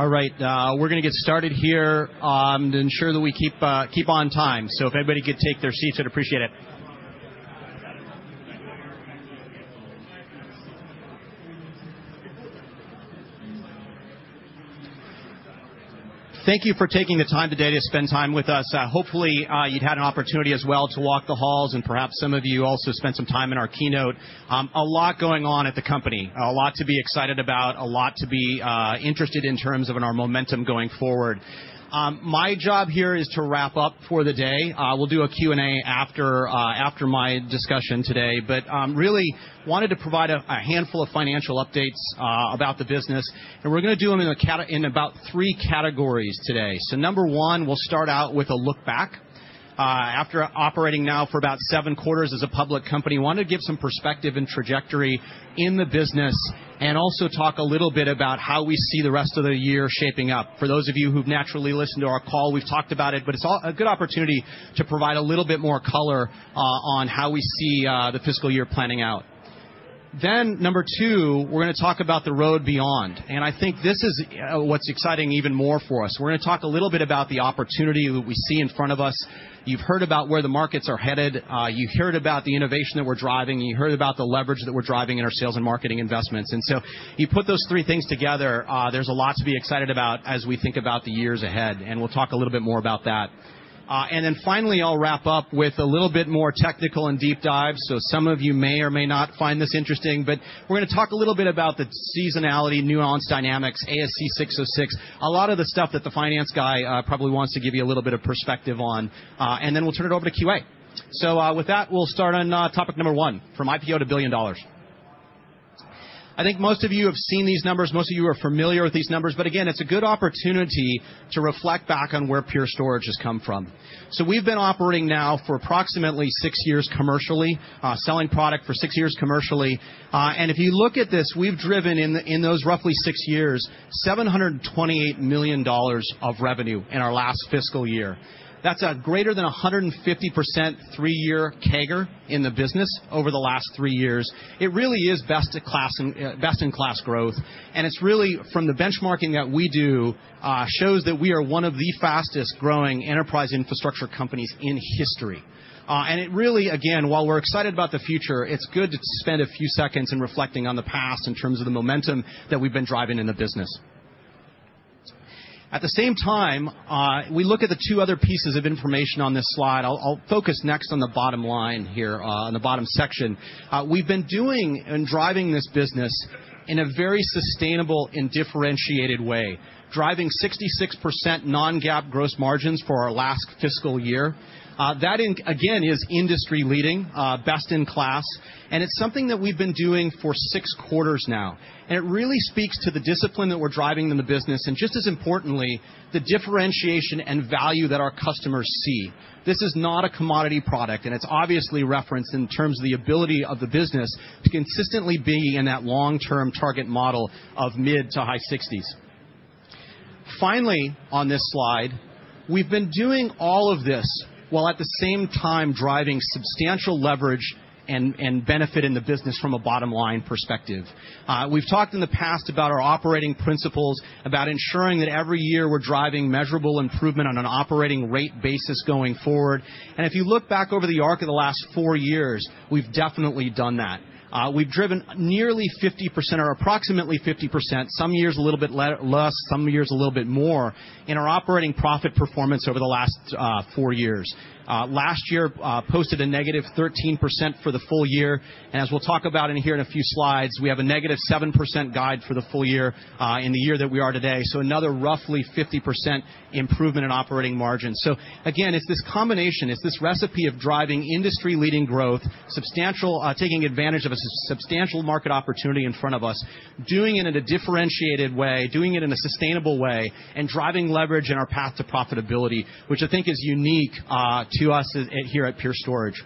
All right. We're going to get started here to ensure that we keep on time. If everybody could take their seats, I'd appreciate it. Thank you for taking the time today to spend time with us. Hopefully, you'd had an opportunity as well to walk the halls, and perhaps some of you also spent some time in our keynote. A lot going on at the company, a lot to be excited about, a lot to be interested in terms of in our momentum going forward. My job here is to wrap up for the day. We'll do a Q&A after my discussion today, really wanted to provide a handful of financial updates about the business, we're going to do them in about three categories today. Number 1, we'll start out with a look back. After operating now for about seven quarters as a public company, want to give some perspective and trajectory in the business and also talk a little bit about how we see the rest of the year shaping up. For those of you who've naturally listened to our call, we've talked about it's a good opportunity to provide a little bit more color on how we see the fiscal year planning out. Number 2, we're going to talk about the road beyond, I think this is what's exciting even more for us. We're going to talk a little bit about the opportunity that we see in front of us. You've heard about where the markets are headed. You've heard about the innovation that we're driving, you heard about the leverage that we're driving in our sales and marketing investments. You put those three things together, there's a lot to be excited about as we think about the years ahead, we'll talk a little bit more about that. Finally, I'll wrap up with a little bit more technical and deep dive. Some of you may or may not find this interesting, we're going to talk a little bit about the seasonality, nuance, dynamics, ASC 606, a lot of the stuff that the finance guy probably wants to give you a little bit of perspective on, we'll turn it over to QA. With that, we'll start on topic number 1, from IPO to billion dollars. I think most of you have seen these numbers. Most of you are familiar with these numbers, again, it's a good opportunity to reflect back on where Pure Storage has come from. We've been operating now for approximately six years commercially, selling product for six years commercially. If you look at this, we've driven, in those roughly six years, $728 million of revenue in our last fiscal year. That's a greater than 150% three-year CAGR in the business over the last three years. It really is best in class growth, and it's really, from the benchmarking that we do, shows that we are one of the fastest-growing enterprise infrastructure companies in history. It really, again, while we're excited about the future, it's good to spend a few seconds in reflecting on the past in terms of the momentum that we've been driving in the business. At the same time, we look at the two other pieces of information on this slide. I'll focus next on the bottom line here, on the bottom section. We've been doing and driving this business in a very sustainable and differentiated way, driving 66% non-GAAP gross margins for our last fiscal year. That, again, is industry-leading, best in class, and it's something that we've been doing for six quarters now. It really speaks to the discipline that we're driving in the business, and just as importantly, the differentiation and value that our customers see. This is not a commodity product, and it's obviously referenced in terms of the ability of the business to consistently be in that long-term target model of mid to high 60s. Finally, on this slide, we've been doing all of this while at the same time driving substantial leverage and benefit in the business from a bottom-line perspective. We've talked in the past about our operating principles, about ensuring that every year we're driving measurable improvement on an operating rate basis going forward. If you look back over the arc of the last four years, we've definitely done that. We've driven nearly 50%, or approximately 50%, some years a little bit less, some years a little bit more, in our operating profit performance over the last four years. Last year posted a negative 13% for the full year. As we'll talk about in here in a few slides, we have a negative 7% guide for the full year in the year that we are today. Another roughly 50% improvement in operating margin. Again, it's this combination, it's this recipe of driving industry-leading growth, taking advantage of a substantial market opportunity in front of us, doing it in a differentiated way, doing it in a sustainable way, and driving leverage in our path to profitability, which I think is unique to us here at Pure Storage.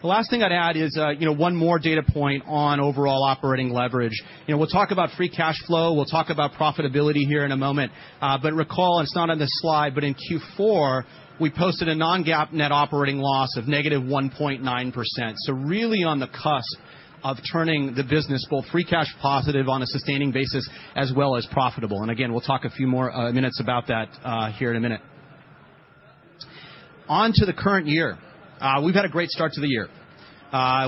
The last thing I'd add is one more data point on overall operating leverage. We'll talk about free cash flow, we'll talk about profitability here in a moment. Recall, it's not on this slide, but in Q4, we posted a non-GAAP net operating loss of negative 1.9%. Really on the cusp of turning the business both free cash positive on a sustaining basis, as well as profitable. Again, we'll talk a few more minutes about that here in a minute. On to the current year. We've had a great start to the year.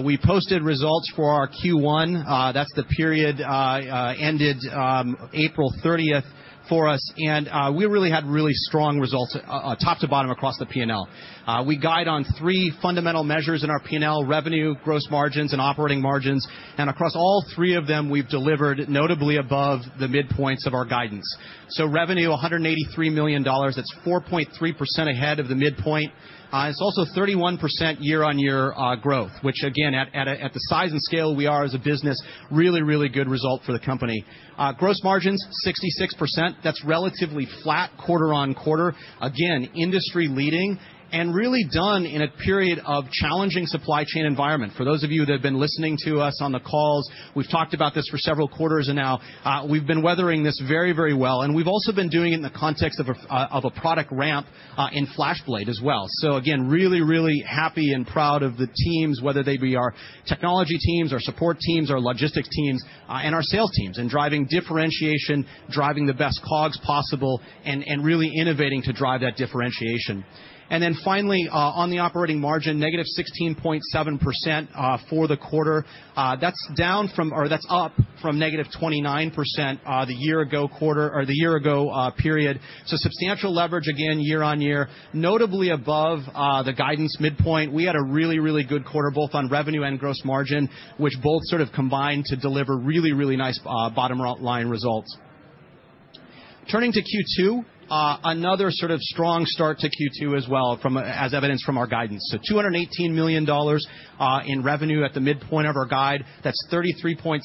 We posted results for our Q1. That's the period ended April 30th for us, and we really had really strong results top to bottom across the P&L. We guide on three fundamental measures in our P&L, revenue, gross margins, and operating margins, and across all three of them, we've delivered notably above the midpoints of our guidance. Revenue, $183 million. That's 4.3% ahead of the midpoint. It's also 31% year-on-year growth, which again, at the size and scale we are as a business, really good result for the company. Gross margins, 66%. That's relatively flat quarter-on-quarter. Again, industry leading and really done in a period of challenging supply chain environment. For those of you that have been listening to us on the calls, we've talked about this for several quarters now. We've been weathering this very well, and we've also been doing it in the context of a product ramp in FlashBlade as well. Again, really happy and proud of the teams, whether they be our technology teams, our support teams, our logistics teams, and our sales teams, and driving differentiation, driving the best cogs possible and really innovating to drive that differentiation. Finally, on the operating margin, negative 16.7% for the quarter. That's up from negative 29% the year-ago period. Substantial leverage again, year-on-year, notably above the guidance midpoint. We had a really nice quarter both on revenue and gross margin, which both sort of combined to deliver really nice bottom-line results. Turning to Q2, another sort of strong start to Q2 as well as evidence from our guidance. $218 million in revenue at the midpoint of our guide. That's 33.6%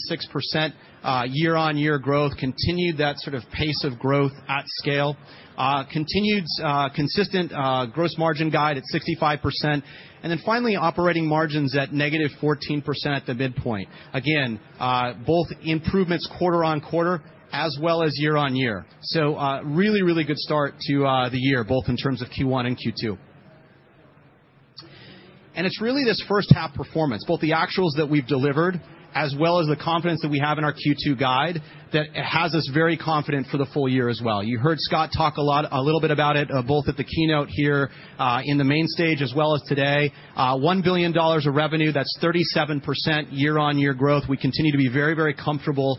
year-on-year growth. Continued that sort of pace of growth at scale. Continued consistent gross margin guide at 65%. Finally, operating margins at negative 14% at the midpoint. Again, both improvements quarter-on-quarter as well as year-on-year. Really good start to the year, both in terms of Q1 and Q2. It's really this first half performance, both the actuals that we've delivered as well as the confidence that we have in our Q2 guide that has us very confident for the full year as well. You heard Scott talk a little bit about it, both at the keynote here in the main stage as well as today. $1 billion of revenue, that's 37% year-on-year growth. We continue to be very comfortable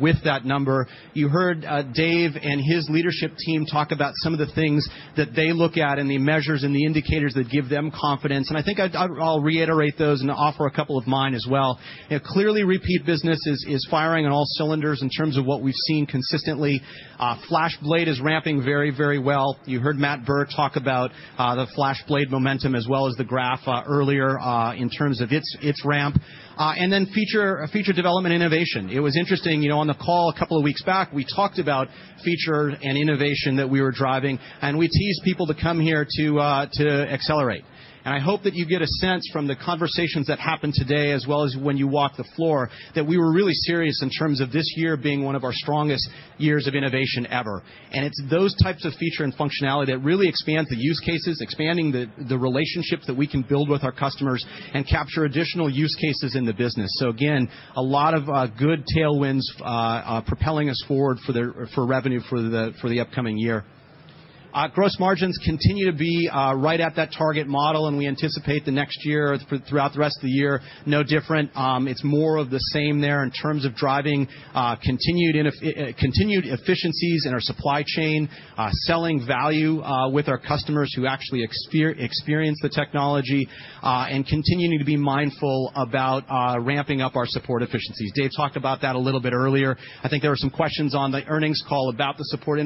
with that number. You heard Dave and his leadership team talk about some of the things that they look at and the measures and the indicators that give them confidence, and I think I'll reiterate those and offer a couple of mine as well. Clearly, repeat business is firing on all cylinders in terms of what we've seen consistently. FlashBlade is ramping very well. You heard Matt Burr talk about the FlashBlade momentum as well as the graph earlier in terms of its ramp. Feature development innovation. It was interesting on the call a couple of weeks back, we talked about feature and innovation that we were driving, and we teased people to come here to Pure//Accelerate. I hope that you get a sense from the conversations that happened today, as well as when you walk the floor, that we were really serious in terms of this year being one of our strongest years of innovation ever. It's those types of feature and functionality that really expand the use cases, expanding the relationships that we can build with our customers and capture additional use cases in the business. Again, a lot of good tailwinds propelling us forward for revenue for the upcoming year. Gross margins continue to be right at that target model, and we anticipate the next year throughout the rest of the year, no different. It's more of the same there in terms of driving continued efficiencies in our supply chain, selling value with our customers who actually experience the technology, and continuing to be mindful about ramping up our support efficiencies. Dave talked about that a little bit earlier. I think there were some questions on the earnings call about the support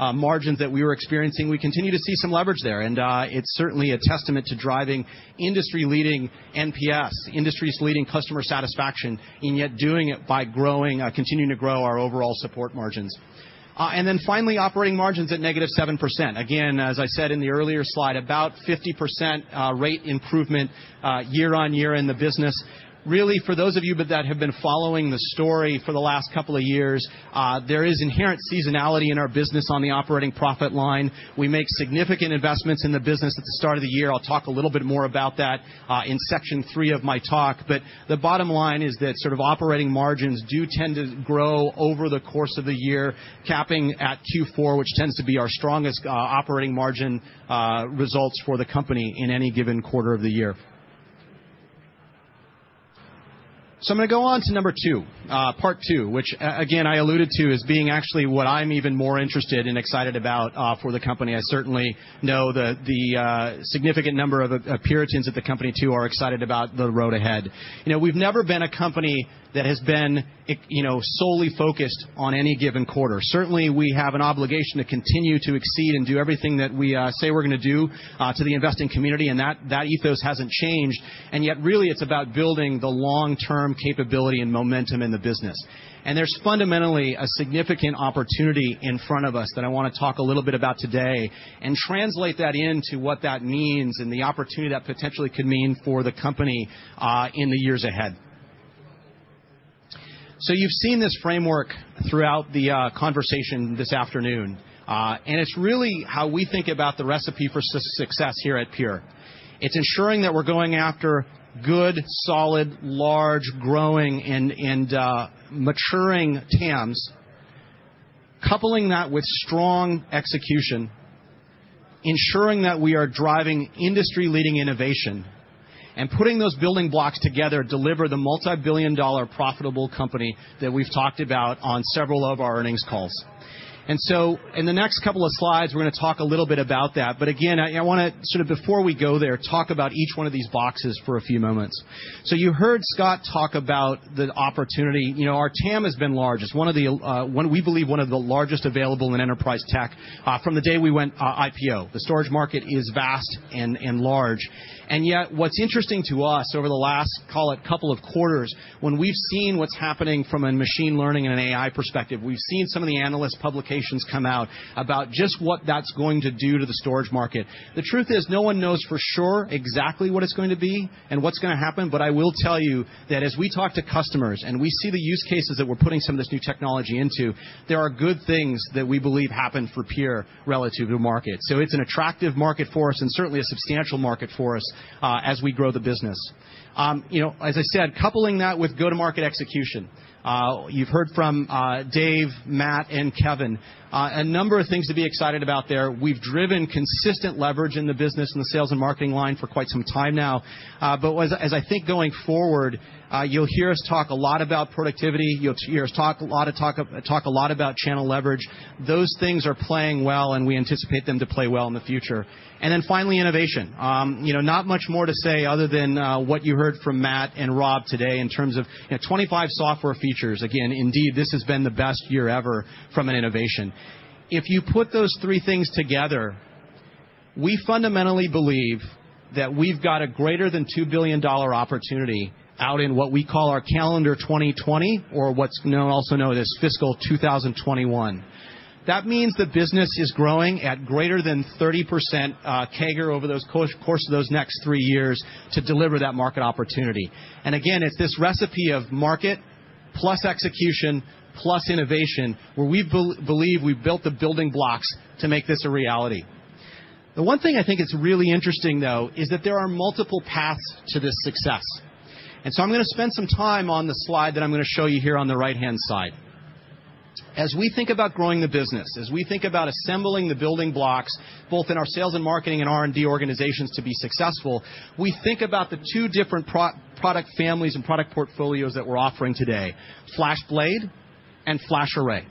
margins that we were experiencing. We continue to see some leverage there, and it's certainly a testament to driving industry-leading NPS, industry-leading customer satisfaction, and yet doing it by continuing to grow our overall support margins. Finally, operating margins at negative 7%. Again, as I said in the earlier slide, about 50% rate improvement year-over-year in the business. Really, for those of you that have been following the story for the last couple of years, there is inherent seasonality in our business on the operating profit line. We make significant investments in the business at the start of the year. I'll talk a little bit more about that in section three of my talk. The bottom line is that sort of operating margins do tend to grow over the course of the year, capping at Q4, which tends to be our strongest operating margin results for the company in any given quarter of the year. I'm going to go on to number two, part two, which again, I alluded to as being actually what I'm even more interested and excited about for the company. I certainly know that the significant number of Purities at the company too are excited about the road ahead. We've never been a company that has been solely focused on any given quarter. Certainly, we have an obligation to continue to exceed and do everything that we say we're going to do to the investing community, and that ethos hasn't changed, and yet really it's about building the long-term capability and momentum in the business. There's fundamentally a significant opportunity in front of us that I want to talk a little bit about today and translate that into what that means and the opportunity that potentially could mean for the company in the years ahead. You've seen this framework throughout the conversation this afternoon, and it's really how we think about the recipe for success here at Pure. It's ensuring that we're going after good, solid, large, growing, and maturing TAMs, coupling that with strong execution, ensuring that we are driving industry-leading innovation. Putting those building blocks together deliver the multibillion-dollar profitable company that we've talked about on several of our earnings calls. In the next couple of slides, we're going to talk a little bit about that. Again, I want to, sort of before we go there, talk about each one of these boxes for a few moments. You heard Scott talk about the opportunity. Our TAM has been large. It's, we believe, one of the largest available in enterprise tech from the day we went IPO. The storage market is vast and large. Yet what's interesting to us over the last, call it, couple of quarters, when we've seen what's happening from a machine learning and an AI perspective, we've seen some of the analyst publications come out about just what that's going to do to the storage market. The truth is, no one knows for sure exactly what it's going to be, and what's going to happen. I will tell you that as we talk to customers, and we see the use cases that we're putting some of this new technology into, there are good things that we believe happen for Pure relative to market. It's an attractive market for us and certainly a substantial market for us as we grow the business. As I said, coupling that with go-to-market execution. You've heard from Dave, Matt, and Kevin, a number of things to be excited about there. We've driven consistent leverage in the business in the sales and marketing line for quite some time now. As I think going forward, you'll hear us talk a lot about productivity, you'll hear us talk a lot about channel leverage. Those things are playing well, and we anticipate them to play well in the future. Finally, innovation. Not much more to say other than what you heard from Matt and Rob today in terms of 25 software features. Again, indeed, this has been the best year ever from an innovation. If you put those three things together, we fundamentally believe that we've got a greater than $2 billion opportunity out in what we call our calendar 2020 or what's also known as FY 2021. That means the business is growing at greater than 30% CAGR over the course of those next three years to deliver that market opportunity. Again, it's this recipe of market plus execution plus innovation where we believe we've built the building blocks to make this a reality. The one thing I think is really interesting, though, is that there are multiple paths to this success. I'm going to spend some time on the slide that I'm going to show you here on the right-hand side. As we think about growing the business, as we think about assembling the building blocks, both in our sales and marketing and R&D organizations to be successful, we think about the two different product families and product portfolios that we're offering today, FlashBlade and FlashArray.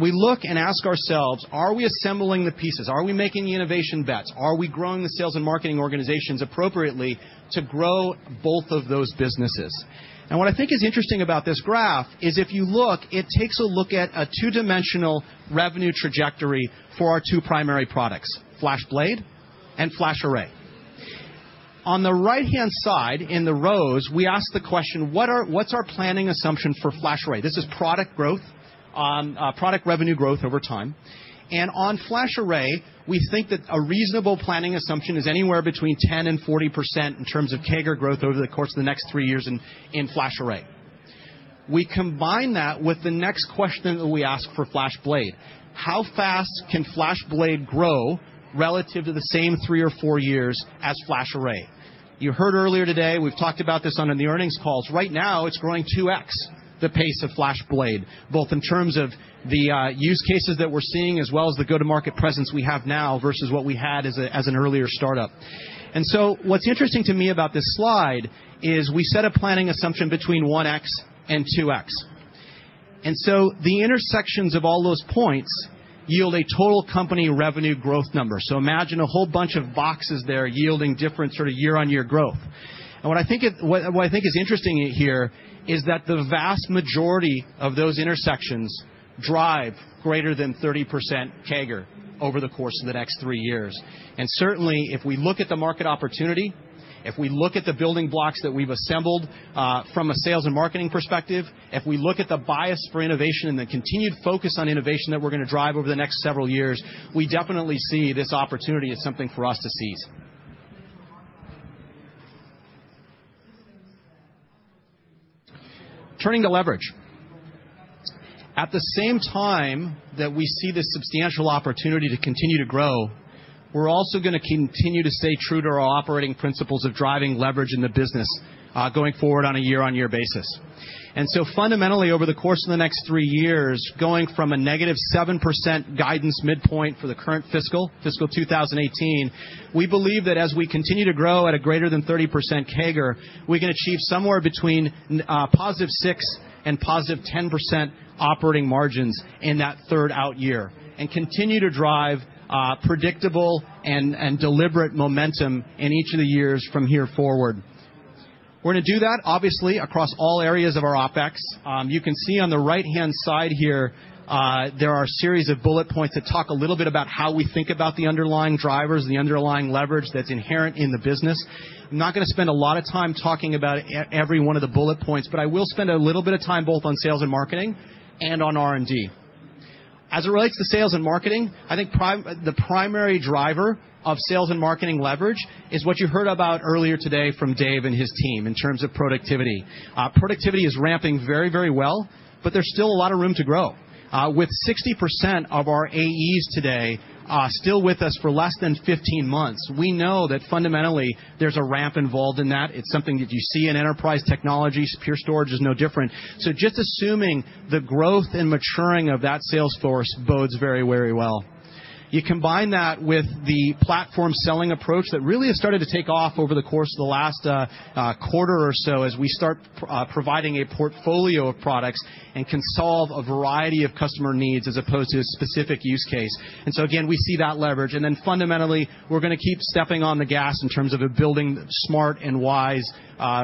We look and ask ourselves, "Are we assembling the pieces? Are we making the innovation bets? Are we growing the sales and marketing organizations appropriately to grow both of those businesses?" What I think is interesting about this graph is if you look, it takes a look at a two-dimensional revenue trajectory for our two primary products, FlashBlade and FlashArray. On the right-hand side, in the rows, we ask the question, what's our planning assumption for FlashArray? This is product revenue growth over time. On FlashArray, we think that a reasonable planning assumption is anywhere between 10%-40% in terms of CAGR growth over the course of the next 3 years in FlashArray. You combine that with the next question that we ask for FlashBlade. How fast can FlashBlade grow relative to the same three or four years as FlashArray? You heard earlier today, we've talked about this on the earnings calls. Right now, it's growing 2x, the pace of FlashBlade, both in terms of the use cases that we're seeing as well as the go-to-market presence we have now versus what we had as an earlier startup. What's interesting to me about this slide is we set a planning assumption between 1x and 2x. The intersections of all those points yield a total company revenue growth number. Imagine a whole bunch of boxes there yielding different year-on-year growth. What I think is interesting here is that the vast majority of those intersections drive greater than 30% CAGR over the course of the next 3 years. Certainly, if we look at the market opportunity, if we look at the building blocks that we've assembled from a sales and marketing perspective, if we look at the bias for innovation and the continued focus on innovation that we're going to drive over the next several years, we definitely see this opportunity as something for us to seize. Turning to leverage. At the same time that we see this substantial opportunity to continue to grow, we're also going to continue to stay true to our operating principles of driving leverage in the business, going forward on a year-on-year basis. Fundamentally, over the course of the next 3 years, going from a -7% guidance midpoint for the current fiscal 2018, we believe that as we continue to grow at a greater than 30% CAGR, we can achieve somewhere between +6% and +10% operating margins in that third-out year, and continue to drive predictable and deliberate momentum in each of the years from here forward. We're going to do that, obviously, across all areas of our OpEx. You can see on the right-hand side here, there are a series of bullet points that talk a little bit about how we think about the underlying drivers, the underlying leverage that's inherent in the business. I'm not going to spend a lot of time talking about every one of the bullet points, but I will spend a little bit of time both on sales and marketing and on R&D. As it relates to sales and marketing, I think the primary driver of sales and marketing leverage is what you heard about earlier today from Dave and his team in terms of productivity. Productivity is ramping very well, but there's still a lot of room to grow. With 60% of our AEs today still with us for less than 15 months, we know that fundamentally there's a ramp involved in that. It's something that you see in enterprise technology. Pure Storage is no different. Just assuming the growth and maturing of that sales force bodes very well. You combine that with the platform selling approach that really has started to take off over the course of the last quarter or so as we start providing a portfolio of products and can solve a variety of customer needs as opposed to a specific use case. Again, we see that leverage. Fundamentally, we're going to keep stepping on the gas in terms of building smart and wise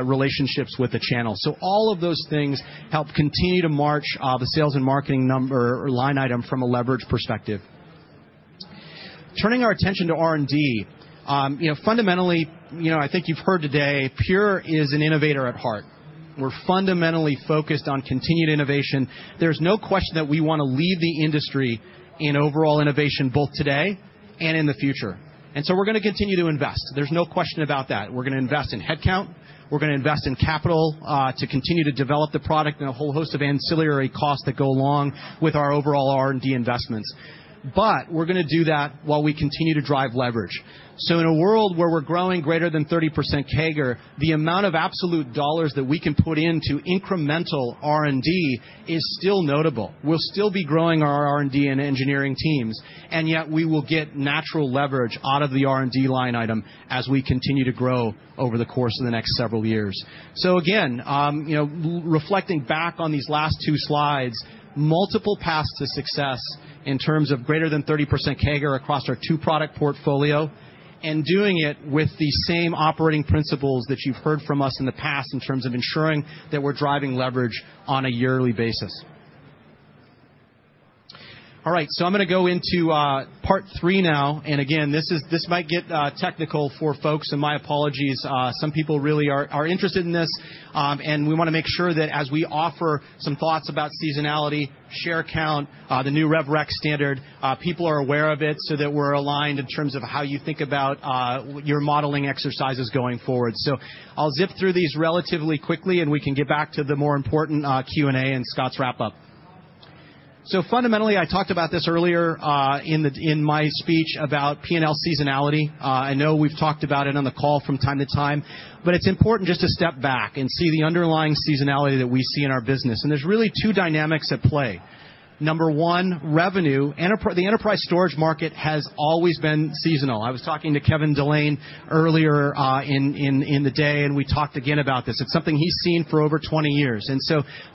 relationships with the channel. All of those things help continue to march the sales and marketing number or line item from a leverage perspective. Turning our attention to R&D. Fundamentally, I think you've heard today, Pure is an innovator at heart. We're fundamentally focused on continued innovation. There's no question that we want to lead the industry in overall innovation, both today and in the future. We're going to continue to invest. There's no question about that. We're going to invest in headcount. We're going to invest in capital to continue to develop the product and a whole host of ancillary costs that go along with our overall R&D investments. We're going to do that while we continue to drive leverage. In a world where we're growing greater than 30% CAGR, the amount of absolute dollars that we can put into incremental R&D is still notable. We'll still be growing our R&D and engineering teams, and yet we will get natural leverage out of the R&D line item as we continue to grow over the course of the next several years. Again, reflecting back on these last two slides, multiple paths to success in terms of greater than 30% CAGR across our two-product portfolio and doing it with the same operating principles that you've heard from us in the past in terms of ensuring that we're driving leverage on a yearly basis. All right, I'm going to go into part three now. Again, this might get technical for folks, so my apologies. Some people really are interested in this, and we want to make sure that as we offer some thoughts about seasonality, share count, the new rev rec standard, people are aware of it so that we're aligned in terms of how you think about your modeling exercises going forward. I'll zip through these relatively quickly, and we can get back to the more important Q&A and Scott's wrap-up. Fundamentally, I talked about this earlier in my speech about P&L seasonality. I know we've talked about it on the call from time to time, but it's important just to step back and see the underlying seasonality that we see in our business. There's really two dynamics at play. Number one, revenue. The enterprise storage market has always been seasonal. I was talking to Kevin Delane earlier in the day, and we talked again about this. It's something he's seen for over 20 years.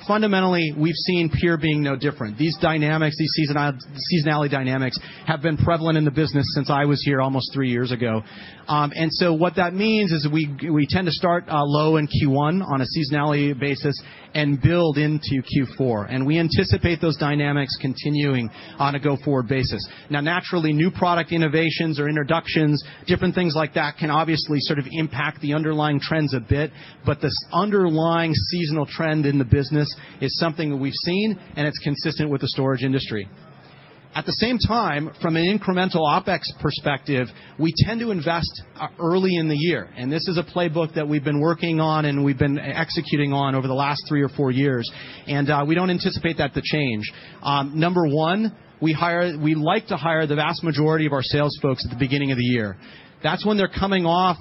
Fundamentally, we've seen Pure being no different. These seasonality dynamics have been prevalent in the business since I was here almost three years ago. What that means is we tend to start low in Q1 on a seasonality basis and build into Q4. We anticipate those dynamics continuing on a go-forward basis. Naturally, new product innovations or introductions, different things like that can obviously sort of impact the underlying trends a bit, this underlying seasonal trend in the business is something that we've seen, and it's consistent with the storage industry. At the same time, from an incremental OpEx perspective, we tend to invest early in the year, this is a playbook that we've been working on and we've been executing on over the last 3 or 4 years, and we don't anticipate that to change. Number 1, we like to hire the vast majority of our sales folks at the beginning of the year. That's when they're coming off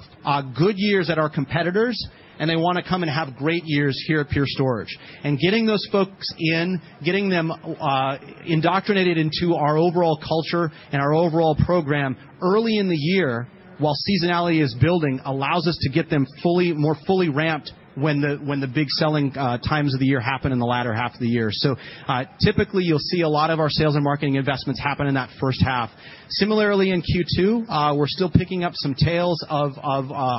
good years at our competitors, and they want to come and have great years here at Pure Storage. Getting those folks in, getting them indoctrinated into our overall culture and our overall program early in the year while seasonality is building allows us to get them more fully ramped when the big selling times of the year happen in the latter half of the year. Typically, you'll see a lot of our sales and marketing investments happen in that first half. Similarly, in Q2, we're still picking up some tails of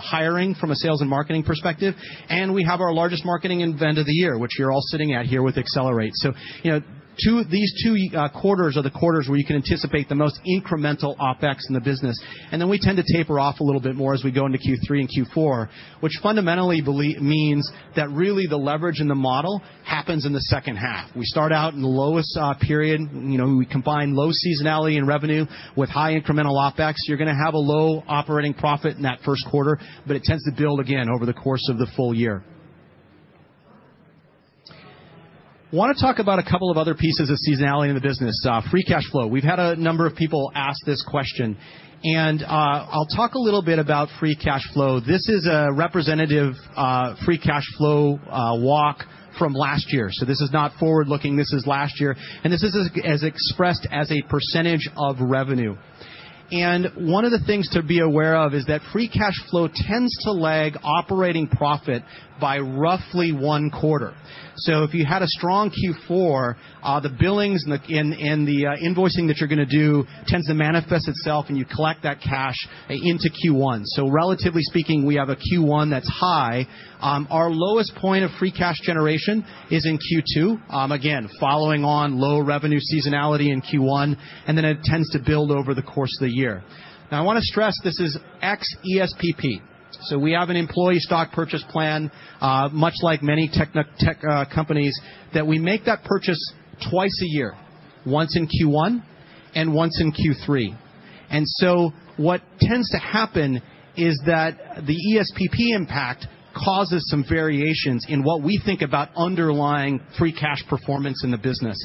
hiring from a sales and marketing perspective, and we have our largest marketing event of the year, which you're all sitting at here with Accelerate. These two quarters are the quarters where you can anticipate the most incremental OpEx in the business. We tend to taper off a little bit more as we go into Q3 and Q4, which fundamentally means that really the leverage in the model happens in the second half. We start out in the lowest period. We combine low seasonality in revenue with high incremental OpEx. You're going to have a low operating profit in that first quarter, it tends to build again over the course of the full year. I want to talk about a couple of other pieces of seasonality in the business. Free cash flow. We've had a number of people ask this question, and I'll talk a little bit about free cash flow. This is a representative free cash flow walk from last year. This is not forward-looking, this is last year, and this is as expressed as a % of revenue. One of the things to be aware is that free cash flow tends to lag operating profit by roughly one quarter. If you had a strong Q4, the billings and the invoicing that you're going to do tends to manifest itself, and you collect that cash into Q1. Relatively speaking, we have a Q1 that's high. Our lowest point of free cash generation is in Q2, again, following on low revenue seasonality in Q1, it tends to build over the course of the year. I want to stress this is ex-ESPP. We have an employee stock purchase plan, much like many tech companies, that we make that purchase twice a year, once in Q1 and once in Q3. What tends to happen is that the ESPP impact causes some variations in what we think about underlying free cash performance in the business.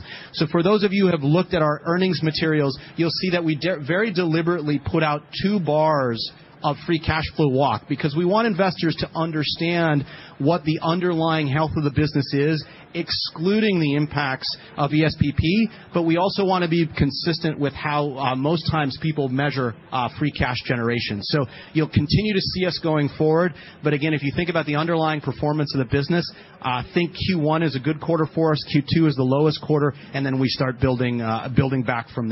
For those of you who have looked at our earnings materials, you will see that we very deliberately put out two bars of free cash flow walk because we want investors to understand what the underlying health of the business is, excluding the impacts of ESPP, but we also want to be consistent with how most times people measure free cash generation. You will continue to see us going forward. Again, if you think about the underlying performance of the business, I think Q1 is a good quarter for us, Q2 is the lowest quarter, and then we start building back from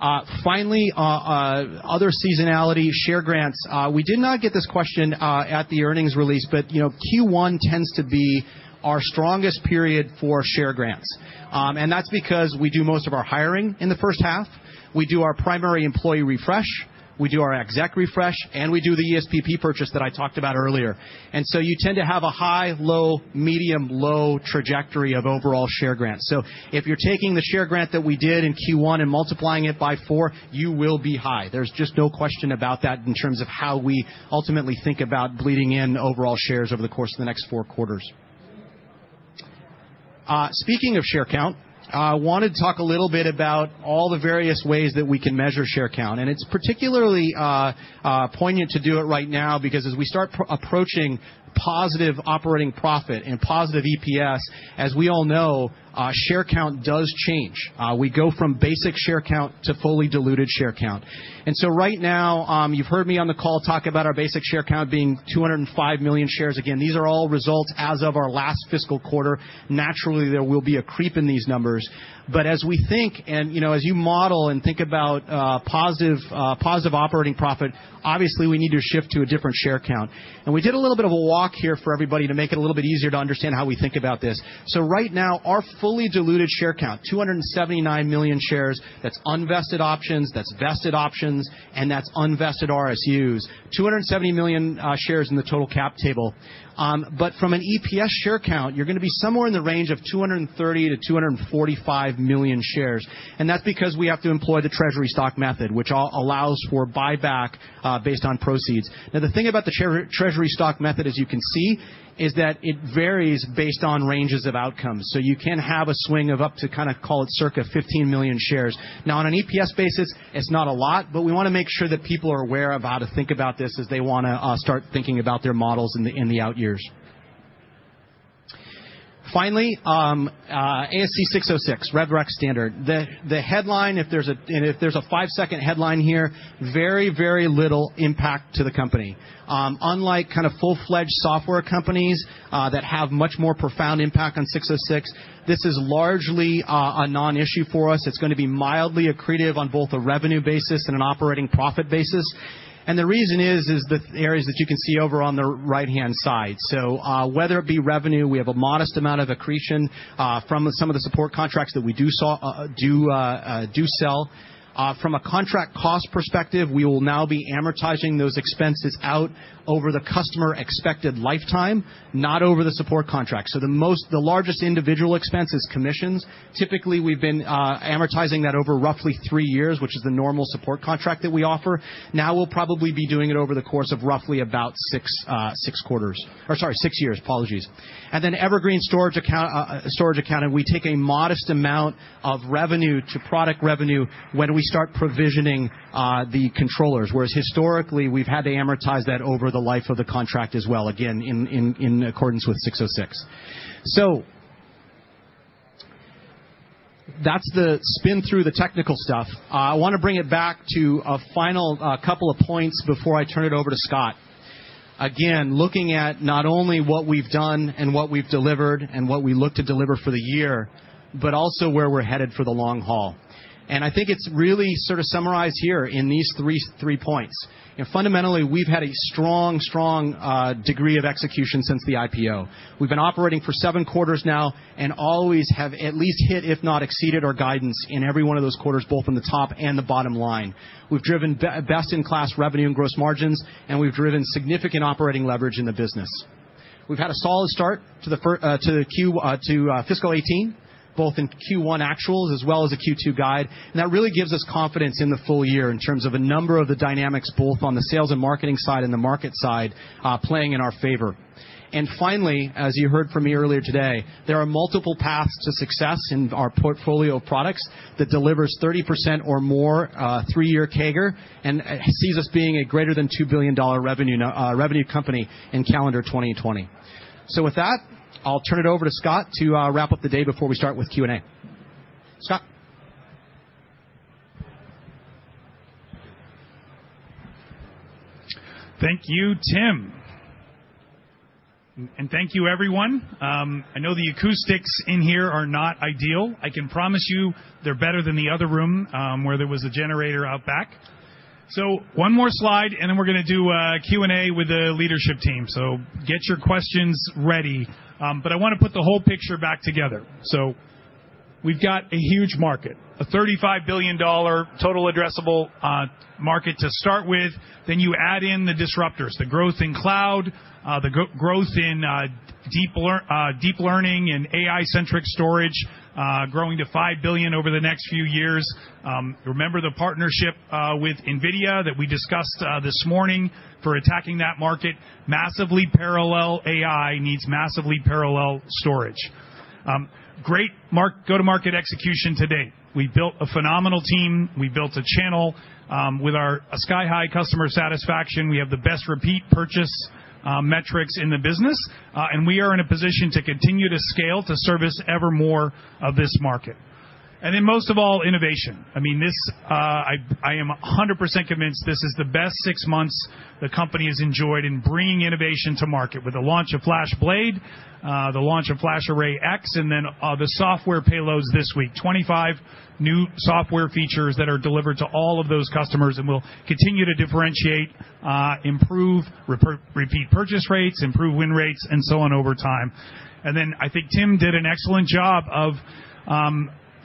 there. Finally, other seasonality, share grants. We did not get this question at the earnings release, Q1 tends to be our strongest period for share grants. That is because we do most of our hiring in the first half, we do our primary employee refresh, we do our exec refresh, and we do the ESPP purchase that I talked about earlier. You tend to have a high-low, medium-low trajectory of overall share grants. If you are taking the share grant that we did in Q1 and multiplying it by four, you will be high. There is just no question about that in terms of how we ultimately think about bleeding in overall shares over the course of the next four quarters. Speaking of share count, I want to talk a little bit about all the various ways that we can measure share count, and it is particularly poignant to do it right now because as we start approaching positive operating profit and positive EPS, as we all know, share count does change. We go from basic share count to fully diluted share count. Right now, you have heard me on the call talk about our basic share count being 205 million shares. Again, these are all results as of our last fiscal quarter. Naturally, there will be a creep in these numbers. As we think and as you model and think about positive operating profit, obviously, we need to shift to a different share count. We did a little bit of a walk here for everybody to make it a little bit easier to understand how we think about this. Right now, our fully diluted share count, 279 million shares. That is unvested options, that is vested options, and that is unvested RSUs. 270 million shares in the total cap table. From an EPS share count, you are going to be somewhere in the range of 230 million-245 million shares, and that is because we have to employ the treasury stock method, which allows for buyback based on proceeds. Now, the thing about the treasury stock method, as you can see, is that it varies based on ranges of outcomes. You can have a swing of up to call it circa 15 million shares. On an EPS basis, it's not a lot, but we want to make sure that people are aware of how to think about this as they want to start thinking about their models in the out years. Finally, ASC 606, RevRec standard. The headline, if there's a five-second headline here, very little impact to the company. Unlike full-fledged software companies that have much more profound impact on 606, this is largely a non-issue for us. It's going to be mildly accretive on both a revenue basis and an operating profit basis, and the reason is the areas that you can see over on the right-hand side. Whether it be revenue, we have a modest amount of accretion from some of the support contracts that we do sell. From a contract cost perspective, we will now be amortizing those expenses out over the customer expected lifetime, not over the support contract. The largest individual expense is commissions. Typically, we've been amortizing that over roughly three years, which is the normal support contract that we offer. Now we'll probably be doing it over the course of roughly about six quarters. Or sorry, six years. Apologies. Then Evergreen storage accounted, we take a modest amount of revenue to product revenue when we start provisioning the controllers, whereas historically, we've had to amortize that over the life of the contract as well, again, in accordance with 606. That's the spin through the technical stuff. I want to bring it back to a final couple of points before I turn it over to Scott. Again, looking at not only what we've done and what we've delivered and what we look to deliver for the year, but also where we're headed for the long haul. I think it's really sort of summarized here in these three points. Fundamentally, we've had a strong degree of execution since the IPO. We've been operating for seven quarters now and always have at least hit, if not exceeded our guidance in every one of those quarters, both on the top and the bottom line. We've driven best-in-class revenue and gross margins, we've driven significant operating leverage in the business. We've had a solid start to fiscal 2018, both in Q1 actuals as well as the Q2 guide, that really gives us confidence in the full year in terms of a number of the dynamics both on the sales and marketing side and the market side playing in our favor. Finally, as you heard from me earlier today, there are multiple paths to success in our portfolio of products that delivers 30% or more three-year CAGR and sees us being a greater than $2 billion revenue company in calendar 2020. With that, I'll turn it over to Scott to wrap up the day before we start with Q&A. Scott? Thank you, Tim. Thank you, everyone. I know the acoustics in here are not ideal. I can promise you they're better than the other room where there was a generator out back. One more slide, and then we're going to do a Q&A with the leadership team. Get your questions ready. I want to put the whole picture back together. We've got a huge market, a $35 billion total addressable market to start with. Then you add in the disruptors, the growth in cloud, the growth in deep learning and AI-centric storage, growing to $5 billion over the next few years. Remember the partnership with NVIDIA that we discussed this morning for attacking that market. Massively parallel AI needs massively parallel storage. Great go-to-market execution to date. We built a phenomenal team. We built a channel. With our sky-high customer satisfaction, we have the best repeat purchase metrics in the business, and we are in a position to continue to scale to service ever more of this market. Most of all, innovation. I am 100% convinced this is the best six months the company has enjoyed in bringing innovation to market with the launch of FlashBlade, the launch of FlashArray//X, and then the software payloads this week, 25 new software features that are delivered to all of those customers and will continue to differentiate, improve repeat purchase rates, improve win rates, and so on over time. I think Tim did an excellent job of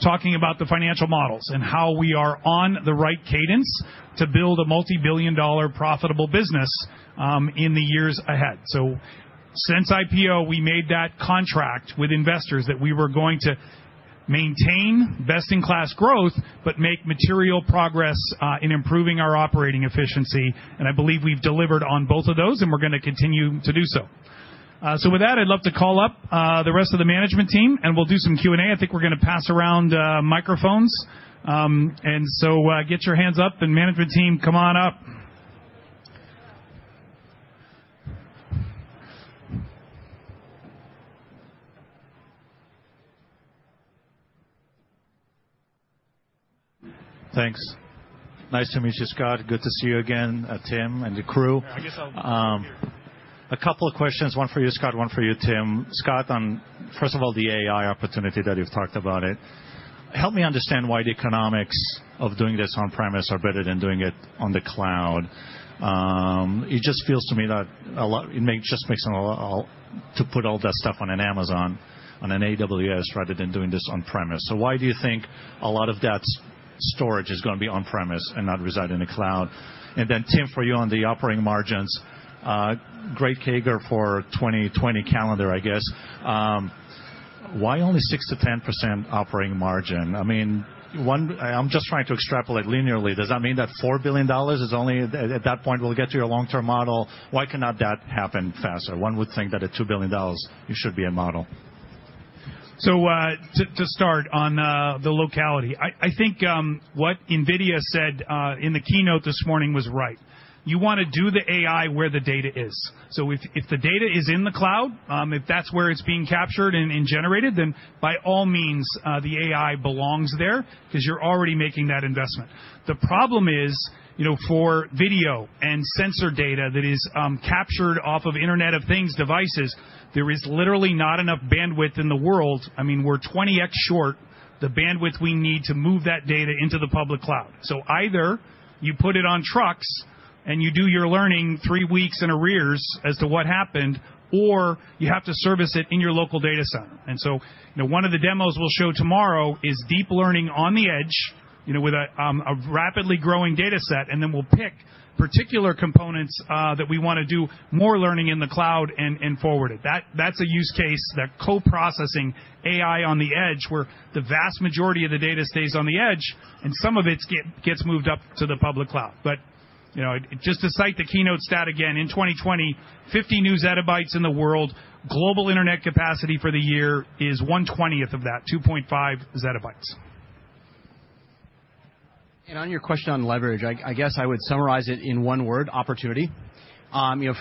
talking about the financial models and how we are on the right cadence to build a multi-billion dollar profitable business in the years ahead. Since IPO, we made that contract with investors that we were going to maintain best-in-class growth, but make material progress in improving our operating efficiency, and I believe we've delivered on both of those and we're going to continue to do so. With that, I'd love to call up the rest of the management team and we'll do some Q&A. I think we're going to pass around microphones. Get your hands up, and management team, come on up. Thanks. Nice to meet you, Scott. Good to see you again, Tim, and the crew. I guess I'll move up here. A couple of questions, one for you, Scott, one for you, Tim. Scott, on, first of all, the AI opportunity that you've talked about it. Help me understand why the economics of doing this on-premise are better than doing it on the cloud. It just feels to me it just makes to put all that stuff on an Amazon, on an AWS, rather than doing this on-premise. Why do you think a lot of that storage is going to be on-premise and not reside in the cloud? Tim, for you on the operating margins, great CAGR for 2020 calendar, I guess. Why only 6%-10% operating margin? I'm just trying to extrapolate linearly. Does that mean that $4 billion is only at that point will get to your long-term model? Why cannot that happen faster? One would think that at $2 billion, you should be at model. To start on the locality. I think what NVIDIA said in the keynote this morning was right. You want to do the AI where the data is. If the data is in the cloud, if that's where it's being captured and generated, then by all means, the AI belongs there because you're already making that investment. The problem is for video and sensor data that is captured off of Internet of Things devices, there is literally not enough bandwidth in the world. We're 20x short the bandwidth we need to move that data into the public cloud. Either you put it on trucks and you do your learning three weeks in arrears as to what happened, or you have to service it in your local data center. One of the demos we'll show tomorrow is deep learning on the edge with a rapidly growing data set, then we'll pick particular components that we want to do more learning in the cloud and forward it. That's a use case, that co-processing AI on the edge, where the vast majority of the data stays on the edge and some of it gets moved up to the public cloud. Just to cite the keynote stat again, in 2020, 50 new zettabytes in the world. Global internet capacity for the year is 1/20 of that, 2.5 zettabytes. On your question on leverage, I guess I would summarize it in one word, opportunity.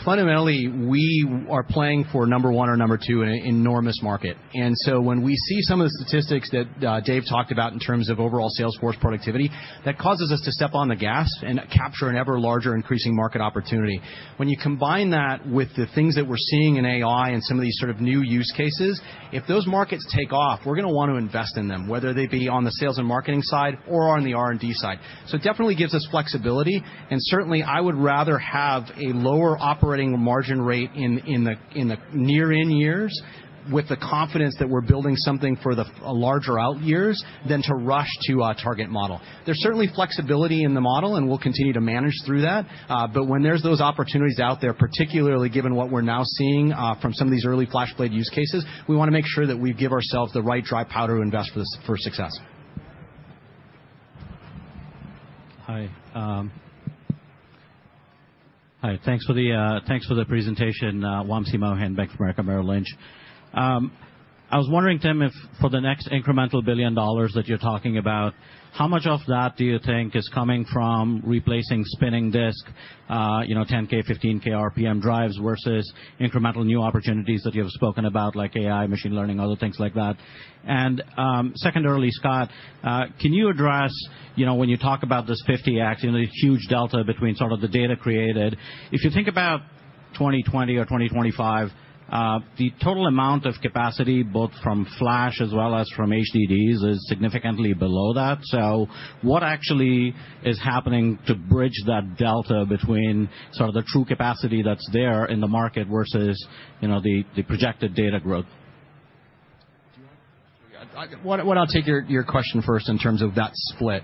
Fundamentally, we are playing for number one or number two in an enormous market. When we see some of the statistics that Dave talked about in terms of overall sales force productivity, that causes us to step on the gas and capture an ever larger increasing market opportunity. When you combine that with the things that we're seeing in AI and some of these sort of new use cases, if those markets take off, we're going to want to invest in them, whether they be on the sales and marketing side or on the R&D side. It definitely gives us flexibility, and certainly I would rather have a lower operating margin rate in the near in years with the confidence that we're building something for the larger out years than to rush to a target model. There's certainly flexibility in the model, and we'll continue to manage through that. When there's those opportunities out there, particularly given what we're now seeing from some of these early FlashBlade use cases, we want to make sure that we give ourselves the right dry powder to invest for success. Hi. Thanks for the presentation. Wamsi Mohan, Bank of America Merrill Lynch. I was wondering, Tim, if for the next incremental $1 billion that you're talking about, how much of that do you think is coming from replacing spinning disk, 10K, 15K RPM drives versus incremental new opportunities that you have spoken about, like AI, machine learning, other things like that? Secondarily, Scott, can you address when you talk about this 50x, the huge delta between sort of the data created. If you think about 2020 or 2025, the total amount of capacity, both from Flash as well as from HDDs, is significantly below that. What actually is happening to bridge that delta between sort of the true capacity that's there in the market versus the projected data growth? I'll take your question first in terms of that split.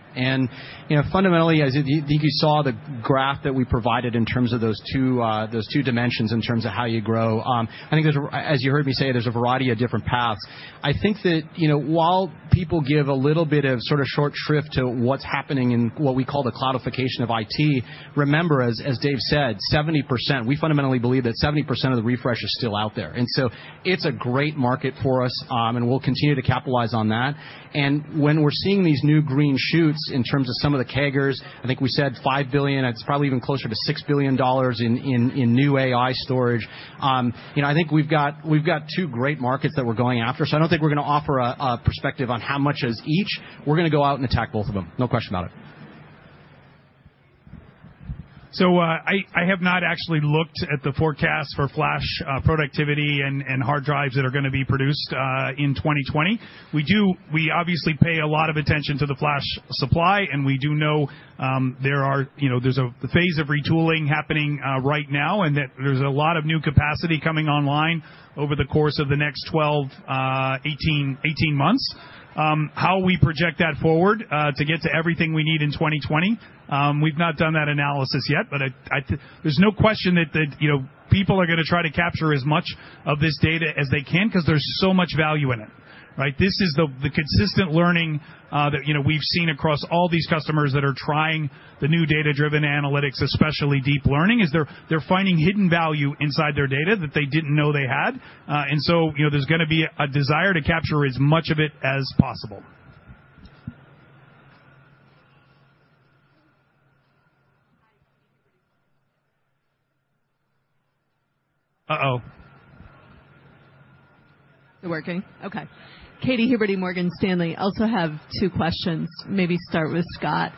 Fundamentally, I think you saw the graph that we provided in terms of those two dimensions in terms of how you grow. I think as you heard me say, there's a variety of different paths. I think that while people give a little bit of short shrift to what's happening in what we call the cloudification of IT, remember, as Dave said, we fundamentally believe that 70% of the refresh is still out there. It's a great market for us, and we'll continue to capitalize on that. When we're seeing these new green shoots in terms of some of the CAGRs, I think we said $5 billion, it's probably even closer to $6 billion in new AI storage. I think we've got two great markets that we're going after. I don't think we're going to offer a perspective on how much is each. We're going to go out and attack both of them, no question about it. I have not actually looked at the forecast for flash productivity and hard drives that are going to be produced in 2020. We obviously pay a lot of attention to the flash supply, and we do know there's a phase of retooling happening right now, and that there's a lot of new capacity coming online over the course of the next 12, 18 months. How we project that forward to get to everything we need in 2020, we've not done that analysis yet, but there's no question that people are going to try to capture as much of this data as they can because there's so much value in it, right? This is the consistent learning that we've seen across all these customers that are trying the new data-driven analytics, especially deep learning, is they're finding hidden value inside their data that they didn't know they had. There's going to be a desire to capture as much of it as possible. Uh-oh. Is it working? Okay. Katy Huberty, Morgan Stanley. Also have two questions, maybe start with Scott.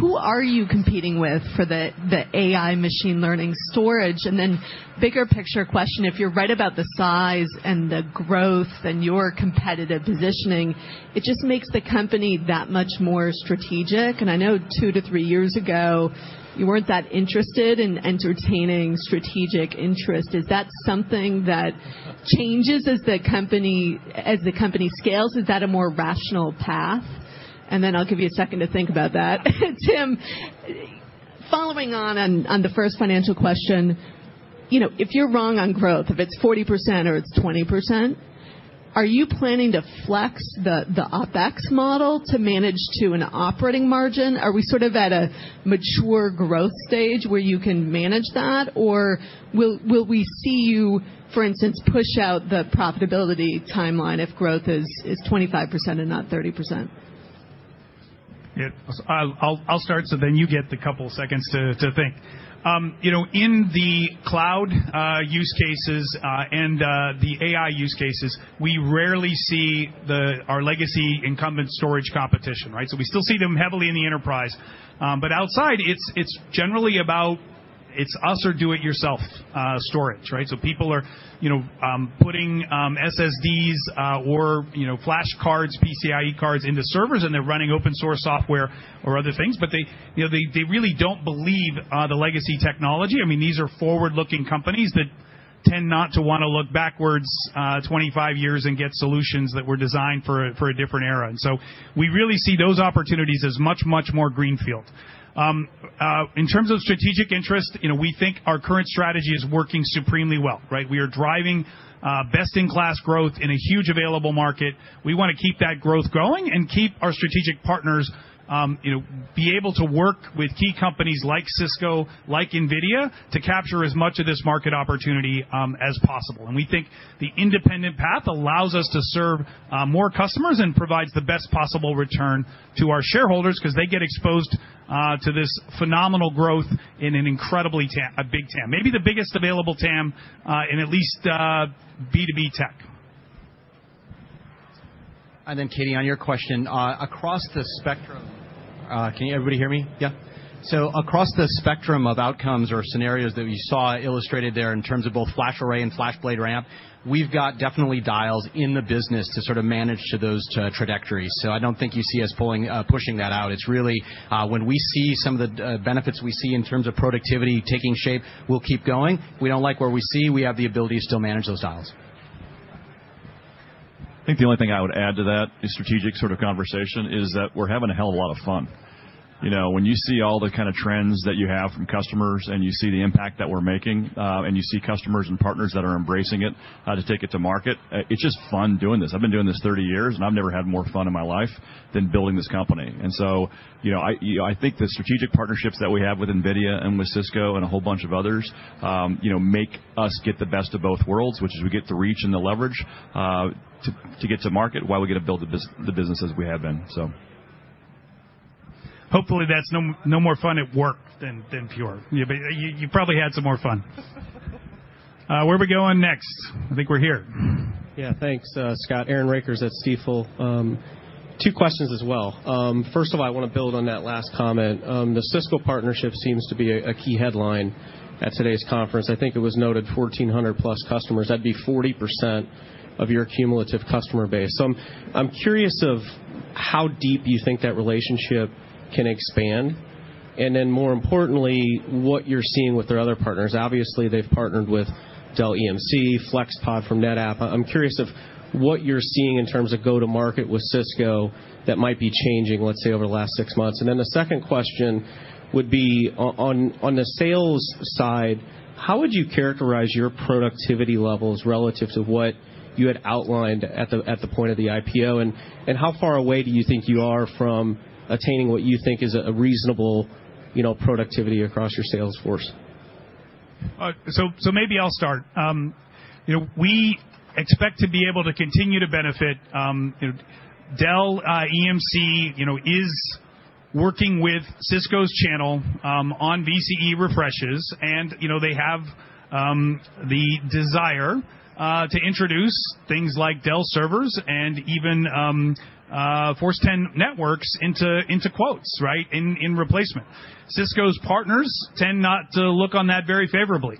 Who are you competing with for the AI machine learning storage? Then bigger picture question, if you are right about the size and the growth and your competitive positioning, it just makes the company that much more strategic. I know two to three years ago, you were not that interested in entertaining strategic interest. Is that something that changes as the company scales? Is that a more rational path? Then I will give you a second to think about that. Tim, following on the first financial question, if you are wrong on growth, if it is 40% or it is 20%, are you planning to flex the OpEx model to manage to an operating margin? Are we sort of at a mature growth stage where you can manage that? Will we see you, for instance, push out the profitability timeline if growth is 25% and not 30%? I will start then you get the couple seconds to think. In the cloud use cases, and the AI use cases, we rarely see our legacy incumbent storage competition, right? We still see them heavily in the enterprise. Outside, it is generally about it is us or do-it-yourself storage, right? People are putting SSDs, or flash cards, PCIe cards into servers, and they are running open-source software or other things, but they really do not believe the legacy technology. These are forward-looking companies that tend not to want to look backwards 25 years and get solutions that were designed for a different era. We really see those opportunities as much, much more greenfield. In terms of strategic interest, we think our current strategy is working supremely well, right? We are driving best-in-class growth in a huge available market. We want to keep that growth going and keep our strategic partners be able to work with key companies like Cisco, like NVIDIA, to capture as much of this market opportunity as possible. We think the independent path allows us to serve more customers and provides the best possible return to our shareholders because they get exposed to this phenomenal growth in an incredibly big TAM. Maybe the biggest available TAM, in at least B2B tech. Katy, on your question, across the spectrum. Can everybody hear me? Yeah. Across the spectrum of outcomes or scenarios that we saw illustrated there in terms of both FlashArray and FlashBlade RAM, we've got definitely dials in the business to sort of manage to those trajectories. I don't think you see us pushing that out. It's really when we see some of the benefits we see in terms of productivity taking shape, we'll keep going. We don't like where we see, we have the ability to still manage those dials. I think the only thing I would add to that strategic sort of conversation is that we're having a hell of a lot of fun. When you see all the kind of trends that you have from customers and you see the impact that we're making, and you see customers and partners that are embracing it, to take it to market, it's just fun doing this. I've been doing this 30 years, and I've never had more fun in my life than building this company. I think the strategic partnerships that we have with NVIDIA and with Cisco and a whole bunch of others make us get the best of both worlds, which is we get the reach and the leverage to get to market while we get to build the business as we have been. Hopefully, that's no more fun at work than Pure Storage, you probably had some more fun. Where are we going next? I think we're here. Yeah. Thanks, Scott. Aaron Rakers at Stifel. Two questions as well. First of all, I want to build on that last comment. The Cisco partnership seems to be a key headline at today's conference. I think it was noted 1,400 plus customers. That'd be 40% of your cumulative customer base. I'm curious of how deep you think that relationship can expand More importantly, what you're seeing with their other partners. Obviously, they've partnered with Dell EMC, FlexPod from NetApp. I'm curious of what you're seeing in terms of go to market with Cisco that might be changing, let's say, over the last 6 months. The second question would be on the sales side, how would you characterize your productivity levels relative to what you had outlined at the point of the IPO, and how far away do you think you are from attaining what you think is a reasonable productivity across your sales force? Maybe I'll start. We expect to be able to continue to benefit. Dell EMC is working with Cisco's channel on VCE refreshes, and they have the desire to introduce things like Dell servers and even Force10 networks into quotes, in replacement. Cisco's partners tend not to look on that very favorably.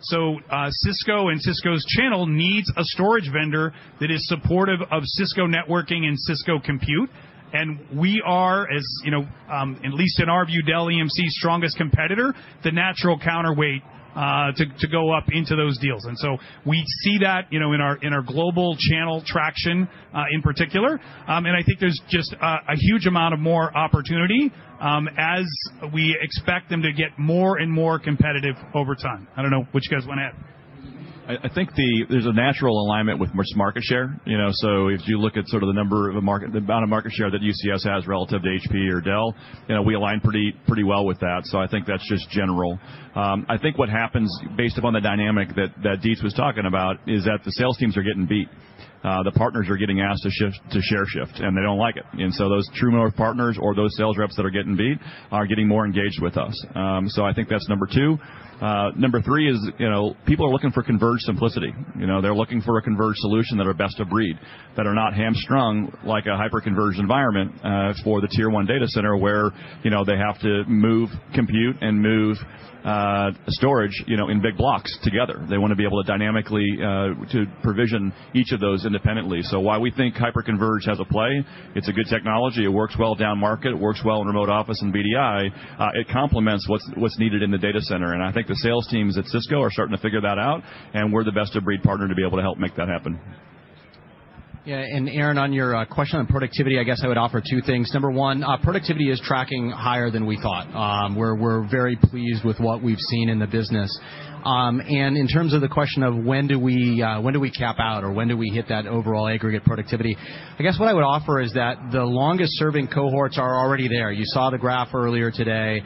Cisco and Cisco's channel needs a storage vendor that is supportive of Cisco networking and Cisco compute, and we are, at least in our view, Dell EMC's strongest competitor, the natural counterweight to go up into those deals. We see that in our global channel traction in particular. I think there's just a huge amount of more opportunity as we expect them to get more and more competitive over time. I don't know what you guys want to add. I think there's a natural alignment with market share. If you look at the amount of market share that UCS has relative to HP or Dell, we align pretty well with that. I think that's just general. I think what happens based upon the dynamic that Dietz was talking about is that the sales teams are getting beat. The partners are getting asked to share shift, and they don't like it. Those True North partners or those sales reps that are getting beat are getting more engaged with us. I think that's number 2. Number 3 is people are looking for converged simplicity. They're looking for a converged solution that are best-of-breed, that are not hamstrung like a hyper-converged environment for the tier 1 data center, where they have to move compute and move storage in big blocks together. They want to be able to dynamically to provision each of those independently. While we think hyper-converge has a play, it's a good technology. It works well down market. It works well in remote office and VDI. It complements what's needed in the data center, I think the sales teams at Cisco are starting to figure that out, we're the best-of-breed partner to be able to help make that happen. Yeah. Aaron, on your question on productivity, I guess I would offer two things. Number one, productivity is tracking higher than we thought. We're very pleased with what we've seen in the business. In terms of the question of when do we cap out or when do we hit that overall aggregate productivity, I guess what I would offer is that the longest-serving cohorts are already there. You saw the graph earlier today.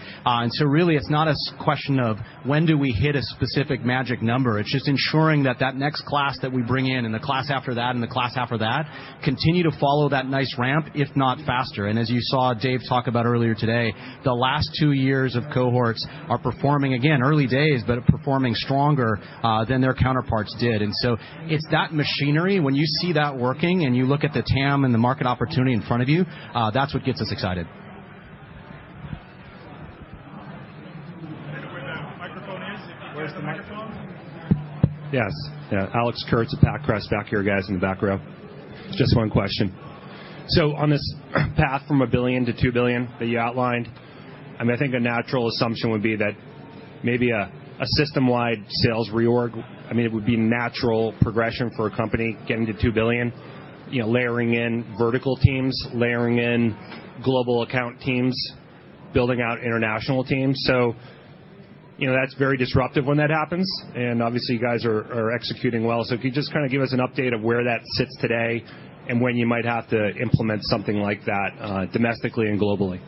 Really, it's not a question of when do we hit a specific magic number. It's just ensuring that that next class that we bring in, and the class after that, and the class after that continue to follow that nice ramp, if not faster. As you saw Dave talk about earlier today, the last two years of cohorts are performing, again, early days, but are performing stronger than their counterparts did. It's that machinery. When you see that working and you look at the TAM and the market opportunity in front of you, that's what gets us excited. Where the microphone is. Where's the microphone? Yes. Alex Kurtz of Pacific Crest Securities back here, guys, in the back row. Just one question. On this path from $1 billion to $2 billion that you outlined, I think a natural assumption would be that maybe a system-wide sales reorg, it would be natural progression for a company getting to $2 billion, layering in vertical teams, layering in global account teams, building out international teams. That's very disruptive when that happens, and obviously, you guys are executing well. If you could just give us an update of where that sits today and when you might have to implement something like that domestically and globally.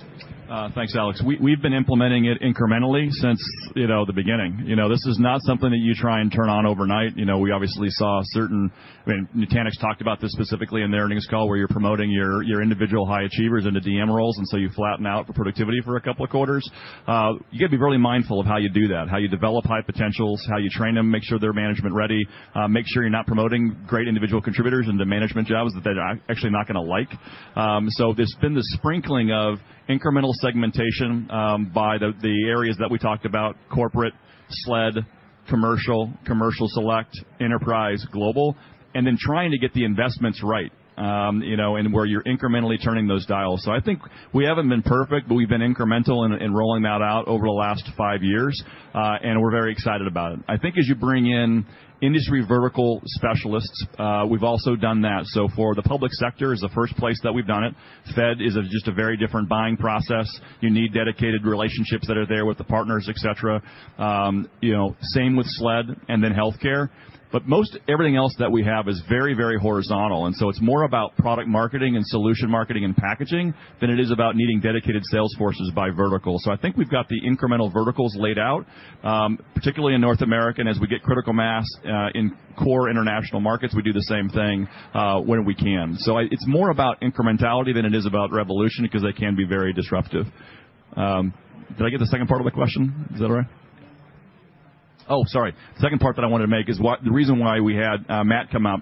Thanks, Alex. We've been implementing it incrementally since the beginning. This is not something that you try and turn on overnight. We obviously saw certain, I mean, Nutanix talked about this specifically in their earnings call, where you're promoting your individual high achievers into DM roles, and you flatten out the productivity for a couple of quarters. You got to be really mindful of how you do that, how you develop high potentials, how you train them, make sure they're management ready, make sure you're not promoting great individual contributors into management jobs that they're actually not going to like. There's been this sprinkling of incremental segmentation by the areas that we talked about, corporate, SLED, commercial select, enterprise, global, and then trying to get the investments right where you're incrementally turning those dials. I think we haven't been perfect, but we've been incremental in rolling that out over the last five years. We're very excited about it. I think as you bring in industry vertical specialists, we've also done that. For the public sector is the first place that we've done it. Fed is just a very different buying process. You need dedicated relationships that are there with the partners, et cetera. Same with SLED and then healthcare. Most everything else that we have is very, very horizontal, and it's more about product marketing and solution marketing and packaging than it is about needing dedicated sales forces by vertical. I think we've got the incremental verticals laid out, particularly in North America. As we get critical mass in core international markets, we do the same thing where we can. It's more about incrementality than it is about revolution because that can be very disruptive. Did I get the second part of the question? Is that all right? Oh, sorry. Second part that I wanted to make is the reason why we had Matt come out,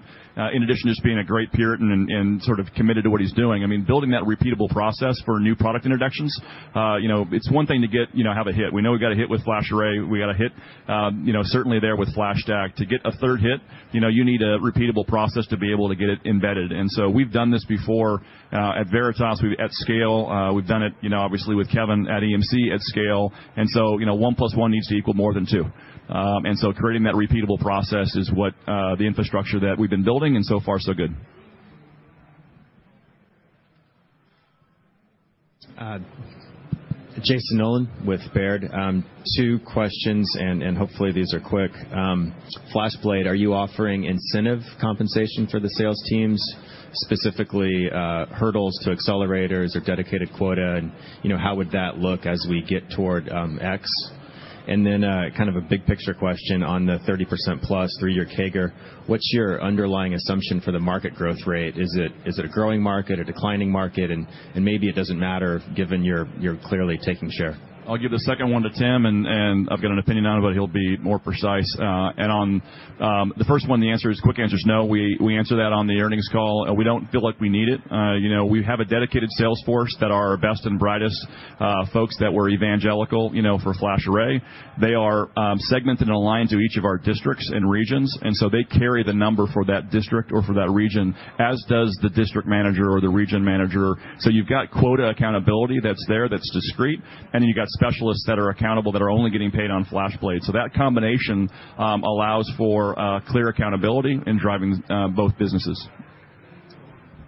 in addition to just being a great Purity and committed to what he's doing, building that repeatable process for new product introductions. It's one thing to have a hit. We know we got a hit with FlashArray. We got a hit certainly there with FlashStack. To get a third hit, you need a repeatable process to be able to get it embedded. We've done this before at Veritas at scale. We've done it obviously with Kevin at EMC at scale. One plus one needs to equal more than two. creating that repeatable process is the infrastructure that we've been building, and so far, so good. Jayson Noland with Baird. Two questions, hopefully these are quick. FlashBlade, are you offering incentive compensation for the sales teams, specifically, hurdles to accelerators or dedicated quota, and how would that look as we get toward X? A big picture question on the 30%-plus three-year CAGR. What's your underlying assumption for the market growth rate? Is it a growing market, a declining market? Maybe it doesn't matter given you're clearly taking share. I'll give the second one to Tim, and I've got an opinion on it, but he'll be more precise. On the first one, the quick answer's no. We answered that on the earnings call. We don't feel like we need it. We have a dedicated sales force that are our best and brightest folks that were evangelical for FlashArray. They are segmented and aligned to each of our districts and regions, they carry the number for that district or for that region, as does the district manager or the region manager. You've got quota accountability that's there, that's discreet, and then you've got specialists that are accountable that are only getting paid on FlashBlade. That combination allows for clear accountability in driving both businesses.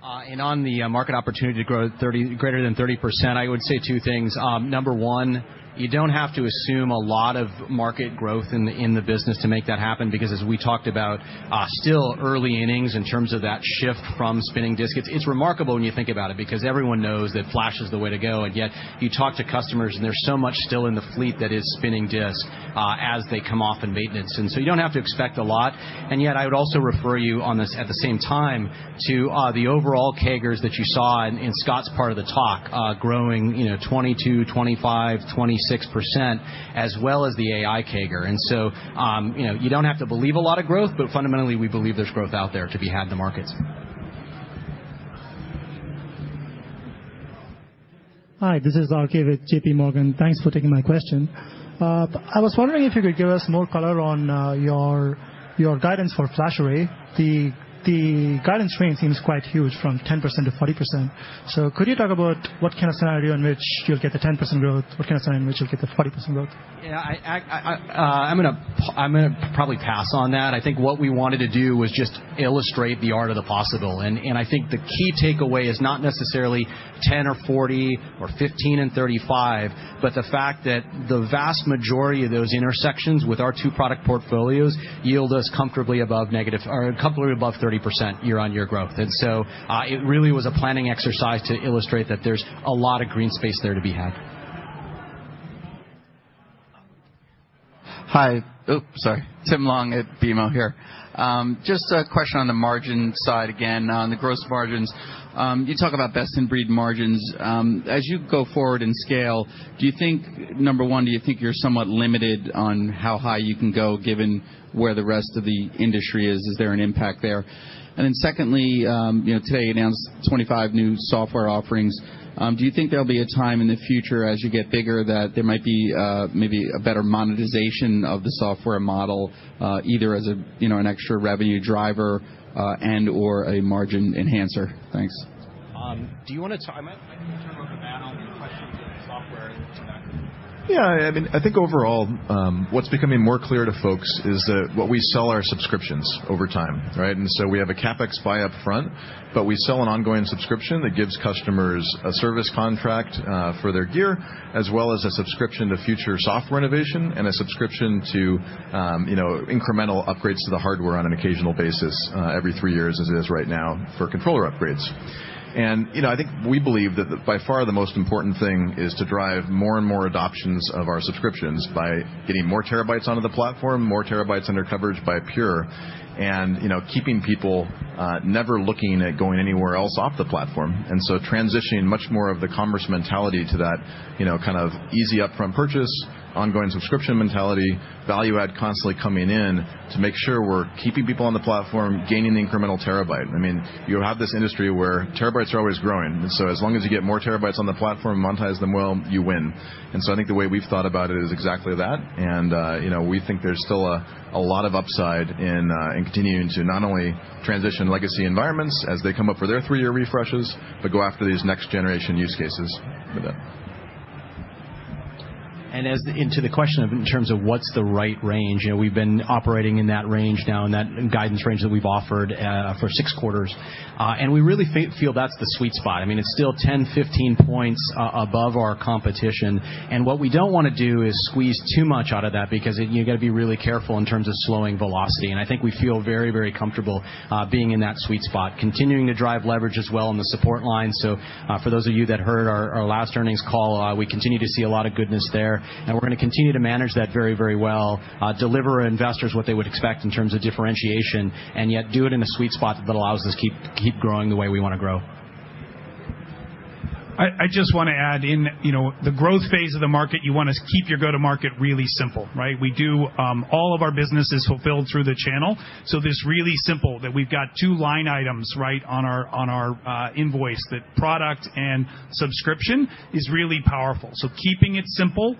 On the market opportunity growth greater than 30%, I would say two things. Number one, you don't have to assume a lot of market growth in the business to make that happen because, as we talked about, still early innings in terms of that shift from spinning disks. It's remarkable when you think about it, because everyone knows that flash is the way to go, and yet you talk to customers, and there's so much still in the fleet that is spinning disk as they come off in maintenance. You don't have to expect a lot, and yet I would also refer you on this, at the same time, to the overall CAGRs that you saw in Scott's part of the talk, growing 22%, 25%, 26%, as well as the AI CAGR. You don't have to believe a lot of growth, but fundamentally, we believe there's growth out there to be had in the markets. Hi, this is R.K. with J.P. Morgan. Thanks for taking my question. I was wondering if you could give us more color on your guidance for FlashArray. The guidance range seems quite huge, from 10%-40%. Could you talk about what kind of scenario in which you'll get the 10% growth? What kind of scenario in which you'll get the 40% growth? Yeah, I'm going to probably pass on that. I think what we wanted to do was just illustrate the art of the possible, and I think the key takeaway is not necessarily 10 or 40 or 15 and 35, but the fact that the vast majority of those intersections with our two product portfolios yield us comfortably above 30% year-on-year growth. It really was a planning exercise to illustrate that there's a lot of green space there to be had. Hi. Oops, sorry. Tim Long at BMO here. Just a question on the margin side again, on the gross margins. You talk about best-in-breed margins. As you go forward in scale, number one, do you think you're somewhat limited on how high you can go given where the rest of the industry is? Is there an impact there? Secondly, today you announced 25 new software offerings. Do you think there'll be a time in the future, as you get bigger, that there might be maybe a better monetization of the software model, either as an extra revenue driver and/or a margin enhancer? Thanks. I might let you talk about the value question for the software and then come back. Yeah. I think overall, what's becoming more clear to folks is that what we sell are subscriptions over time, right? We have a CapEx buy upfront, but we sell an ongoing subscription that gives customers a service contract for their gear, as well as a subscription to future software innovation and a subscription to incremental upgrades to the hardware on an occasional basis, every 3 years as it is right now, for controller upgrades. We believe that by far the most important thing is to drive more and more adoptions of our subscriptions by getting more terabytes onto the platform, more terabytes under coverage by Pure, and keeping people never looking at going anywhere else off the platform. Transitioning much more of the commerce mentality to that, kind of easy upfront purchase, ongoing subscription mentality, value add constantly coming in to make sure we're keeping people on the platform, gaining the incremental terabyte. You have this industry where terabytes are always growing. As long as you get more terabytes on the platform, monetize them well, you win. I think the way we've thought about it is exactly that, and we think there's still a lot of upside in continuing to not only transition legacy environments as they come up for their 3-year refreshes, but go after these next-generation use cases with it. As into the question of in terms of what's the right range, we've been operating in that range now, in that guidance range that we've offered for 6 quarters. We really feel that's the sweet spot. It's still 10, 15 points above our competition, and what we don't want to do is squeeze too much out of that because you've got to be really careful in terms of slowing velocity. We feel very, very comfortable being in that sweet spot, continuing to drive leverage as well on the support line. For those of you that heard our last earnings call, we continue to see a lot of goodness there, and we're going to continue to manage that very, very well, deliver investors what they would expect in terms of differentiation, and yet do it in a sweet spot that allows us to keep growing the way we want to grow. I just want to add in. The growth phase of the market, you want to keep your go-to-market really simple, right? All of our business is fulfilled through the channel. This really simple, that we've got two line items right on our invoice, that product and subscription, is really powerful. Keeping it simple,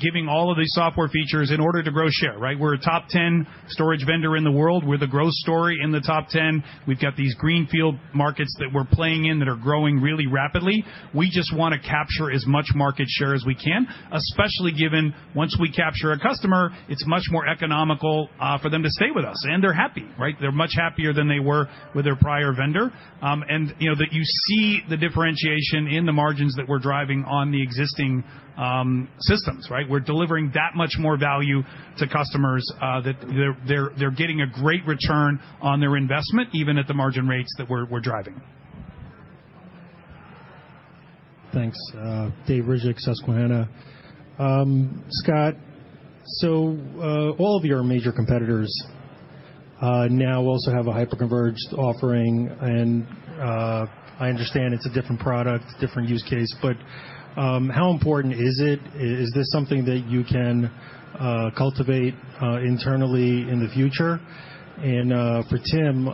giving all of these software features in order to grow share, right? We're a top 10 storage vendor in the world. We're the growth story in the top 10. We've got these greenfield markets that we're playing in that are growing really rapidly. We just want to capture as much market share as we can, especially given once we capture a customer, it's much more economical for them to stay with us, and they're happy, right? They're much happier than they were with their prior vendor. That you see the differentiation in the margins that we're driving on the existing systems, right? We're delivering that much more value to customers that they're getting a great return on their investment, even at the margin rates that we're driving. Thanks. Dave Rydzek, Susquehanna. Scott, all of your major competitors now also have a hyperconverged offering, and I understand it's a different product, different use case, but how important is it? Is this something that you can cultivate internally in the future? For Tim,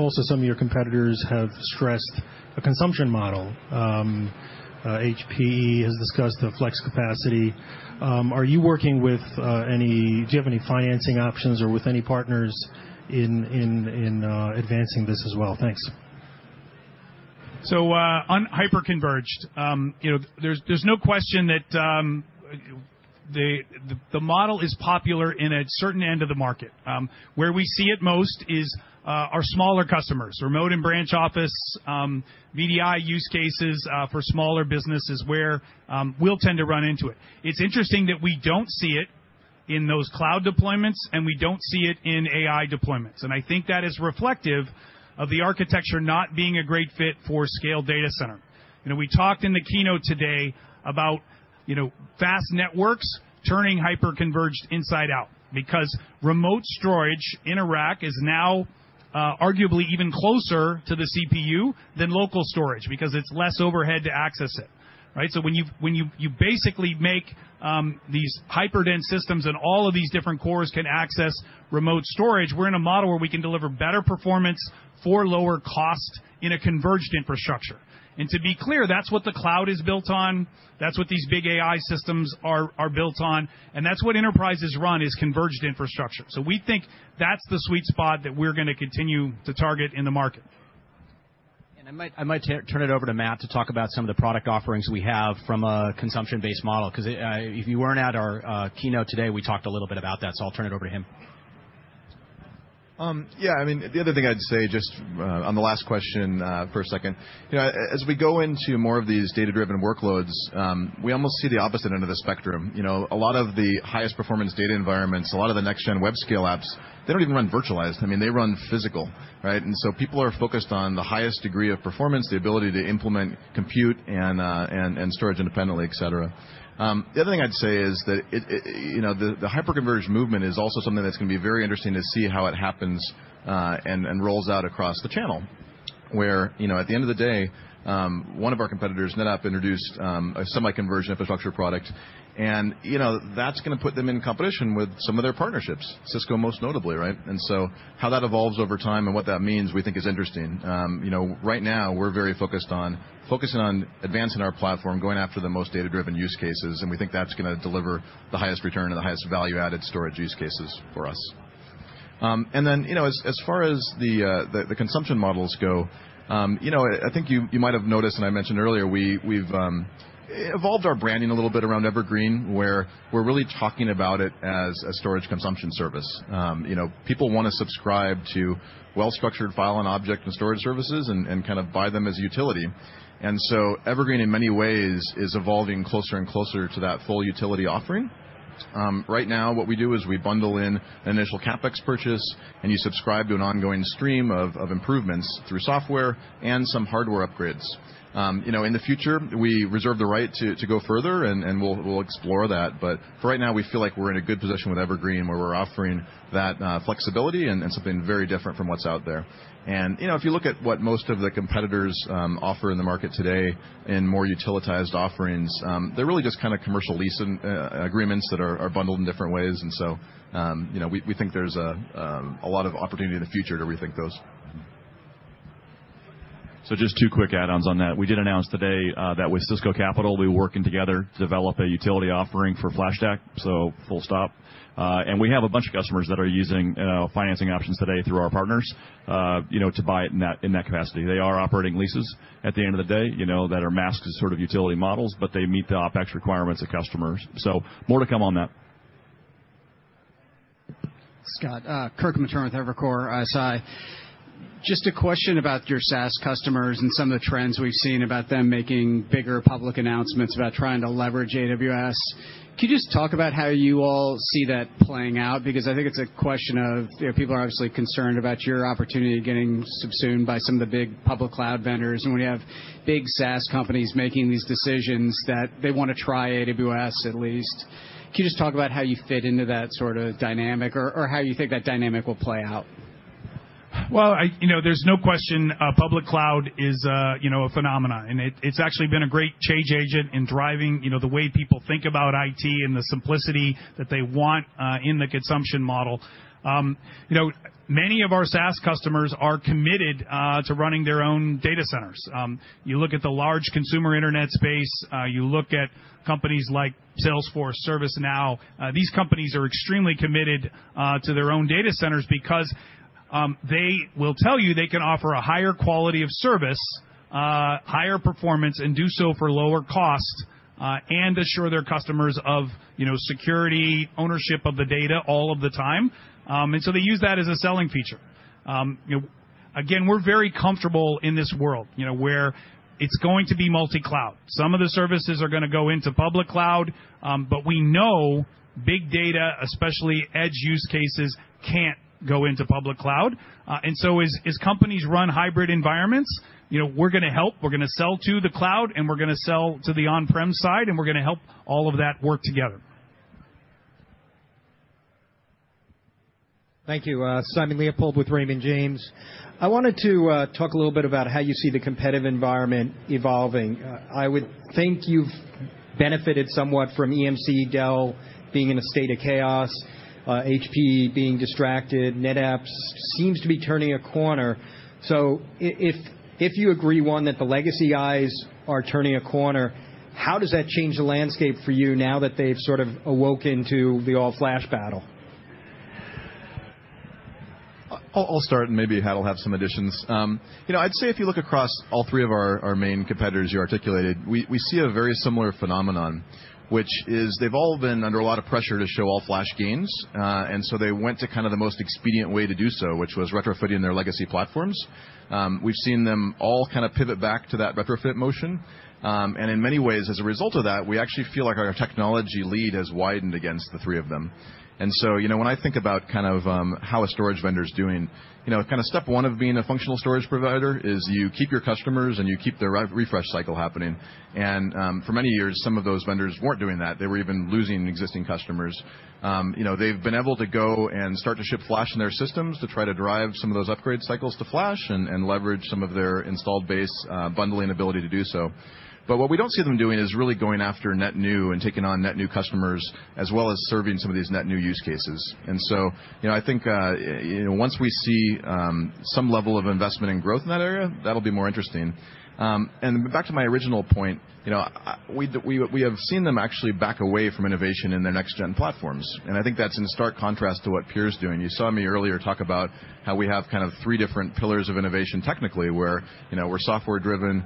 also, some of your competitors have stressed a consumption model. HPE has discussed the Flex Capacity. Do you have any financing options or with any partners in advancing this as well? Thanks. On hyperconverged, there's no question that the model is popular in a certain end of the market. Where we see it most is our smaller customers, remote and branch office, VDI use cases for smaller businesses, where we'll tend to run into it. It's interesting that we don't see it in those cloud deployments, and we don't see it in AI deployments. I think that is reflective of the architecture not being a great fit for scale data center. We talked in the keynote today about fast networks turning hyperconverged inside out because remote storage in a rack is now arguably even closer to the CPU than local storage because it's less overhead to access it. Right? When you basically make these hyper-dense systems and all of these different cores can access remote storage, we're in a model where we can deliver better performance for lower cost in a converged infrastructure. To be clear, that's what the cloud is built on, that's what these big AI systems are built on, and that's what enterprises run, is converged infrastructure. We think that's the sweet spot that we're going to continue to target in the market. I might turn it over to Matt to talk about some of the product offerings we have from a consumption-based model, because if you weren't at our keynote today, we talked a little bit about that, so I'll turn it over to him. Yeah. The other thing I'd say, just on the last question for a second, as we go into more of these data-driven workloads, we almost see the opposite end of the spectrum. A lot of the highest performance data environments, a lot of the next-gen web scale apps, they don't even run virtualized. They run physical. Right? People are focused on the highest degree of performance, the ability to implement, compute, and storage independently, et cetera. The other thing I'd say is that the hyperconverged movement is also something that's going to be very interesting to see how it happens and rolls out across the channel, where at the end of the day, one of our competitors, NetApp, introduced a semi-converged infrastructure product, and that's going to put them in competition with some of their partnerships, Cisco most notably, right? How that evolves over time and what that means, we think is interesting. Right now, we're very focused on advancing our platform, going after the most data-driven use cases, and we think that's going to deliver the highest return or the highest value-added storage use cases for us. As far as the consumption models go, I think you might have noticed, and I mentioned earlier, we've evolved our branding a little bit around Evergreen, where we're really talking about it as a storage consumption service. People want to subscribe to well-structured file and object and storage services and buy them as a utility. Evergreen, in many ways, is evolving closer and closer to that full utility offering. Right now, what we do is we bundle in an initial CapEx purchase, and you subscribe to an ongoing stream of improvements through software and some hardware upgrades. In the future, we reserve the right to go further, and we'll explore that. For right now, we feel like we're in a good position with Evergreen, where we're offering that flexibility and something very different from what's out there. If you look at what most of the competitors offer in the market today in more utilitized offerings, they're really just commercial lease agreements that are bundled in different ways. We think there's a lot of opportunity in the future to rethink those. Just two quick add-ons on that. We did announce today that with Cisco Capital, we're working together to develop a utility offering for FlashStack, full stop. We have a bunch of customers that are using financing options today through our partners to buy it in that capacity. They are operating leases at the end of the day that are masked as utility models, but they meet the OpEx requirements of customers. More to come on that. Scott, Kirk Materne with Evercore ISI. Just a question about your SaaS customers and some of the trends we've seen about them making bigger public announcements about trying to leverage AWS. Could you just talk about how you all see that playing out? I think it's a question of people are obviously concerned about your opportunity getting subsumed by some of the big public cloud vendors. When you have big SaaS companies making these decisions that they want to try AWS, at least. Could you just talk about how you fit into that sort of dynamic, or how you think that dynamic will play out? Well, there's no question public cloud is a phenomenon. It's actually been a great change agent in driving the way people think about IT and the simplicity that they want in the consumption model. Many of our SaaS customers are committed to running their own data centers. You look at the large consumer Internet space, you look at companies like Salesforce, ServiceNow, these companies are extremely committed to their own data centers because they will tell you they can offer a higher Quality of Service, higher performance, and do so for lower cost, and assure their customers of security, ownership of the data all of the time. They use that as a selling feature. Again, we're very comfortable in this world, where it's going to be multi-cloud. Some of the services are going to go into public cloud, we know big data, especially edge use cases, can't go into public cloud. As companies run hybrid environments, we're going to help. We're going to sell to the cloud, and we're going to sell to the on-prem side, and we're going to help all of that work together. Thank you. Simon Leopold with Raymond James. I wanted to talk a little bit about how you see the competitive environment evolving. I would think you've benefited somewhat from EMC, Dell being in a state of chaos, HP being distracted. NetApp seems to be turning a corner. If you agree, one, that the legacy arrays are turning a corner, how does that change the landscape for you now that they've sort of awoken to the all-flash battle? I'll start, and maybe Hat will have some additions. I'd say if you look across all three of our main competitors you articulated, we see a very similar phenomenon, which is they've all been under a lot of pressure to show all-flash gains. They went to the most expedient way to do so, which was retrofitting their legacy platforms. We've seen them all pivot back to that retrofit motion. In many ways, as a result of that, we actually feel like our technology lead has widened against the three of them. When I think about how a storage vendor's doing, step one of being a functional storage provider is you keep your customers, and you keep the refresh cycle happening. For many years, some of those vendors weren't doing that. They were even losing existing customers. They've been able to go and start to ship flash in their systems to try to drive some of those upgrade cycles to flash and leverage some of their installed base bundling ability to do so. What we don't see them doing is really going after net new and taking on net new customers, as well as serving some of these net new use cases. I think, once we see some level of investment and growth in that area, that'll be more interesting. Back to my original point, we have seen them actually back away from innovation in their next gen platforms, and I think that's in stark contrast to what Pure's doing. You saw me earlier talk about how we have three different pillars of innovation technically, where we're software driven,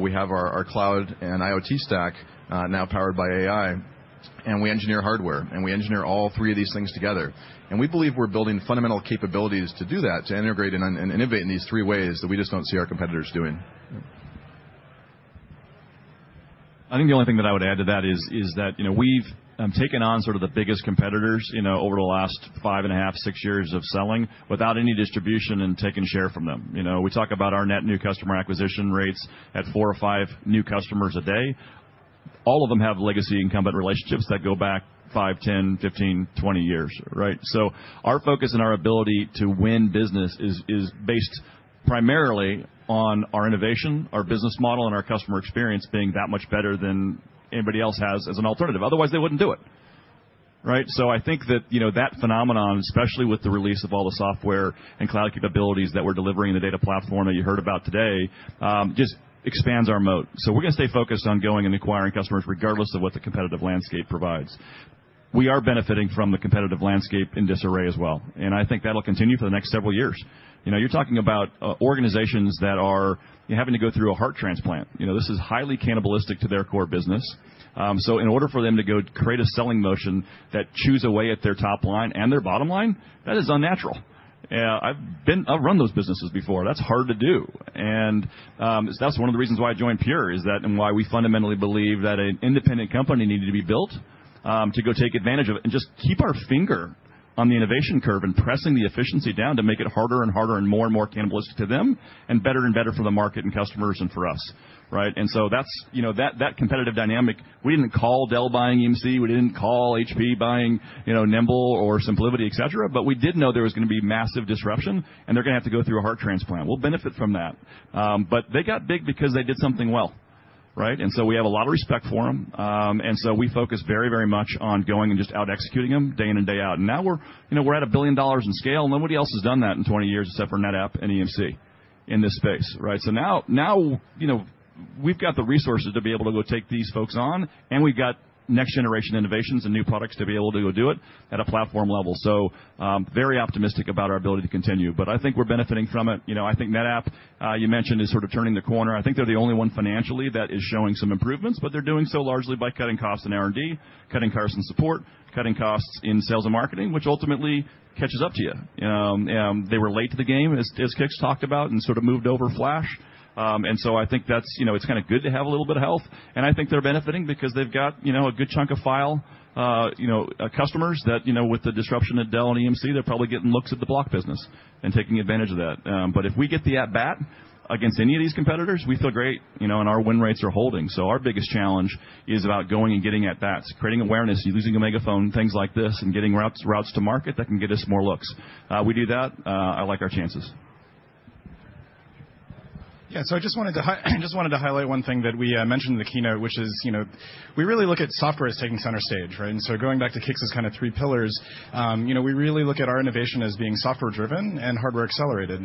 we have our cloud and IoT stack, now powered by AI, and we engineer hardware. We engineer all three of these things together. We believe we're building fundamental capabilities to do that, to integrate and innovate in these three ways that we just don't see our competitors doing. I think the only thing that I would add to that is that we've taken on the biggest competitors over the last five and a half, six years of selling without any distribution and taken share from them. We talk about our net new customer acquisition rates at four or five new customers a day. All of them have legacy incumbent relationships that go back five, 10, 15, 20 years, right? Our focus and our ability to win business is based primarily on our innovation, our business model, and our customer experience being that much better than anybody else has as an alternative. Otherwise, they wouldn't do it. Right? I think that phenomenon, especially with the release of all the software and cloud capabilities that we're delivering in the data platform that you heard about today, just expands our moat. We're going to stay focused on going and acquiring customers regardless of what the competitive landscape provides. We are benefiting from the competitive landscape in disarray as well, and I think that'll continue for the next several years. You're talking about organizations that are having to go through a heart transplant. This is highly cannibalistic to their core business. In order for them to go create a selling motion that chews away at their top line and their bottom line, that is unnatural. I've run those businesses before. That's hard to do. That's one of the reasons why I joined Pure, is that, and why we fundamentally believe that an independent company needed to be built, to go take advantage of it and just keep our finger on the innovation curve and pressing the efficiency down to make it harder and harder and more and more cannibalistic to them and better and better for the market and customers and for us. Right. That competitive dynamic, we didn't call Dell buying EMC, we didn't call HP buying Nimble or SimpliVity, et cetera, but we did know there was going to be massive disruption, and they're going to have to go through a heart transplant. We'll benefit from that. They got big because they did something well. Right. We have a lot of respect for them. We focus very much on going and just out-executing them day in and day out. Now we're at $1 billion in scale. Nobody else has done that in 20 years except for NetApp and EMC in this space, right? We've got the resources to be able to go take these folks on, and we've got next generation innovations and new products to be able to go do it at a platform level. Very optimistic about our ability to continue. I think we're benefiting from it. I think NetApp, you mentioned, is sort of turning the corner. I think they're the only one financially that is showing some improvements, but they're doing so largely by cutting costs in R&D, cutting costs in support, cutting costs in sales and marketing, which ultimately catches up to you. They were late to the game, as Kix talked about, and sort of moved over Flash. I think it's good to have a little bit of health, and I think they're benefiting because they've got a good chunk of file customers that with the disruption at Dell and EMC, they're probably getting looks at the block business and taking advantage of that. If we get the at-bat against any of these competitors, we feel great, and our win rates are holding. Our biggest challenge is about going and getting at-bats, creating awareness, using a megaphone, things like this, and getting routes to market that can get us more looks. We do that, I like our chances. Yeah. I just wanted to highlight one thing that we mentioned in the keynote, which is we really look at software as taking center stage, right. Going back to Kix's three pillars, we really look at our innovation as being software driven and hardware accelerated.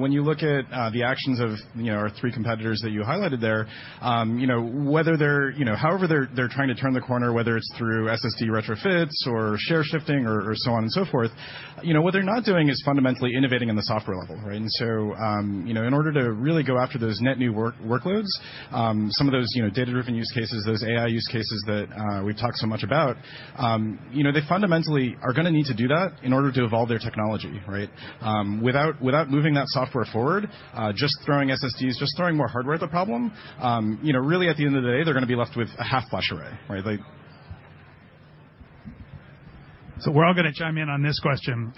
When you look at the actions of our three competitors that you highlighted there, however they're trying to turn the corner, whether it's through SSD retrofits or share shifting or so on and so forth, what they're not doing is fundamentally innovating on the software level, right. In order to really go after those net new workloads, some of those data-driven use cases, those AI use cases that we've talked so much about, they fundamentally are going to need to do that in order to evolve their technology, right. Without moving that software forward, just throwing SSDs, just throwing more hardware at the problem, really at the end of the day, they're going to be left with a half FlashArray. Right? We're all going to chime in on this question.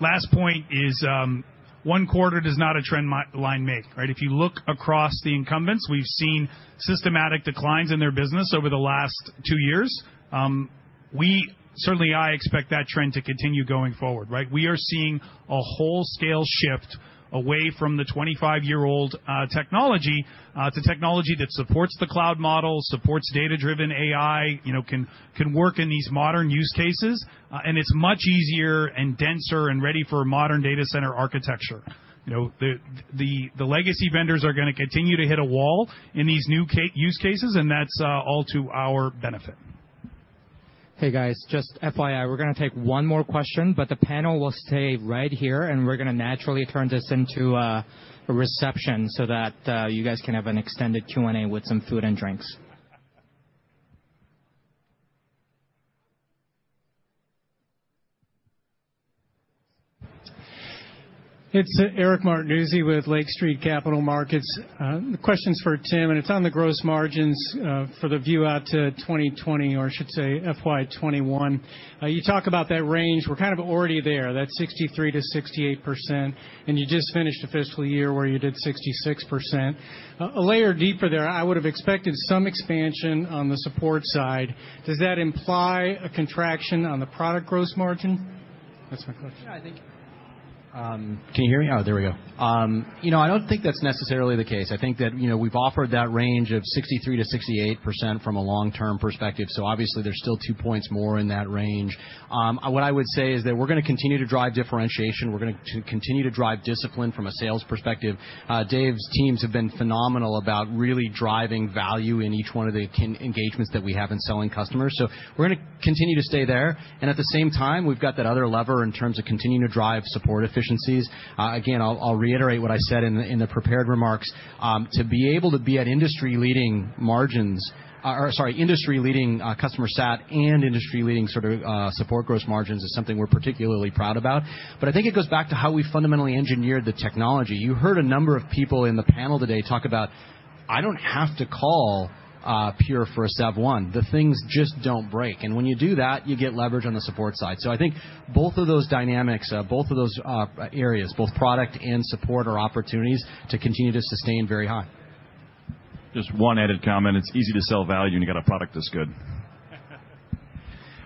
Last point is one quarter does not a trend line make. If you look across the incumbents, we've seen systematic declines in their business over the last two years. We, certainly I, expect that trend to continue going forward. We are seeing a wholescale shift away from the 25-year-old technology to technology that supports the cloud model, supports data-driven AI, can work in these modern use cases, and it's much easier and denser and ready for modern data center architecture. The legacy vendors are going to continue to hit a wall in these new use cases, and that's all to our benefit. Hey guys, just FYI, we're going to take one more question. The panel will stay right here. We're going to naturally turn this into a reception so that you guys can have an extended Q&A with some food and drinks. It's Eric Martinuzzi with Lake Street Capital Markets. The question's for Tim, and it's on the gross margins for the view out to 2020, or I should say FY 2021. You talk about that range. We're kind of already there, that 63%-68%, and you just finished a fiscal year where you did 66%. A layer deeper there, I would have expected some expansion on the support side. Does that imply a contraction on the product gross margin? That's my question. Yeah, I think Can you hear me? Oh, there we go. I don't think that's necessarily the case. I think that we've offered that range of 63%-68% from a long-term perspective, so obviously there's still two points more in that range. What I would say is that we're going to continue to drive differentiation. We're going to continue to drive discipline from a sales perspective. Dave's teams have been phenomenal about really driving value in each one of the engagements that we have in selling customers. We're going to continue to stay there, and at the same time, we've got that other lever in terms of continuing to drive support efficiencies. Again, I'll reiterate what I said in the prepared remarks. To be able to be at industry-leading margins, or sorry, industry-leading customer sat and industry-leading sort of support gross margins is something we're particularly proud about. I think it goes back to how we fundamentally engineered the technology. You heard a number of people in the panel today talk about, "I don't have to call Pure for a sev one. The things just don't break." When you do that, you get leverage on the support side. I think both of those dynamics, both of those areas, both product and support, are opportunities to continue to sustain very high. Just one added comment. It's easy to sell value when you got a product that's good.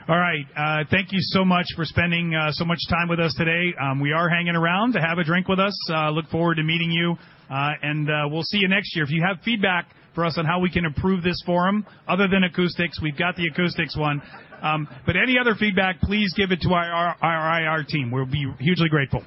All right. Thank you so much for spending so much time with us today. We are hanging around to have a drink with us. Look forward to meeting you. We'll see you next year. If you have feedback for us on how we can improve this forum, other than acoustics, we've got the acoustics one. Any other feedback, please give it to our IR team. We'll be hugely grateful.